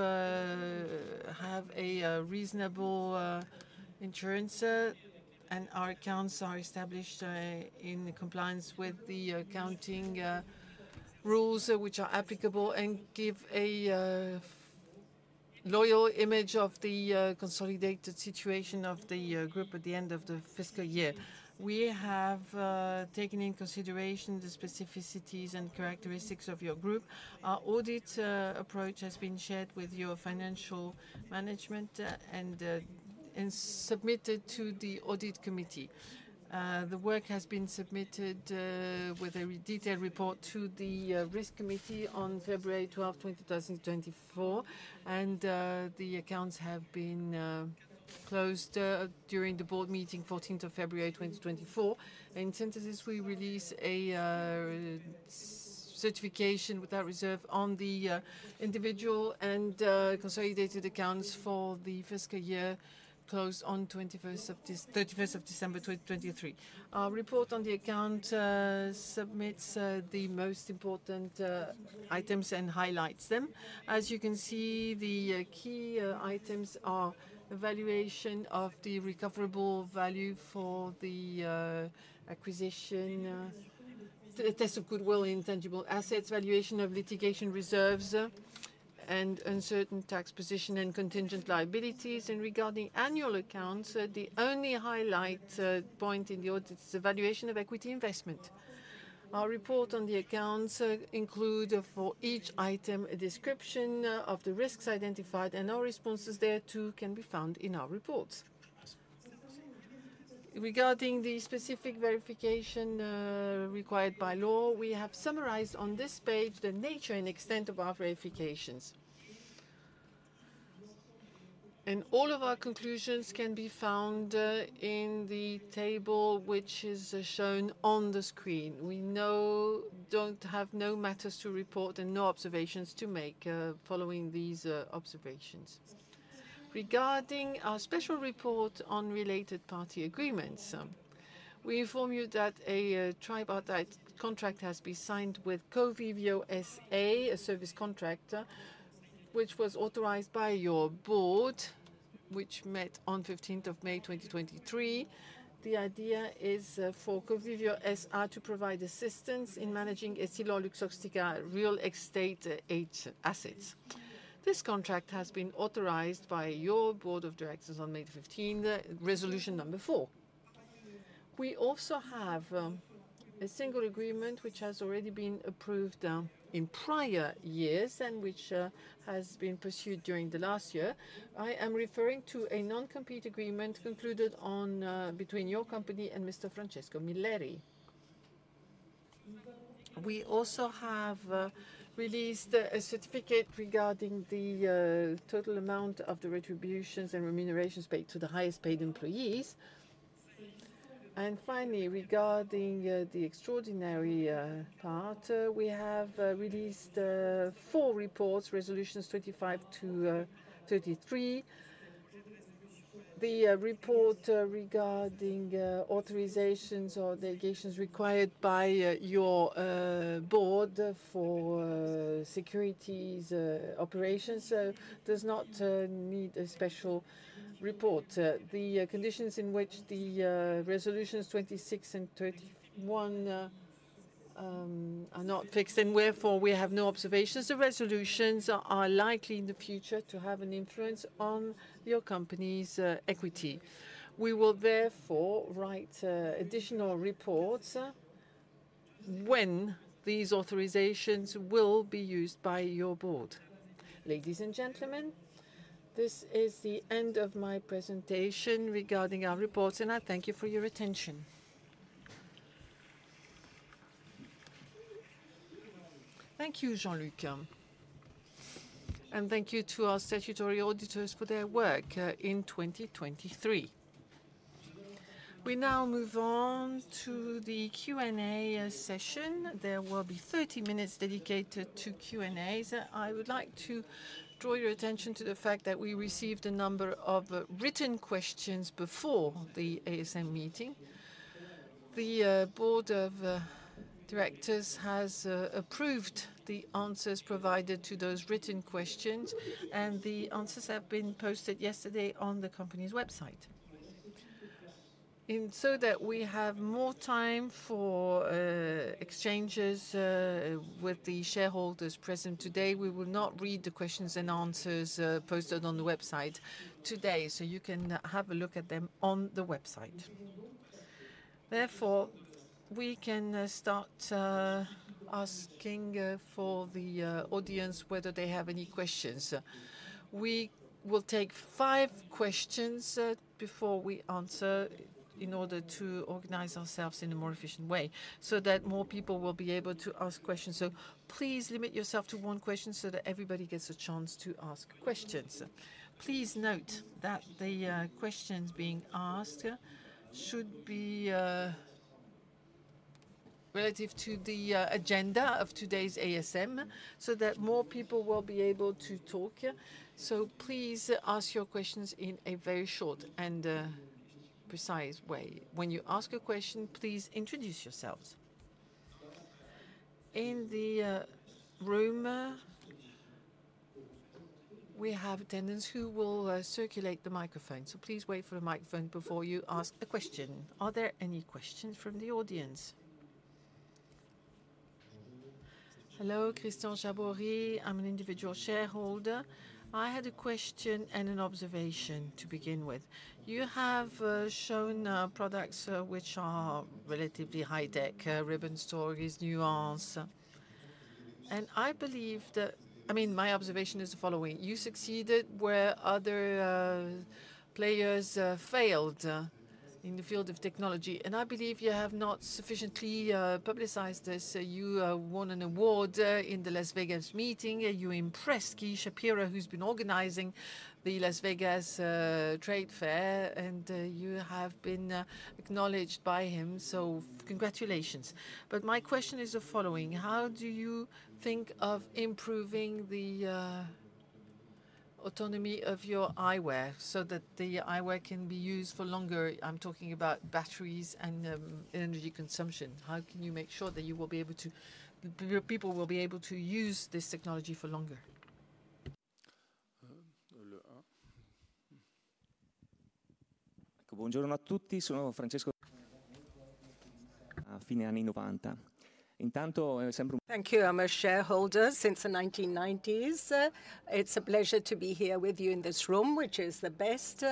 Speaker 12: have a reasonable insurance, and our accounts are established in compliance with the accounting rules which are applicable and give a loyal image of the consolidated situation of the group at the end of the fiscal year. We have taken in consideration the specificities and characteristics of your group. Our audit approach has been shared with your financial management, and submitted to the audit committee. The work has been submitted with a detailed report to the Risk Committee on February 12, 2024, and the accounts have been closed during the board meeting, fourteenth of February 2024. In synthesis, we release a certification without reserve on the individual and consolidated accounts for the fiscal year closed on 21st of December... Thirty-first of December, 2023. Our report on the account submits the most important items and highlights them. As you can see, the key items are evaluation of the recoverable value for the acquisition test of goodwill intangible assets, valuation of litigation reserves, and uncertain tax position and contingent liabilities. Regarding annual accounts, the only highlight point in the audit is the valuation of equity investment. Our report on the accounts include for each item, a description of the risks identified, and our responses thereto can be found in our reports. Regarding the specific verification required by law, we have summarized on this page the nature and extent of our verifications. All of our conclusions can be found in the table which is shown on the screen. We know... Don't have no matters to report and no observations to make following these observations. Regarding our special report on related party agreements, we inform you that a tripartite contract has been signed with Covivio S.A., a service contractor, which was authorized by your board, which met on the 15th of May, 2023. The idea is for Covivio S.A. to provide assistance in managing EssilorLuxottica real estate assets. This contract has been authorized by your board of directors on May 15, resolution number 4. We also have a single agreement, which has already been approved in prior years and which has been pursued during the last year. I am referring to a non-compete agreement concluded on between your company and Mr. Francesco Milleri. We also have released a certificate regarding the total amount of the retributions and remunerations paid to the highest-paid employees. Finally, regarding the extraordinary part, we have released four reports, resolutions 25-33. The report regarding authorizations or delegations required by your board for securities operations does not need a special report. The conditions in which the resolutions 26 and 31 are not fixed, and therefore we have no observations. The resolutions are likely in the future to have an influence on your company's equity. We will therefore write additional reports when these authorizations will be used by your board. Ladies and gentlemen, this is the end of my presentation regarding our reports, and I thank you for your attention.
Speaker 4: Thank you, Jean-Luc, and thank you to our statutory auditors for their work in 2023. We now move on to the Q&A session. There will be 30 minutes dedicated to Q&A. So I would like to draw your attention to the fact that we received a number of written questions before the ASM meeting. The board of directors has approved the answers provided to those written questions, and the answers have been posted yesterday on the company's website. In so that we have more time for exchanges with the shareholders present today, we will not read the questions and answers posted on the website today. So you can have a look at them on the website. Therefore, we can start asking for the audience whether they have any questions. We will take five questions before we answer in order to organize ourselves in a more efficient way, so that more people will be able to ask questions. So please limit yourself to one question so that everybody gets a chance to ask questions. Please note that the questions being asked should be relative to the agenda of today's ASM so that more people will be able to talk. So please ask your questions in a very short and precise way. When you ask a question, please introduce yourselves. In the room, we have attendants who will circulate the microphone. So please wait for a microphone before you ask a question. Are there any questions from the audience?
Speaker 13: Hello, Christian Jabouri. I'm an individual shareholder. I had a question and an observation to begin with. You have shown products which are relatively high tech, Ray-Ban Stories, Nuance. And I believe that... I mean, my observation is the following: You succeeded where other players failed in the field of technology, and I believe you have not sufficiently publicized this. You won an award in the Las Vegas meeting. You impressed Gary Shapiro, who's been organizing the Las Vegas trade fair, and you have been acknowledged by him, so congratulations. But my question is the following: How do you think of improving the autonomy of your eyewear so that the eyewear can be used for longer? I'm talking about batteries and energy consumption. How can you make sure that you will be able to... Your people will be able to use this technology for longer?
Speaker 10: Um, le, uh.
Speaker 1: Buongiorno a tutti. Sono Francesco.
Speaker 14: Thank you. I'm a shareholder since the 1990s. It's a pleasure to be here with you in this room, which is the best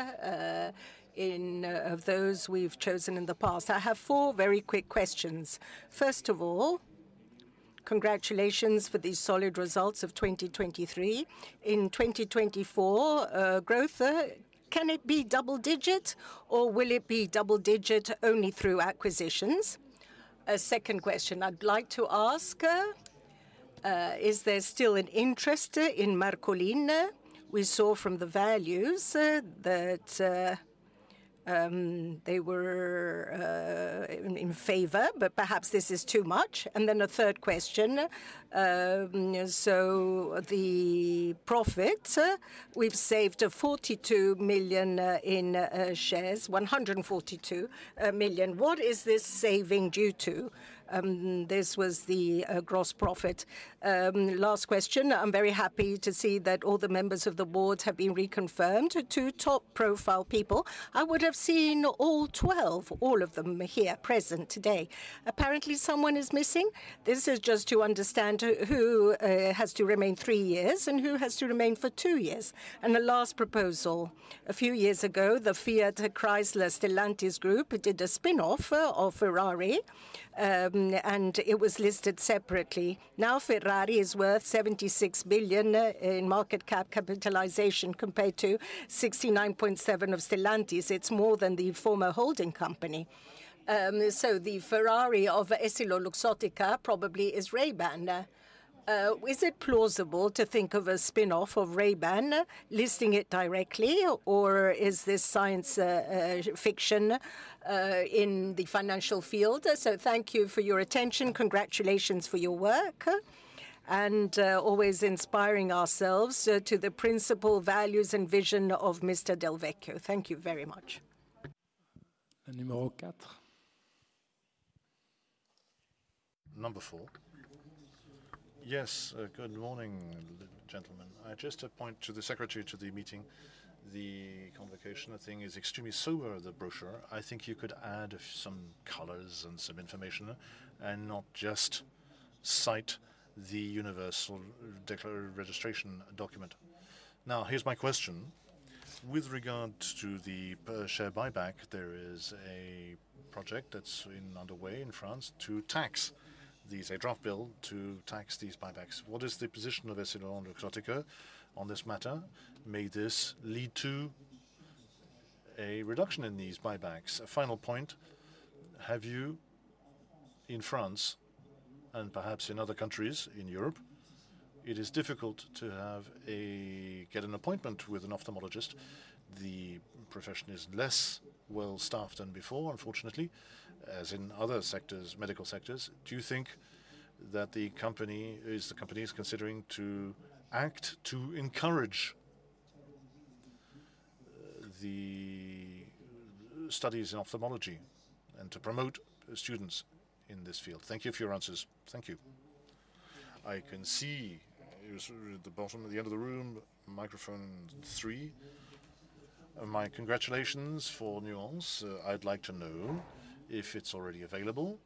Speaker 14: in of those we've chosen in the past. I have four very quick questions. First of all, congratulations for these solid results of 2023. In 2024, growth can it be double-digit, or will it be double-digit only through acquisitions? A second question I'd like to ask is there still an interest in Marcolin? We saw from the values that they were in favor, but perhaps this is too much. And then a third question, so the profit we've saved 42 million in shares, 142 million. What is this saving due to? This was the gross profit. Last question: I'm very happy to see that all the members of the board have been reconfirmed to two top-profile people. I would have seen all 12, all of them here present today. Apparently, someone is missing. This is just to understand who has to remain 3 years and who has to remain for 2 years. The last proposal, a few years ago, the Fiat Chrysler Stellantis Group did a spin-off of Ferrari, and it was listed separately. Now, Ferrari is worth 76 billion in market cap capitalization, compared to 69.7 of Stellantis. It's more than the former holding company. So the Ferrari of EssilorLuxottica probably is Ray-Ban. Is it plausible to think of a spin-off of Ray-Ban, listing it directly, or is this science fiction in the financial field? Thank you for your attention. Congratulations for your work, and always inspiring ourselves to the principal values and vision of Mr. Del Vecchio. Thank you very much....
Speaker 10: La numéro four.
Speaker 1: Number four. Yes, good morning, gentlemen. I just point to the secretary to the meeting, the convocation. I think is extremely sober, the brochure. I think you could add some colors and some information, and not just cite the universal declar-- registration document. Now, here's my question: With regard to the per share buyback, there is a project that's in underway in France to tax these-- a draft bill to tax these buybacks. What is the position of EssilorLuxottica on this matter? May this lead to a reduction in these buybacks? A final point: have you, in France, and perhaps in other countries in Europe, it is difficult to have a-- get an appointment with an ophthalmologist. The profession is less well-staffed than before, unfortunately, as in other sectors, medical sectors. Do you think that the company is... The company is considering to act to encourage the studies in ophthalmology and to promote students in this field? Thank you for your answers. Thank you. I can see you're at the bottom, at the end of the room, microphone three. My congratulations for Nuance. I'd like to know if it's already available.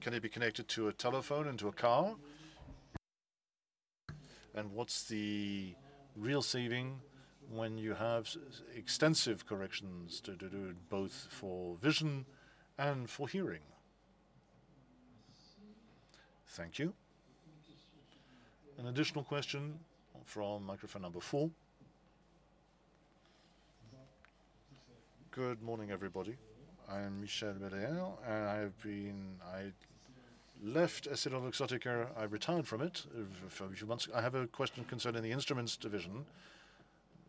Speaker 1: Can it be connected to a telephone and to a car? And what's the real saving when you have extensive corrections to do, both for vision and for hearing? Thank you. An additional question from microphone number four. Good morning, everybody. I am Michelle Belair, and I've been. I left EssilorLuxottica. I retired from it a few months ago. I have a question concerning the instruments division,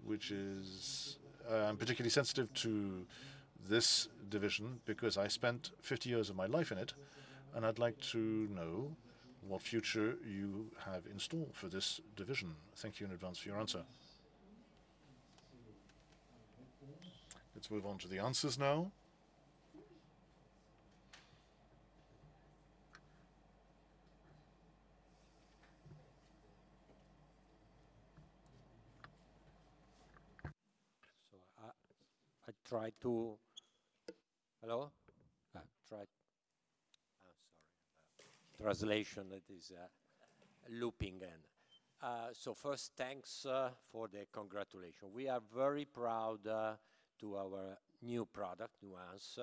Speaker 1: which is, I'm particularly sensitive to this division because I spent 50 years of my life in it, and I'd like to know what future you have in store for this division. Thank you in advance for your answer. Let's move on to the answers now.
Speaker 3: Sorry. The translation, it is looping in. So first, thanks for the congratulation. We are very proud to our new product, Nuance.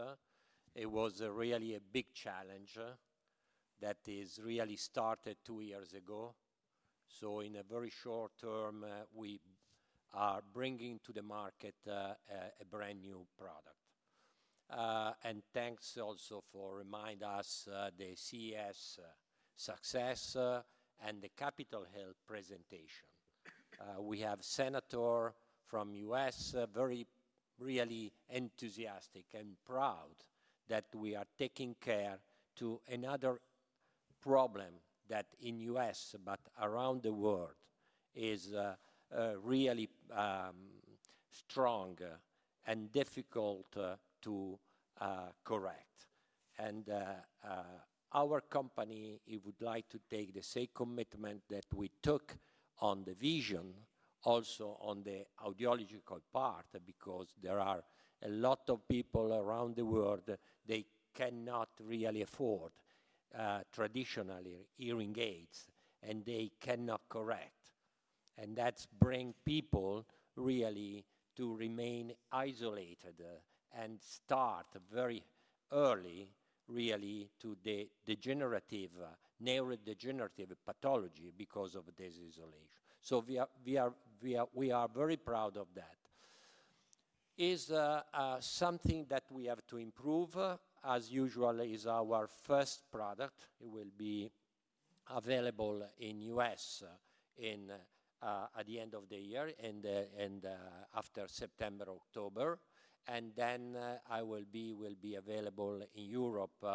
Speaker 3: It was really a big challenge that is really started two years ago. So in a very short term, we are bringing to the market a brand-new product. And thanks also for remind us the CES success and the Capitol Hill presentation. We have senator from U.S. very really enthusiastic and proud that we are taking care to another problem that in U.S., but around the world, is really strong and difficult to correct. Our company, it would like to take the same commitment that we took on the vision, also on the audiological part, because there are a lot of people around the world, they cannot really afford traditionally hearing aids, and they cannot correct. And that's bring people really to remain isolated and start very early really to the degenerative, neurodegenerative pathology because of this isolation. So we are very proud of that. Is something that we have to improve? As usual, it is our first product. It will be available in the U.S. at the end of the year, and after September, October, and then it will be available in Europe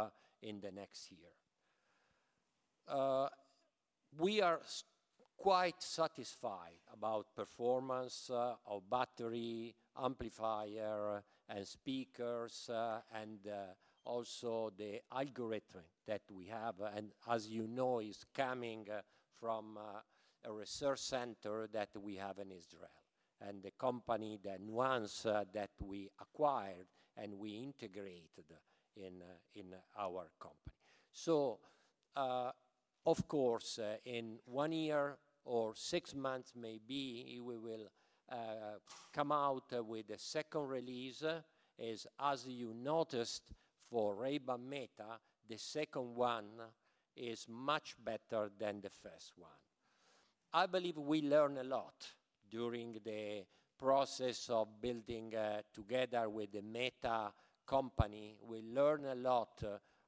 Speaker 3: in the next year. We are quite satisfied about performance of battery, amplifier, and speakers, and also the algorithm that we have. And as you know, it's coming from a research center that we have in Israel, and the company, the Nuance, that we acquired and we integrated in our company. So, of course, in one year or six months, maybe we will come out with a second release, as you noticed, for Ray-Ban Meta, the second one is much better than the first one. I believe we learn a lot during the process of building together with the Meta company. We learn a lot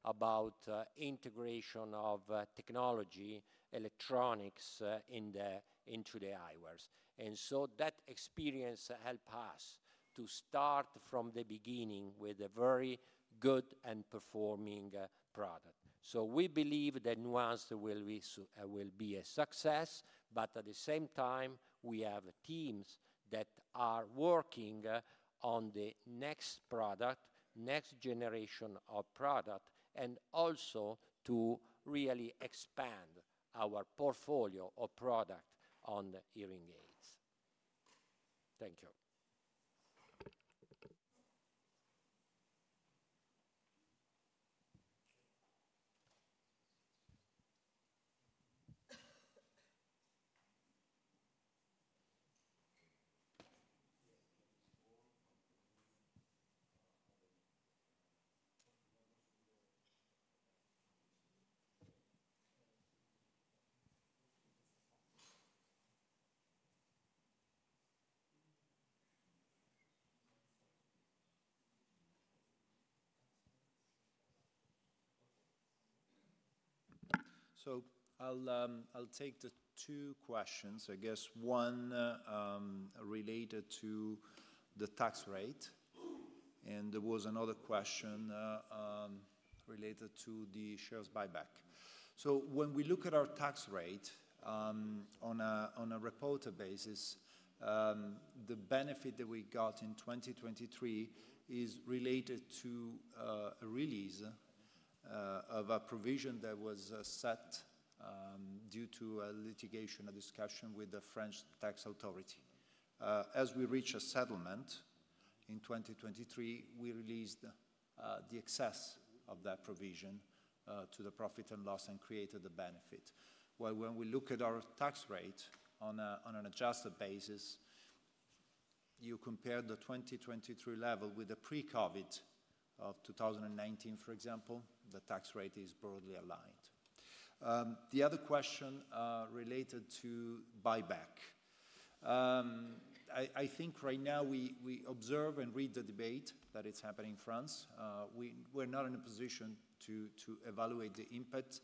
Speaker 3: about integration of technology, electronics, into the eyewear. And so that experience help us to start from the beginning with a very good and performing product. So we believe that Nuance will be a success, but at the same time, we have teams that are working on the next product, next generation of product, and also to really expand our portfolio of product on the hearing aids. Thank you.
Speaker 5: So I'll, I'll take the two questions. I guess one, related to the tax rate, and there was another question, related to the share buyback. So when we look at our tax rate, on a, on a reported basis, the benefit that we got in 2023 is related to, a release, of a provision that was, set, due to a litigation, a discussion with the French tax authority. As we reached a settlement in 2023, we released, the excess of that provision, to the profit and loss and created the benefit. While when we look at our tax rate on a, on an adjusted basis, you compare the 2023 level with the pre-COVID of 2019, for example, the tax rate is broadly aligned. The other question, related to buyback. I think right now we observe and read the debate that is happening in France. We're not in a position to evaluate the impact.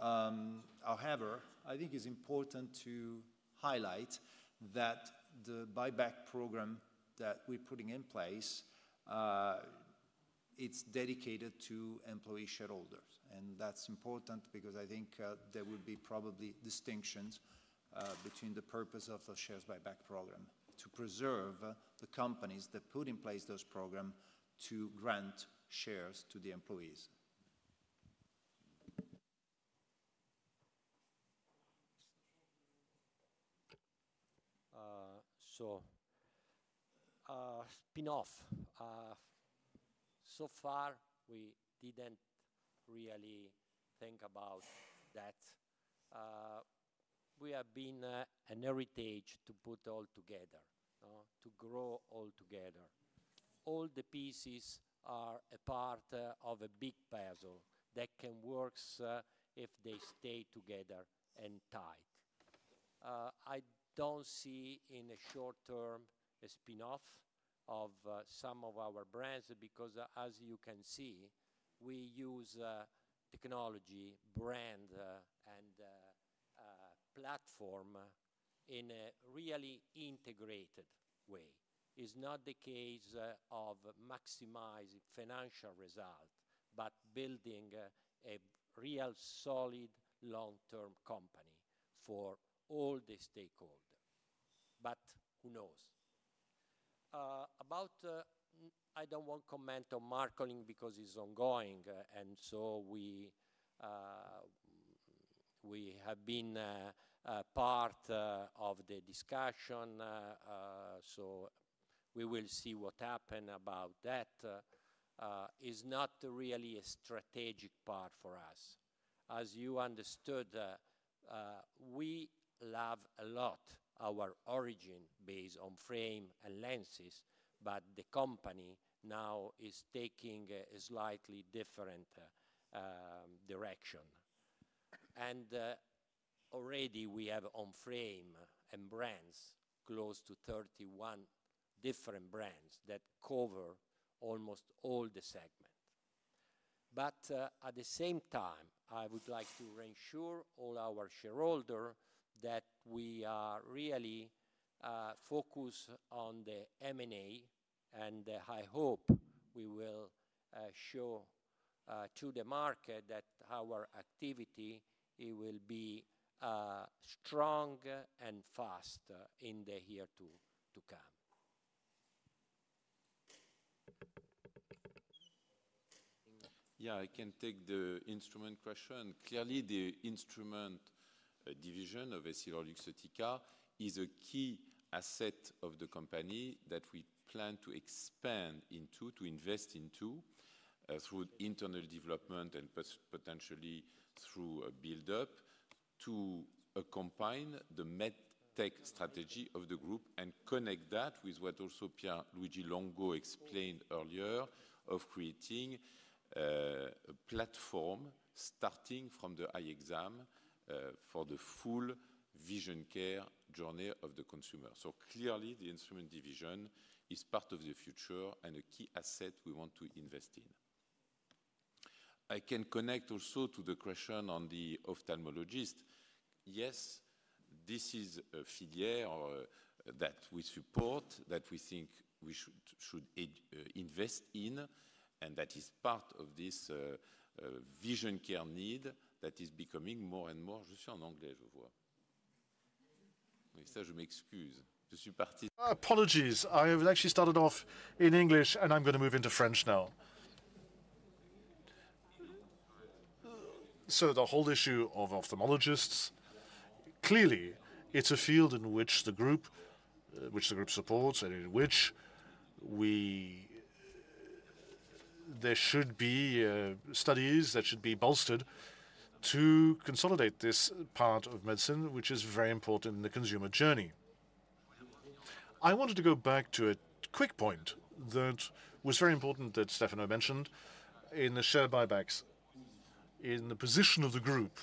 Speaker 5: However, I think it's important to highlight that the buyback program that we're putting in place, it's dedicated to employee shareholders, and that's important because I think there would be probably distinctions between the purpose of the shares buyback program to preserve the companies that put in place those program to grant shares to the employees.
Speaker 3: So, spin-off. So far, we didn't really think about that. We have been an heritage to put all together to grow all together. All the pieces are a part of a big puzzle that can works if they stay together and tight. I don't see in the short term a spin-off of some of our brands, because as you can see, we use technology, brand and platform in a really integrated way. It's not the case of maximizing financial result, but building a real solid long-term company for all the stakeholder. But who knows? About, I don't want comment on marketing because it's ongoing, and so we have been a part of the discussion, so we will see what happen about that. It's not really a strategic part for us. As you understood, we love a lot our origin based on frame and lenses, but the company now is taking a slightly different direction. And already we have on frame and brands, close to 31 different brands that cover almost all the segment. But at the same time, I would like to reassure all our shareholder that we are really focused on the M&A, and I hope we will show to the market that our activity, it will be strong and fast in the year to come.
Speaker 5: Yeah, I can take the instrument question. Clearly, the instrument division of EssilorLuxottica is a key asset of the company that we plan to expand into, to invest into, through internal development and potentially through a build-up, to combine the med tech strategy of the group and connect that with what also Pier Luigi Longo explained earlier, of creating a platform starting from the eye exam for the full vision care journey of the consumer. So clearly, the instrument division is part of the future and a key asset we want to invest in. I can connect also to the question on the ophthalmologist. Yes, this is a filière that we support, that we think we should invest in, and that is part of this vision care need that is becoming more and more...
Speaker 1: ...My apologies. I have actually started off in English, and I'm gonna move into French now. So the whole issue of ophthalmologists, clearly, it's a field in which the group supports and in which there should be studies that should be bolstered to consolidate this part of medicine, which is very important in the consumer journey. I wanted to go back to a quick point that was very important that Stefano mentioned in the share buybacks. In the position of the group,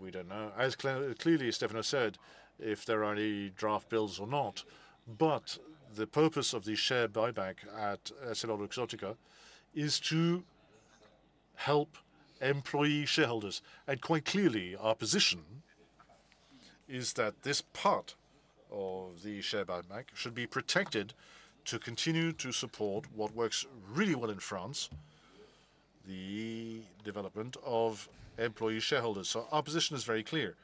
Speaker 1: we don't know, as clear, clearly Stefano said, if there are any draft bills or not, but the purpose of the share buyback at EssilorLuxottica is to help employee shareholders. And quite clearly, our position is that this part of the share buyback should be protected to continue to support what works really well in France, the development of employee shareholders. Our position is very clear,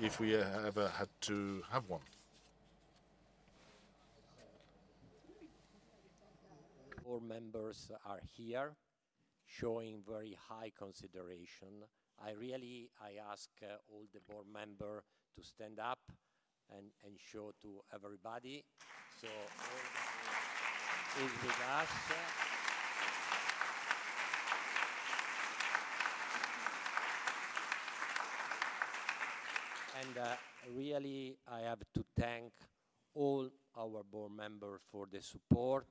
Speaker 1: if we ever had to have one.
Speaker 3: All members are here, showing very high consideration. I really... I ask all the board member to stand up and show to everybody. So please with us. Really, I have to thank all our board members for the support.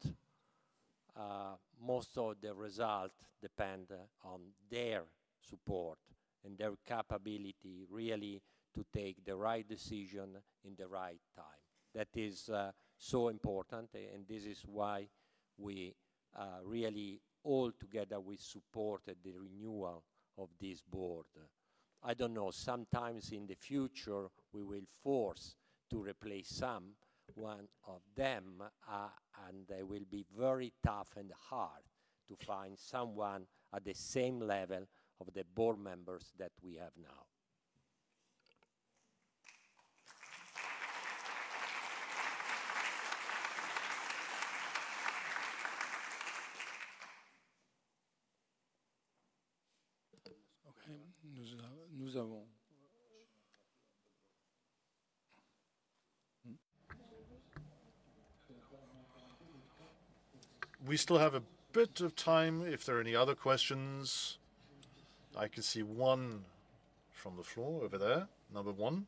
Speaker 3: Most of the result depend on their support and their capability really to take the right decision in the right time. That is so important, and this is why we really all together, we supported the renewal of this board. I don't know, sometimes in the future, we will force to replace someone of them, and they will be very tough and hard to find someone at the same level of the board members that we have now.
Speaker 1: Okay. We still have a bit of time if there are any other questions. I can see one from the floor over there. Number one.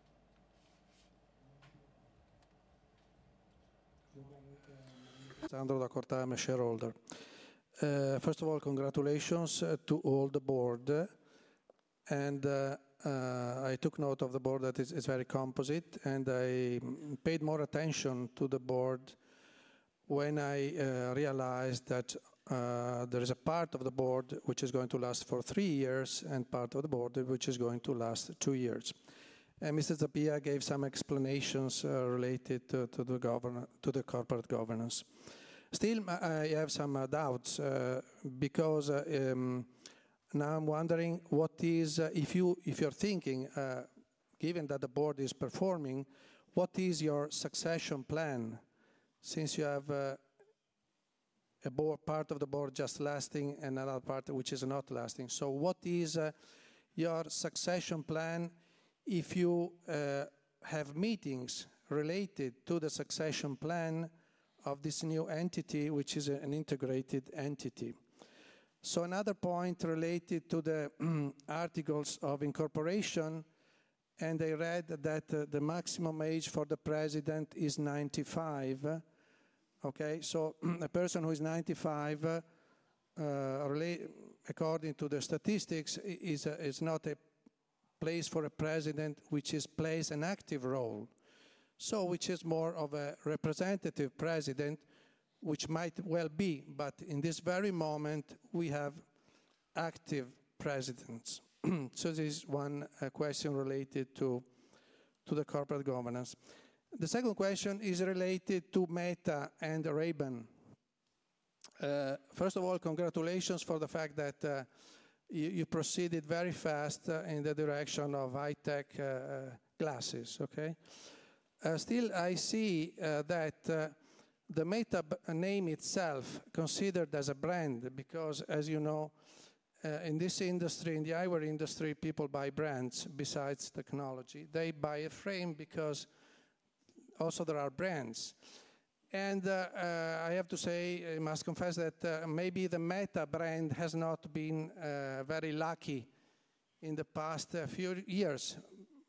Speaker 15: Alessandro Da Corta, I'm a shareholder. First of all, congratulations to all the board, and I took note of the board that is very composite, and I paid more attention to the board when I realized that there is a part of the board which is going to last for three years and part of the board which is going to last two years. And Mr. Zappia gave some explanations related to the corporate governance. Still, I have some doubts because now I'm wondering what is... If you, if you're thinking, given that the board is performing, what is your succession plan since you have a board, part of the board just lasting and another part which is not lasting? So what is your succession plan if you have meetings related to the succession plan of this new entity, which is an integrated entity? So another point related to the articles of incorporation, and I read that the maximum age for the president is 95. Okay? So a person who is 95, according to the statistics, is not the place for a president, which plays an active role. So which is more of a representative president, which might well be, but in this very moment, we have active presidents. So this is one question related to the corporate governance. The second question is related to Meta and Ray-Ban. First of all, congratulations for the fact that you proceeded very fast in the direction of high-tech glasses, okay? Still, I see that the Meta name itself considered as a brand, because as you know, in this industry, in the eyewear industry, people buy brands besides technology. They buy a frame because also there are brands. And, I have to say, I must confess that, maybe the Meta brand has not been, very lucky in the past few years.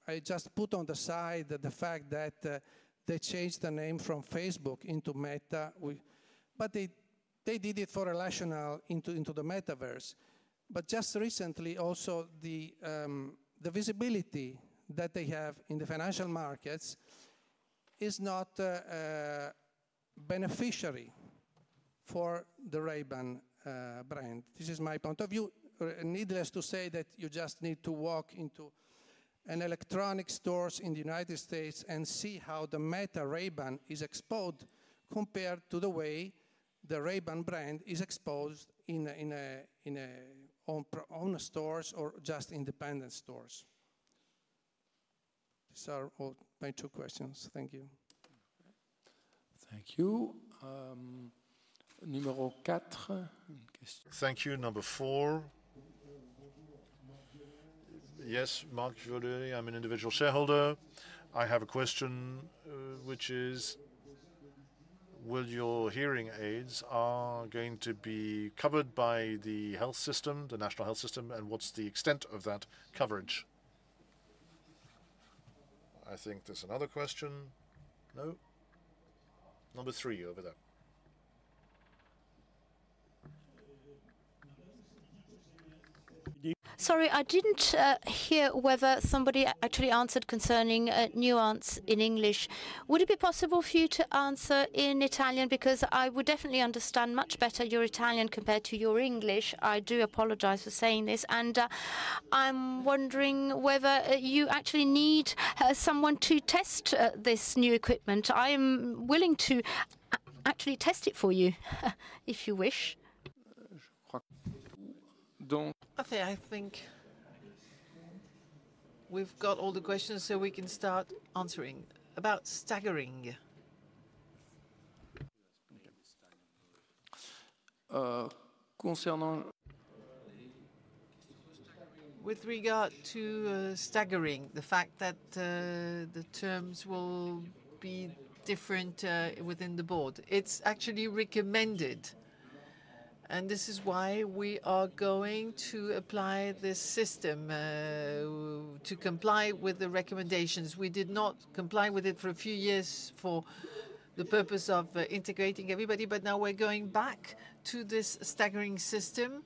Speaker 15: I just put on the side the fact that, they changed the name from Facebook into Meta, but they, they did it for a rationale into, into the Metaverse. But just recently, also, the visibility that they have in the financial markets is not, beneficiary for the Ray-Ban, brand. This is my point of view. Needless to say that you just need to walk into an electronics store in the United States and see how the Ray-Ban Meta is exposed compared to the way the Ray-Ban brand is exposed in own stores or just independent stores? These are all my two questions. Thank you.
Speaker 6: Thank you. Numero quatre.
Speaker 1: Thank you, number four.
Speaker 10: Bonjour, Marc Vieux-Dey.
Speaker 1: Yes, Marc Vieux-Dey. I'm an individual shareholder. I have a question, which is: Will your hearing aids are going to be covered by the health system, the national health system, and what's the extent of that coverage? I think there's another question. No? Number three, over there.
Speaker 16: Sorry, I didn't hear whether somebody actually answered concerning a Nuance in English. Would it be possible for you to answer in Italian? Because I would definitely understand much better your Italian compared to your English. I do apologize for saying this, and I'm wondering whether you actually need someone to test this new equipment. I am willing to actually test it for you, if you wish.
Speaker 6: Don't-
Speaker 4: Okay, I think we've got all the questions, so we can start answering. About staggering.
Speaker 6: Uh, concerning-
Speaker 4: With regard to staggering, the fact that the terms will be different within the board. It's actually recommended, and this is why we are going to apply this system to comply with the recommendations. We did not comply with it for a few years for the purpose of integrating everybody, but now we're going back to this staggering system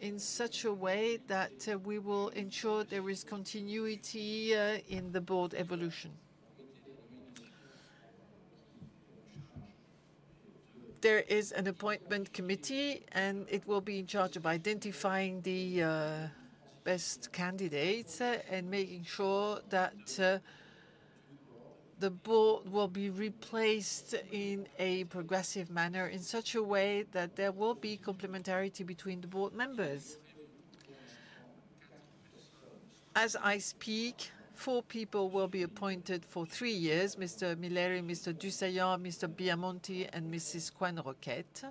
Speaker 4: in such a way that we will ensure there is continuity in the board evolution. There is an appointment committee, and it will be in charge of identifying the best candidates and making sure that the board will be replaced in a progressive manner, in such a way that there will be complementarity between the board members. As I speak, four people will be appointed for three years. Mr. Milleri, Mr. du Saillant, Mr. Biamonti, and Mrs. Coisne-Roquette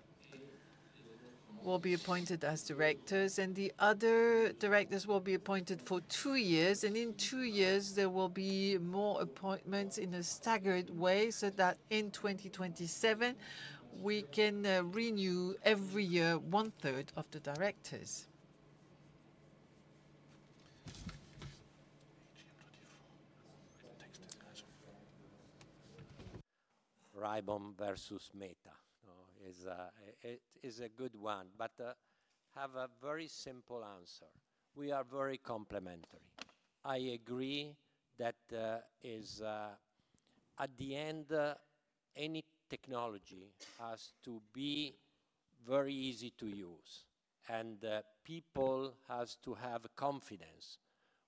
Speaker 4: will be appointed as directors, and the other directors will be appointed for two years. In two years, there will be more appointments in a staggered way, so that in 2027, we can renew every year, one-third of the directors. ...
Speaker 6: Text discussion.
Speaker 3: Ray-Ban versus Meta is a good one, but I have a very simple answer: We are very complementary. I agree that is at the end any technology has to be very easy to use, and people has to have confidence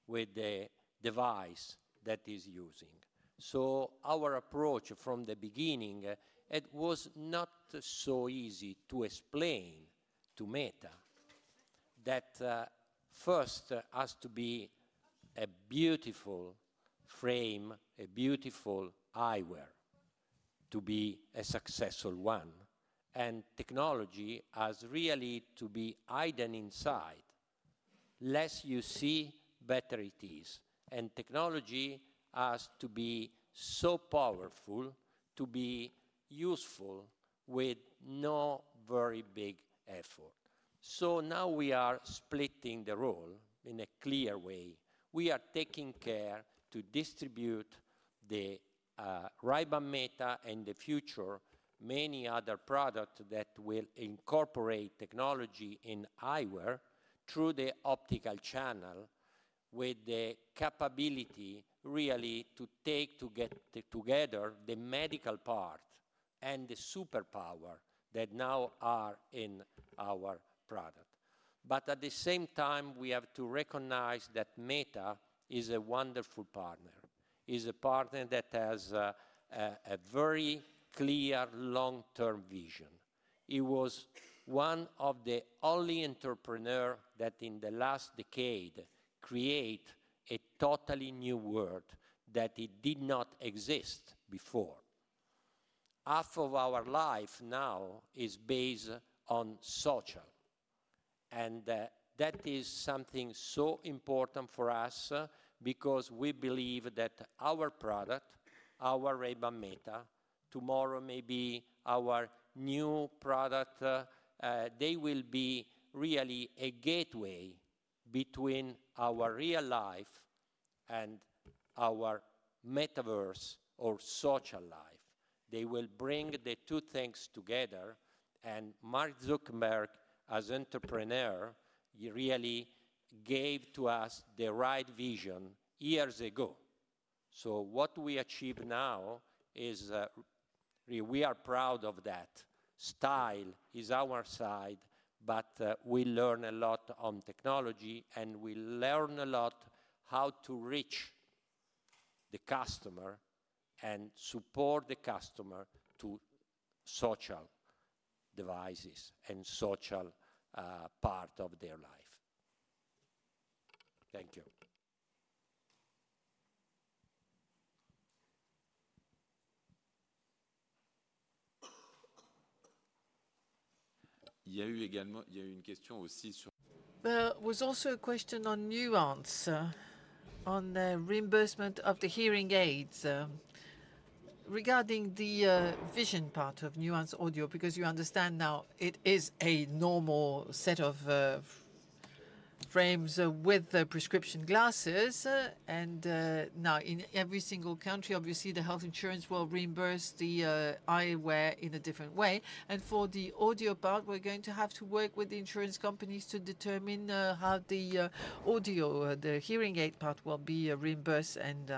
Speaker 3: with the device that is using. So our approach from the beginning, it was not so easy to explain to Meta that first has to be a beautiful frame, a beautiful eyewear to be a successful one, and technology has really to be hidden inside. Less you see, better it is. And technology has to be so powerful to be useful with no very big effort. So now we are splitting the role in a clear way. We are taking care to distribute the Ray-Ban Meta, and the future, many other product that will incorporate technology in eyewear through the optical channel, with the capability really to take to get together the medical part and the superpower that now are in our product. But at the same time, we have to recognize that Meta is a wonderful partner, is a partner that has a, a, a very clear long-term vision. He was one of the only entrepreneur that in the last decade, create a totally new world, that it did not exist before. Half of our life now is based on social, and that is something so important for us, because we believe that our product, our Ray-Ban Meta, tomorrow, maybe our new product, they will be really a gateway between our real life and our metaverse or social life. They will bring the two things together, and Mark Zuckerberg, as entrepreneur, he really gave to us the right vision years ago. So what we achieve now is, we are proud of that. Style is our side, but we learn a lot on technology, and we learn a lot how to reach the customer and support the customer to social devices and social part of their life. Thank you.
Speaker 4: There was also a question on Nuance Audio on the reimbursement of the hearing aids. Regarding the vision part of Nuance Audio, because you understand now it is a normal set of frames with the prescription glasses, and now in every single country, obviously, the health insurance will reimburse the eyewear in a different way. And for the audio part, we're going to have to work with the insurance companies to determine how the audio, the hearing aid part will be reimbursed and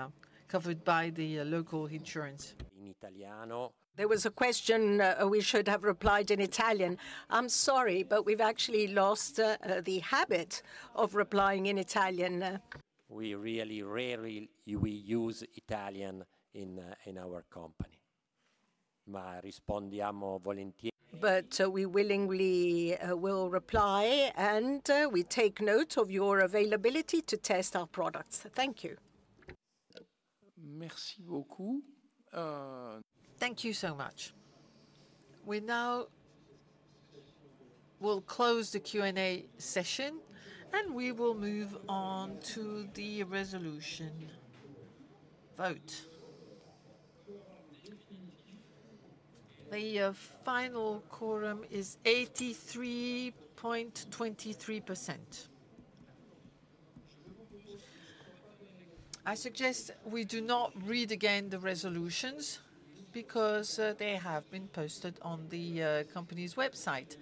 Speaker 4: covered by the local insurance.
Speaker 1: In Italiano.
Speaker 4: There was a question, we should have replied in Italian. I'm sorry, but we've actually lost the habit of replying in Italian.
Speaker 3: We really rarely use Italian in, in our company.
Speaker 4: But we willingly will reply, and we take note of your availability to test our products. Thank you. Merci beaucoup. Thank you so much. We now will close the Q&A session, and we will move on to the resolution vote. The final quorum is 83.23%. I suggest we do not read again the resolutions because they have been posted on the company's website,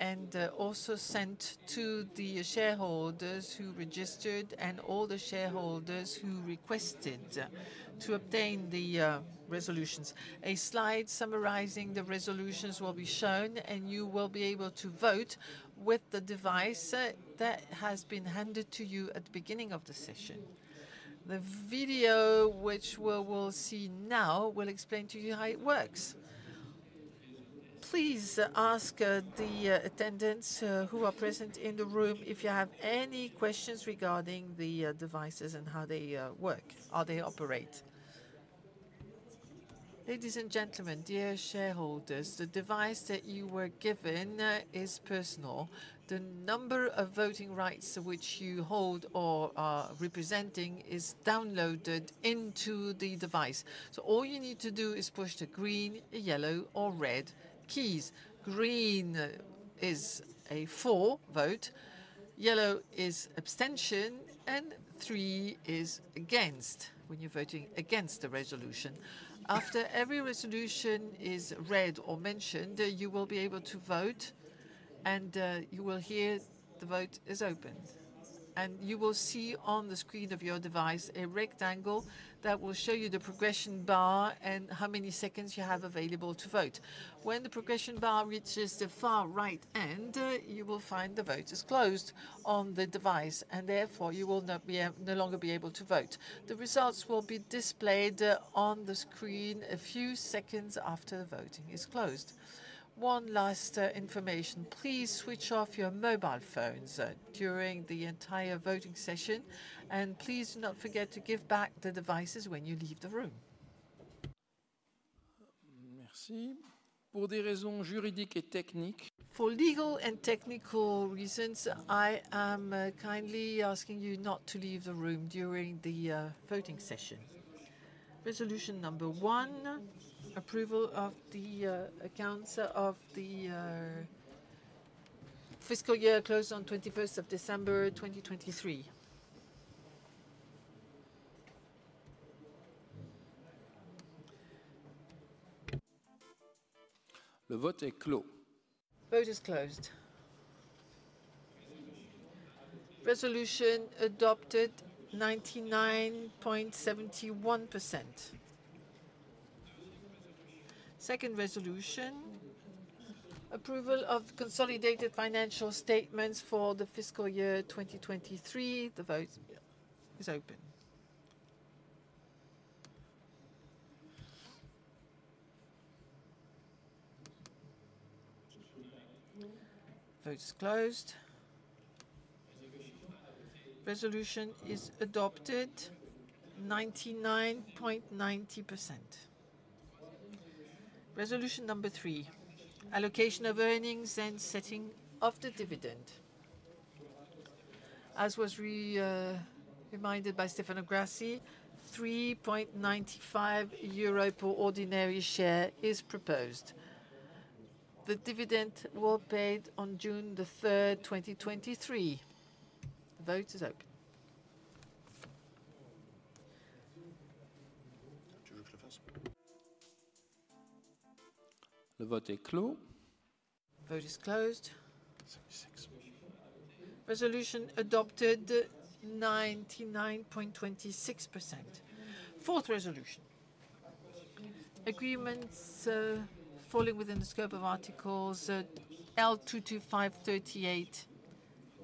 Speaker 4: and also sent to the shareholders who registered and all the shareholders who requested to obtain the resolutions. A slide summarizing the resolutions will be shown, and you will be able to vote with the device that has been handed to you at the beginning of the session. The video, which we will see now, will explain to you how it works. Please ask the attendants who are present in the room if you have any questions regarding the devices and how they work, how they operate. Ladies and gentlemen, dear shareholders, the device that you were given is personal. The number of voting rights which you hold or are representing is downloaded into the device. So all you need to do is push the green, yellow, or red keys. Green is for vote, yellow is abstention, and red is against, when you're voting against the resolution. After every resolution is read or mentioned, you will be able to vote, and you will hear the vote is open. You will see on the screen of your device a rectangle that will show you the progression bar and how many seconds you have available to vote. When the progression bar reaches the far right end, you will find the vote is closed on the device, and therefore you will no longer be able to vote. The results will be displayed on the screen a few seconds after the voting is closed. One last information: please switch off your mobile phones during the entire voting session, and please do not forget to give back the devices when you leave the room. Merci. For legal and technical reasons, I am kindly asking you not to leave the room during the voting session. Resolution number 1: approval of the accounts of the fiscal year closed on the 21st of December 2023.
Speaker 9: The vote is closed.
Speaker 4: Vote is closed. Resolution adopted 99.71%. Second resolution: approval of consolidated financial statements for the fiscal year 2023. The vote is open. Vote is closed. Resolution is adopted, 99.90%. Resolution number three: allocation of earnings and setting of the dividend. As was reminded by Stefano Grassi, 3.95 euro per ordinary share is proposed. The dividend will paid on June 3, 2023. The vote is open.
Speaker 9: The vote is closed.
Speaker 1: Vote is closed.
Speaker 9: Twenty-six.
Speaker 4: Resolution adopted 99.26%. Fourth resolution: agreements falling within the scope of articles L.225-38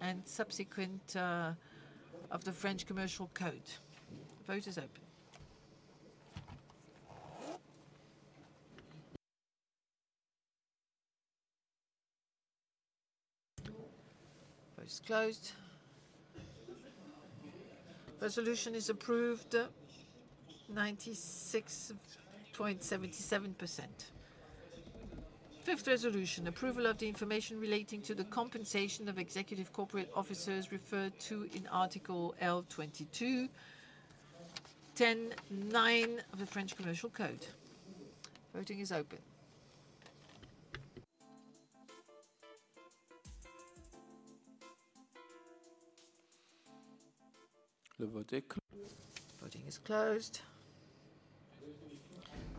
Speaker 4: and subsequent of the French Commercial Code. Vote is open. Vote is closed. Resolution is approved, 96.77%. Fifth resolution: approval of the information relating to the compensation of executive corporate officers referred to in article L.22-10-9 of the French Commercial Code. Voting is open.
Speaker 9: Le vote est clos.
Speaker 4: Voting is closed.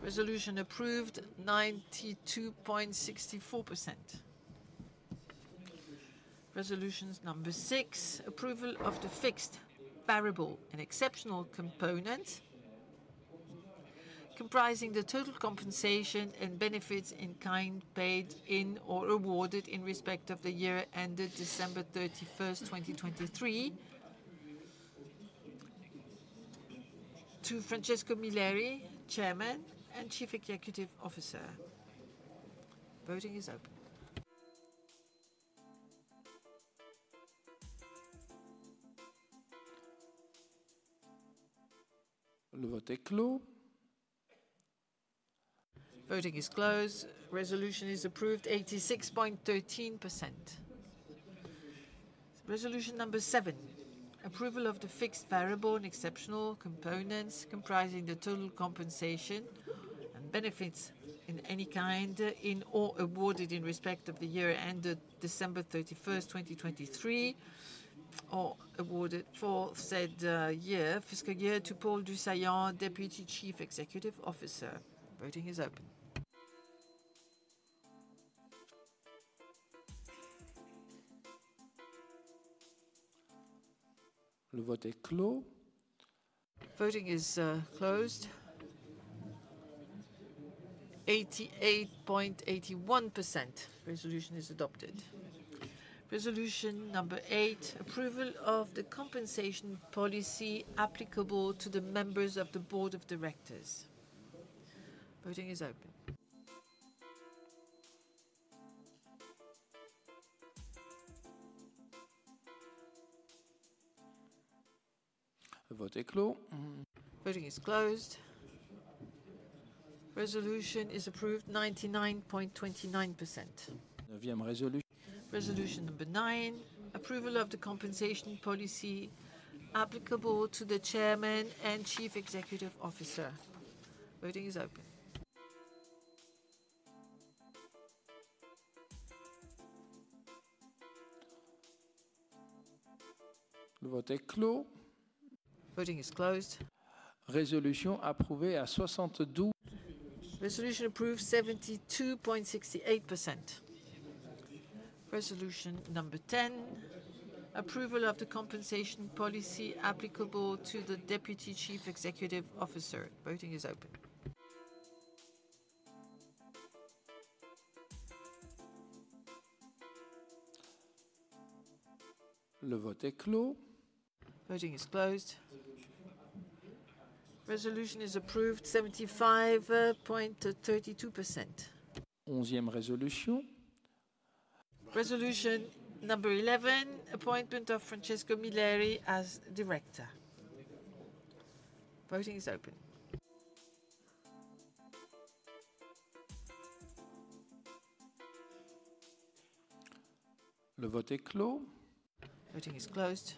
Speaker 4: Resolution approved, 92.64%. Resolution number 6: approval of the fixed variable and exceptional component, comprising the total compensation and benefits in kind paid in or awarded in respect of the year ended December 31, 2023, to Francesco Milleri, Chairman and Chief Executive Officer. Voting is open.
Speaker 9: Le vote est clos.
Speaker 4: Voting is closed. Resolution is approved, 86.13%. Resolution number 7: approval of the fixed variable and exceptional components, comprising the total compensation and benefits in any kind, in or awarded in respect of the year ended December 31, 2023, or awarded for said year, fiscal year, to Paul du Saillant, Deputy Chief Executive Officer. Voting is open.
Speaker 9: Le vote est clos.
Speaker 4: Voting is closed. 88.81%. Resolution is adopted. Resolution number 8: approval of the compensation policy applicable to the members of the Board of Directors. Voting is open.
Speaker 9: Le vote est clos.
Speaker 4: Voting is closed. Resolution is approved, 99.29%.
Speaker 9: Neuvième résolution.
Speaker 4: Resolution number nine: approval of the compensation policy applicable to the Chairman and Chief Executive Officer. Voting is open.
Speaker 9: Le vote est clos.
Speaker 4: Voting is closed.
Speaker 9: Résolution approuvée à 72-
Speaker 4: Resolution approved, 72.68%. Resolution number 10: approval of the compensation policy applicable to the Deputy Chief Executive Officer. Voting is open.
Speaker 9: Le vote est clos.
Speaker 4: Voting is closed. Resolution is approved, 75.32%.
Speaker 9: Onzième résolution.
Speaker 4: Resolution number 11: appointment of Francesco Milleri as Director. Voting is open.
Speaker 9: Le vote est clos.
Speaker 4: Voting is closed.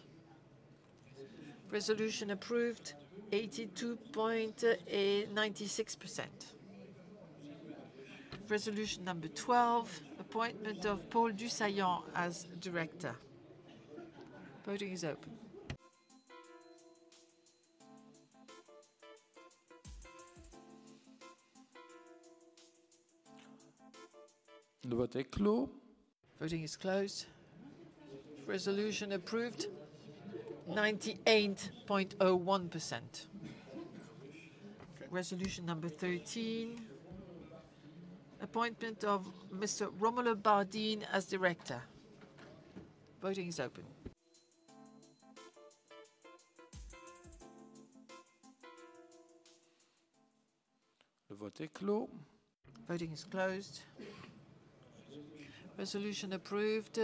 Speaker 4: Resolution approved, 82.96%. Resolution number 12: appointment of Paul du Saillant as Director. Voting is open.
Speaker 9: Le vote est clos.
Speaker 4: Voting is closed. Resolution approved, 98.01%. Resolution number 13: appointment of Mr. Romolo Bardin as Director. Voting is open.
Speaker 9: Le vote est clos.
Speaker 4: Voting is closed. Resolution approved,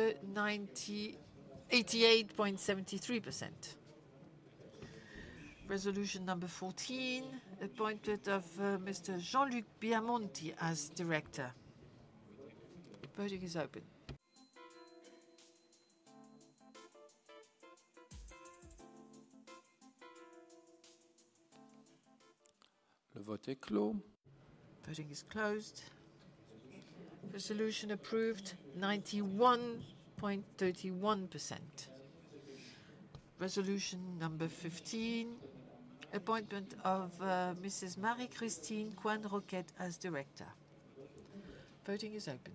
Speaker 4: 98.73%. Resolution number 14: appointment of Mr. Jean-Luc Biamonti as Director. Voting is open.
Speaker 9: Le vote est clos.
Speaker 4: Voting is closed. Resolution approved, 91.31%. Resolution number 15: appointment of Mrs. Marie-Christine Coisne-Roquette as Director. Voting is open....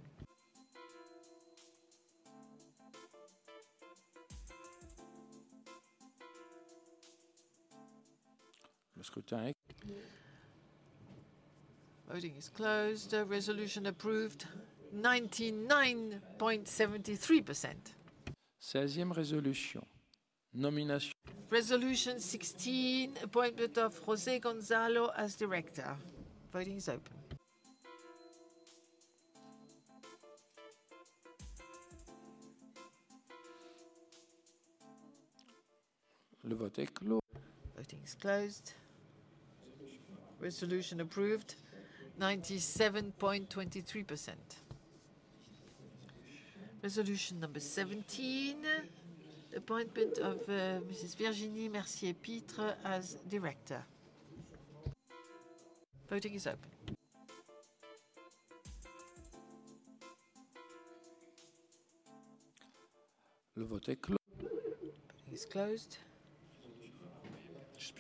Speaker 4: Voting is closed. Resolution approved, 99.73%.
Speaker 9: Seizième résolution, nomination-
Speaker 4: Resolution 16, appointment of José Gonzalo as director. Voting is open.
Speaker 9: Le vote est clos.
Speaker 4: Voting is closed. Resolution approved, 97.23%. Resolution number 17, appointment of Mrs. Virginie Mercier-Pitre as director. Voting is open.
Speaker 9: Le vote est clos.
Speaker 4: Is closed.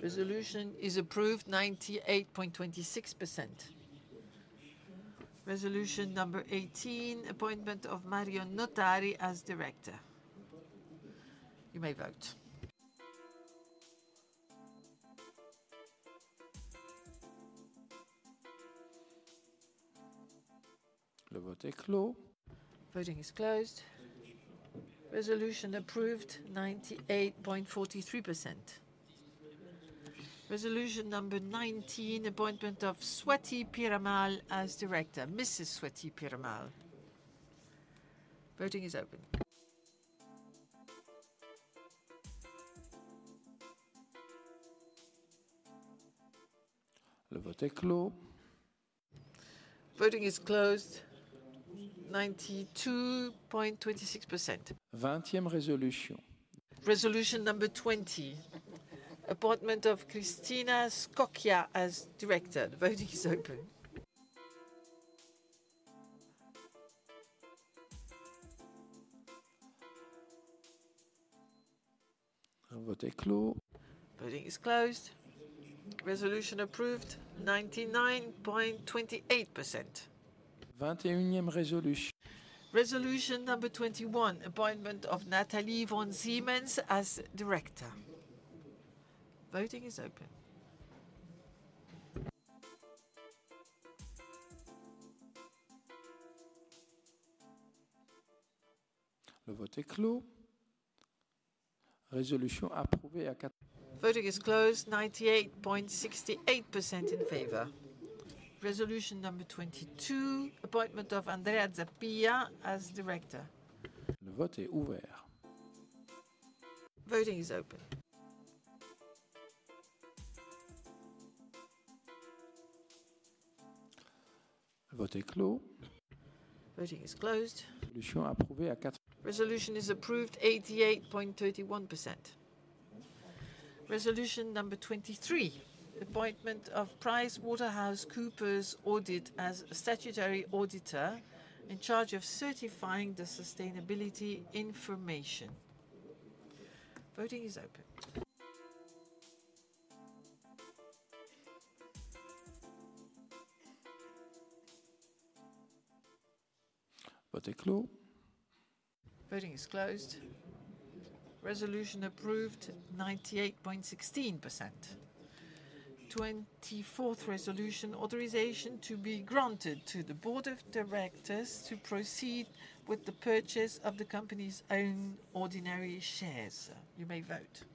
Speaker 4: Resolution is approved, 98.26%. Resolution number 18, appointment of Mario Notari as director. You may vote.
Speaker 9: Le vote est clos.
Speaker 4: Voting is closed. Resolution approved, 98.43%. Resolution number 19, appointment of Swati Piramal as director. Mrs. Swati Piramal. Voting is open.
Speaker 9: Le vote est clos.
Speaker 4: Voting is closed, 92.26%.
Speaker 9: Vingtième resolution.
Speaker 4: Resolution number 20, appointment of Cristina Scocchia as director. The voting is open.
Speaker 9: Le vote est clos.
Speaker 4: Voting is closed. Resolution approved, 99.28%.
Speaker 9: Vingt-et-unième resolution.
Speaker 4: Resolution number 21, appointment of Nathalie von Siemens as director. Voting is open.
Speaker 9: Le vote est clos. Résolution approuvée à quatre-
Speaker 4: Voting is closed, 98.68% in favor. Resolution number 22, appointment of Andrea Zappia as director.
Speaker 9: Le vote est ouvert.
Speaker 4: Voting is open.
Speaker 9: Le vote est clos.
Speaker 4: Voting is closed.
Speaker 9: Resolution approuvé à quatre-
Speaker 4: Resolution is approved, 88.31%. Resolution number 23, appointment of PricewaterhouseCoopers Audit as statutory auditor in charge of certifying the sustainability information. Voting is open.
Speaker 9: Vote est clos.
Speaker 4: Voting is closed. Resolution approved, 98.16%. Twenty-fourth resolution: authorization to be granted to the Board of Directors to proceed with the purchase of the company's own ordinary shares. You may vote.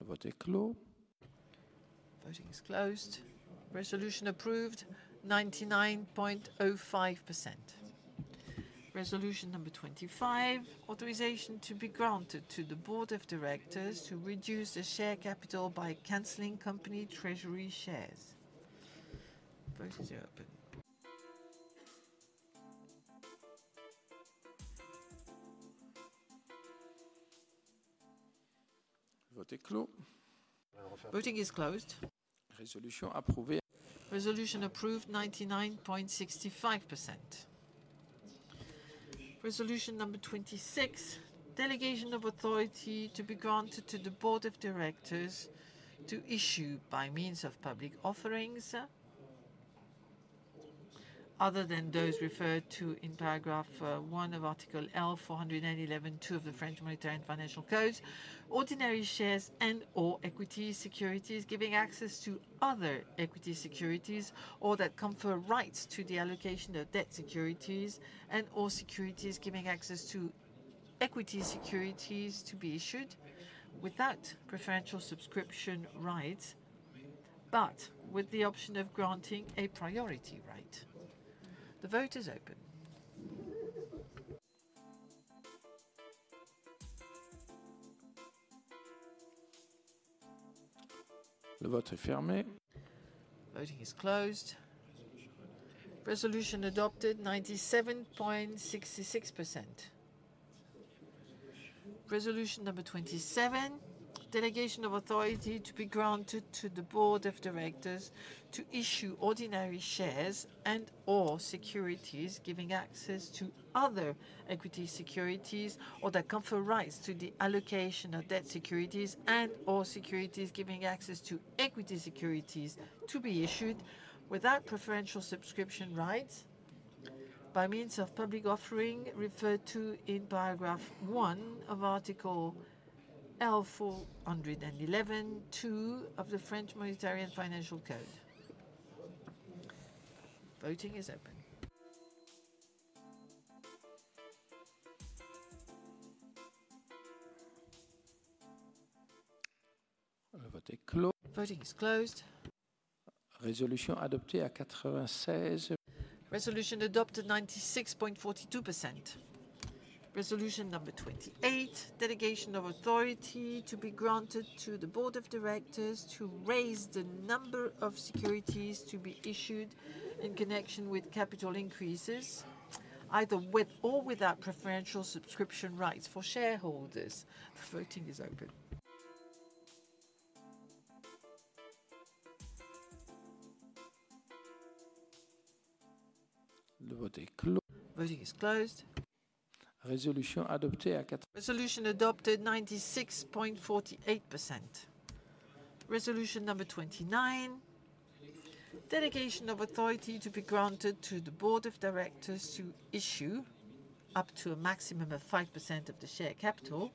Speaker 9: Le vote est clos.
Speaker 4: Voting is closed. Resolution approved, 99.05%. Resolution number 25: authorization to be granted to the Board of Directors to reduce the share capital by canceling company treasury shares. Vote is open.
Speaker 9: Le vote est clos.
Speaker 4: Voting is closed.
Speaker 9: Resolution approuvé.
Speaker 4: Resolution approved, 99.65%. Resolution number 26: delegation of authority to be granted to the Board of Directors to issue, by means of public offerings, other than those referred to in paragraph 1 of Article L. 411-2 of the French Monetary and Financial Code, ordinary shares and/or equity securities giving access to other equity securities or that confer rights to the allocation of debt securities and all securities giving access to equity securities to be issued without preferential subscription rights, but with the option of granting a priority right. The vote is open.
Speaker 9: Le vote est fermé.
Speaker 4: Voting is closed. Resolution adopted, 97.66%. Resolution number 27: delegation of authority to be granted to the Board of Directors to issue ordinary shares and/or securities giving access to other equity securities or that confer rights to the allocation of debt securities and/or securities giving access to equity securities to be issued without preferential subscription rights... by means of public offering, referred to in paragraph 1 of Article L. 411-2 of the French Monetary and Financial Code. Voting is open. Voting is closed. Resolution adopted at 96. Resolution adopted 96.42%. Resolution number 28: Delegation of authority to be granted to the Board of Directors to raise the number of securities to be issued in connection with capital increases, either with or without preferential subscription rights for shareholders. Voting is open. Voting is closed. Resolution adopted at- Resolution adopted 96.48%. Resolution number 29: Delegation of authority to be granted to the Board of Directors to issue up to a maximum of 5% of the share capital,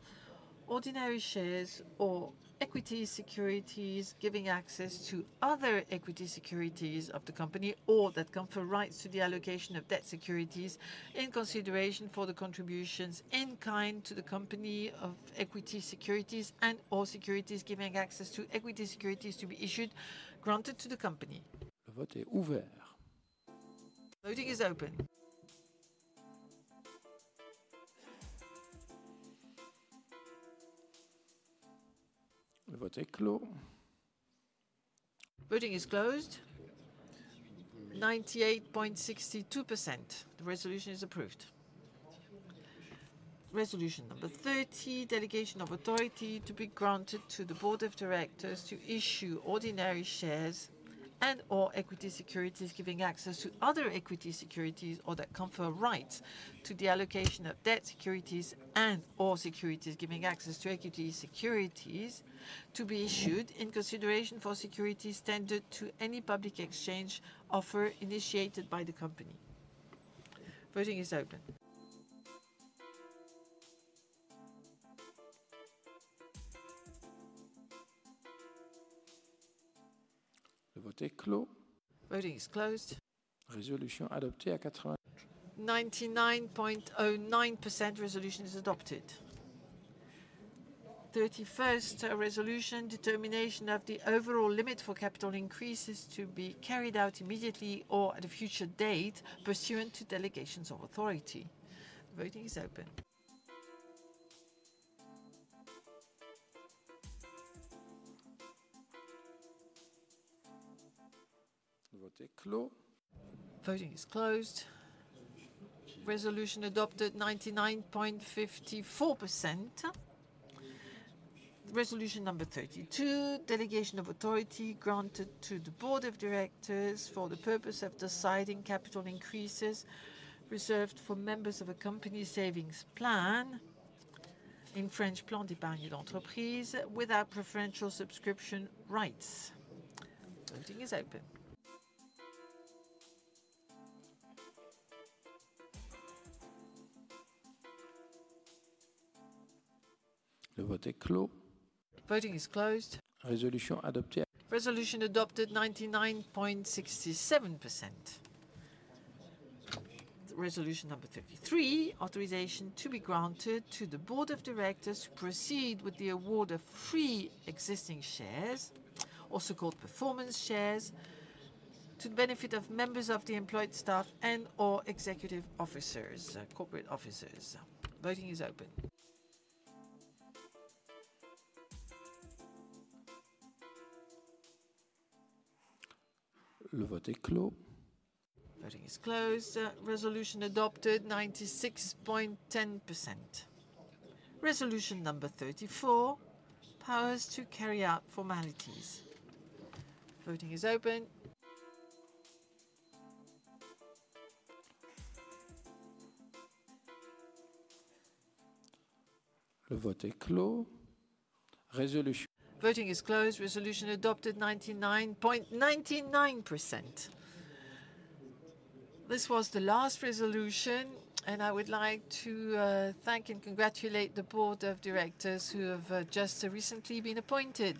Speaker 4: ordinary shares or equity securities, giving access to other equity securities of the company, or that confer rights to the allocation of debt securities in consideration for the contributions in kind to the company of equity securities and/or securities giving access to equity securities to be issued granted to the company.
Speaker 9: Le vote est ouvert.
Speaker 4: Voting is open.
Speaker 9: Le vote est clos.
Speaker 4: Voting is closed. 98.62%, the resolution is approved. Resolution number 30: Delegation of authority to be granted to the Board of Directors to issue ordinary shares and/or equity securities, giving access to other equity securities or that confer rights to the allocation of debt securities and/or securities giving access to equity securities, to be issued in consideration for securities tendered to any public exchange offer initiated by the company. Voting is open.
Speaker 9: Le vote est clos.
Speaker 4: Voting is closed.
Speaker 9: Résolution adoptée à 80-
Speaker 4: 99.09%, resolution is adopted. Thirty-first resolution: Determination of the overall limit for capital increases to be carried out immediately or at a future date pursuant to delegations of authority. Voting is open.
Speaker 9: Le vote est clos.
Speaker 4: Voting is closed. Resolution adopted 99.54%. Resolution number 32: Delegation of authority granted to the Board of Directors for the purpose of deciding capital increases reserved for members of a company savings plan in French Plan d'épargne d'entreprise, without preferential subscription rights. Voting is open.
Speaker 9: Le vote est clos.
Speaker 4: Voting is closed.
Speaker 9: Resolution adoptée-
Speaker 4: Resolution adopted 99.67%. Resolution number 33: Authorization to be granted to the Board of Directors to proceed with the award of free existing shares, also called performance shares, to the benefit of members of the employed staff and/or executive officers, corporate officers. Voting is open.
Speaker 9: Le vote est clos.
Speaker 4: Voting is closed. Resolution adopted 96.10%. Resolution number 34: Powers to carry out formalities. Voting is open.
Speaker 9: Le vote est clos. Resolution-
Speaker 4: Voting is closed. Resolution adopted 99.99%. This was the last resolution, and I would like to thank and congratulate the board of directors who have just recently been appointed.